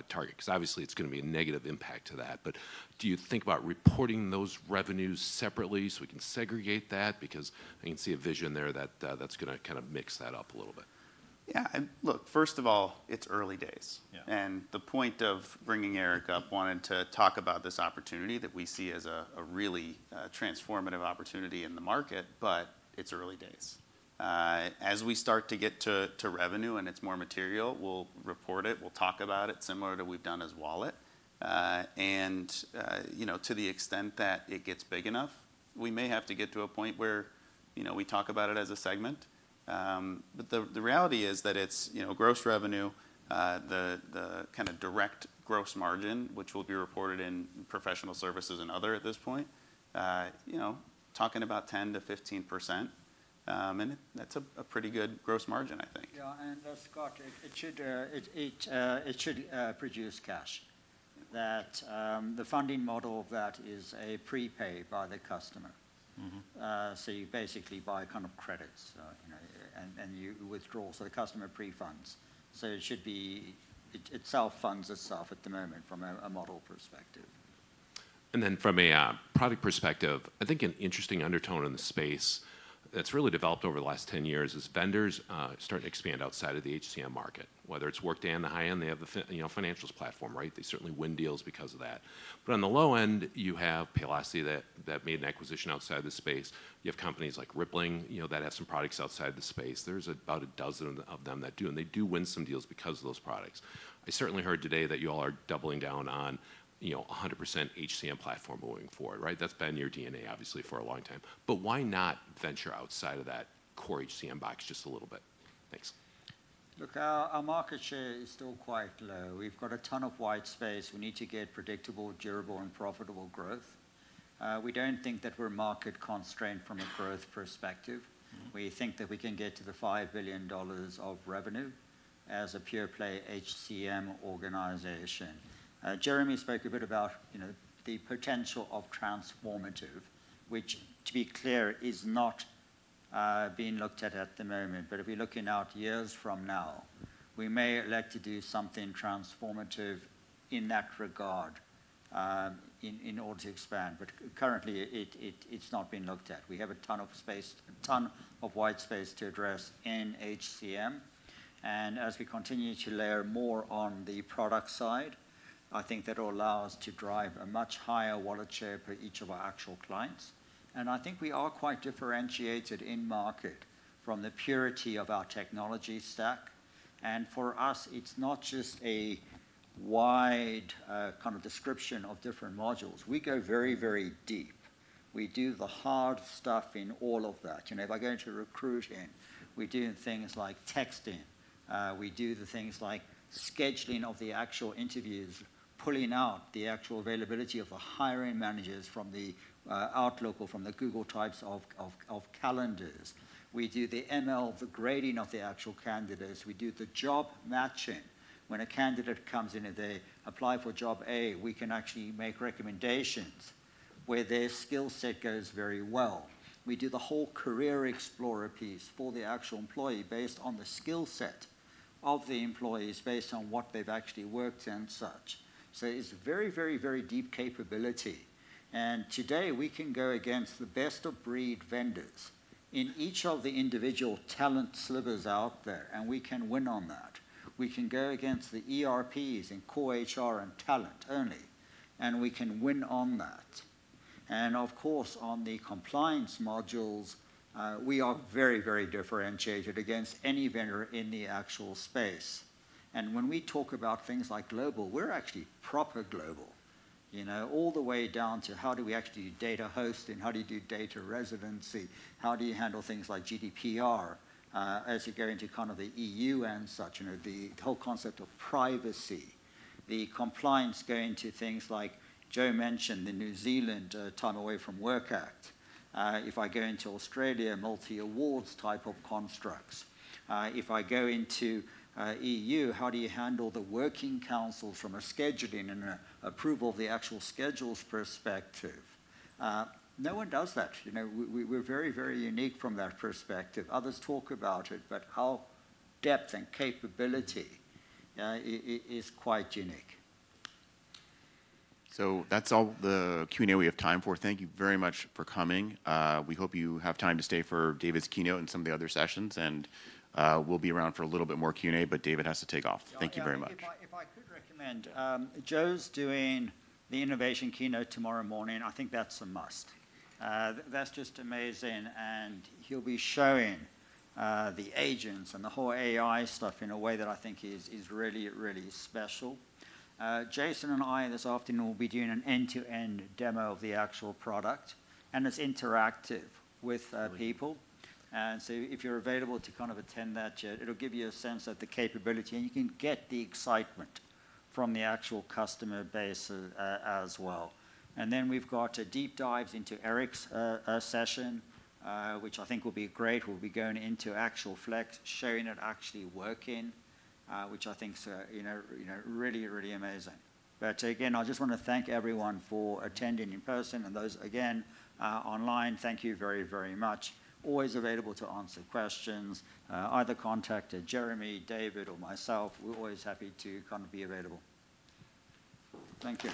target? Because obviously, it's going to be a negative impact to that. But do you think about reporting those revenues separately so we can segregate that? Because I can see a vision there that's going to kind of mix that up a little bit. Yeah. Look, first of all, it's early days, and the point of bringing Erik up wanted to talk about this opportunity that we see as a really transformative opportunity in the market. But it's early days. As we start to get to revenue and it's more material, we'll report it. We'll talk about it similar to we've done as Wallet. To the extent that it gets big enough, we may have to get to a point where we talk about it as a segment. But the reality is that it's gross revenue, the kind of direct gross margin, which will be reported in professional services and other at this point, talking about 10%-15%. And that's a pretty good gross margin, I think. Yeah. And Scott, it should produce cash. The funding model of that is a prepay by the customer. So you basically buy kind of credits and you withdraw. So the customer pre-funds. So it should be itself funds itself at the moment from a model perspective. And then from a product perspective, I think an interesting undertone in the space that's really developed over the last 10 years is vendors starting to expand outside of the HCM market. Whether it's Workday, on the high end, they have the financials platform, right? They certainly win deals because of that. But on the low end, you have Paylocity that made an acquisition outside of the space. You have companies like Rippling that have some products outside the space. There's about a dozen of them that do. And they do win some deals because of those products. I certainly heard today that you all are doubling down on 100% HCM platform moving forward, right? That's been your DNA, obviously, for a long time. But why not venture outside of that core HCM box just a little bit? Thanks. Look, our market share is still quite low. We've got a ton of white space. We need to get predictable, durable, and profitable growth. We don't think that we're market constrained from a growth perspective. We think that we can get to the $5 billion of revenue as a pure-play HCM organization. Jeremy spoke a bit about the potential of transformative, which, to be clear, is not being looked at at the moment, but if we're looking out years from now, we may elect to do something transformative in that regard in order to expand, but currently, it's not being looked at. We have a ton of space, a ton of white space to address in HCM, and as we continue to layer more on the product side, I think that will allow us to drive a much higher Wallet share per each of our actual clients, and I think we are quite differentiated in market from the purity of our technology stack, and for us, it's not just a wide kind of description of different modules. We go very, very deep. We do the hard stuff in all of that. If I go into recruiting, we do things like texting. We do the things like scheduling of the actual interviews, pulling out the actual availability of the hiring managers from the Outlook or from the Google types of calendars. We do the ML, the grading of the actual candidates. We do the job matching. When a candidate comes in and they apply for job A, we can actually make recommendations where their skill set goes very well. We do the whole Career Explorer piece for the actual employee based on the skill set of the employees based on what they've actually worked and such. So it's very, very, very deep capability. And today, we can go against the best of breed vendors in each of the individual talent slivers out there. And we can win on that. We can go against the ERPs and core HR and talent only. And we can win on that. And of course, on the compliance modules, we are very, very differentiated against any vendor in the actual space. And when we talk about things like global, we're actually proper global. All the way down to how do we actually do data hosting, how do you do data residency, how do you handle things like GDPR as you go into kind of the EU and such, the whole concept of privacy, the compliance going to things like Joe mentioned, the New Zealand Time Away from Work Act. If I go into Australia, multi-awards type of constructs. If I go into EU, how do you handle the working council from a scheduling and approval of the actual schedules perspective? No one does that. We're very, very unique from that perspective. Others talk about it, but our depth and capability is quite unique. So that's all the Q&A we have time for. Thank you very much for coming. We hope you have time to stay for David's keynote and some of the other sessions. And we'll be around for a little bit more Q&A, but David has to take off. Thank you very much. If I could recommend, Joe's doing the innovation keynote tomorrow morning. I think that's a must. That's just amazing. And he'll be showing the agents and the whole AI stuff in a way that I think is really, really special. Jason and I this afternoon will be doing an end-to-end demo of the actual product. And it's interactive with people. And so if you're available to kind of attend that, it'll give you a sense of the capability. You can get the excitement from the actual customer base as well. Then we've got deep dives into Eric's session, which I think will be great. We'll be going into actual Flex, showing it actually working, which I think is really, really amazing. But again, I just want to thank everyone for attending in person. And those, again, online, thank you very, very much. Always available to answer questions. Either contact Jeremy, David, or myself. We're always happy to kind of be available. Thank you.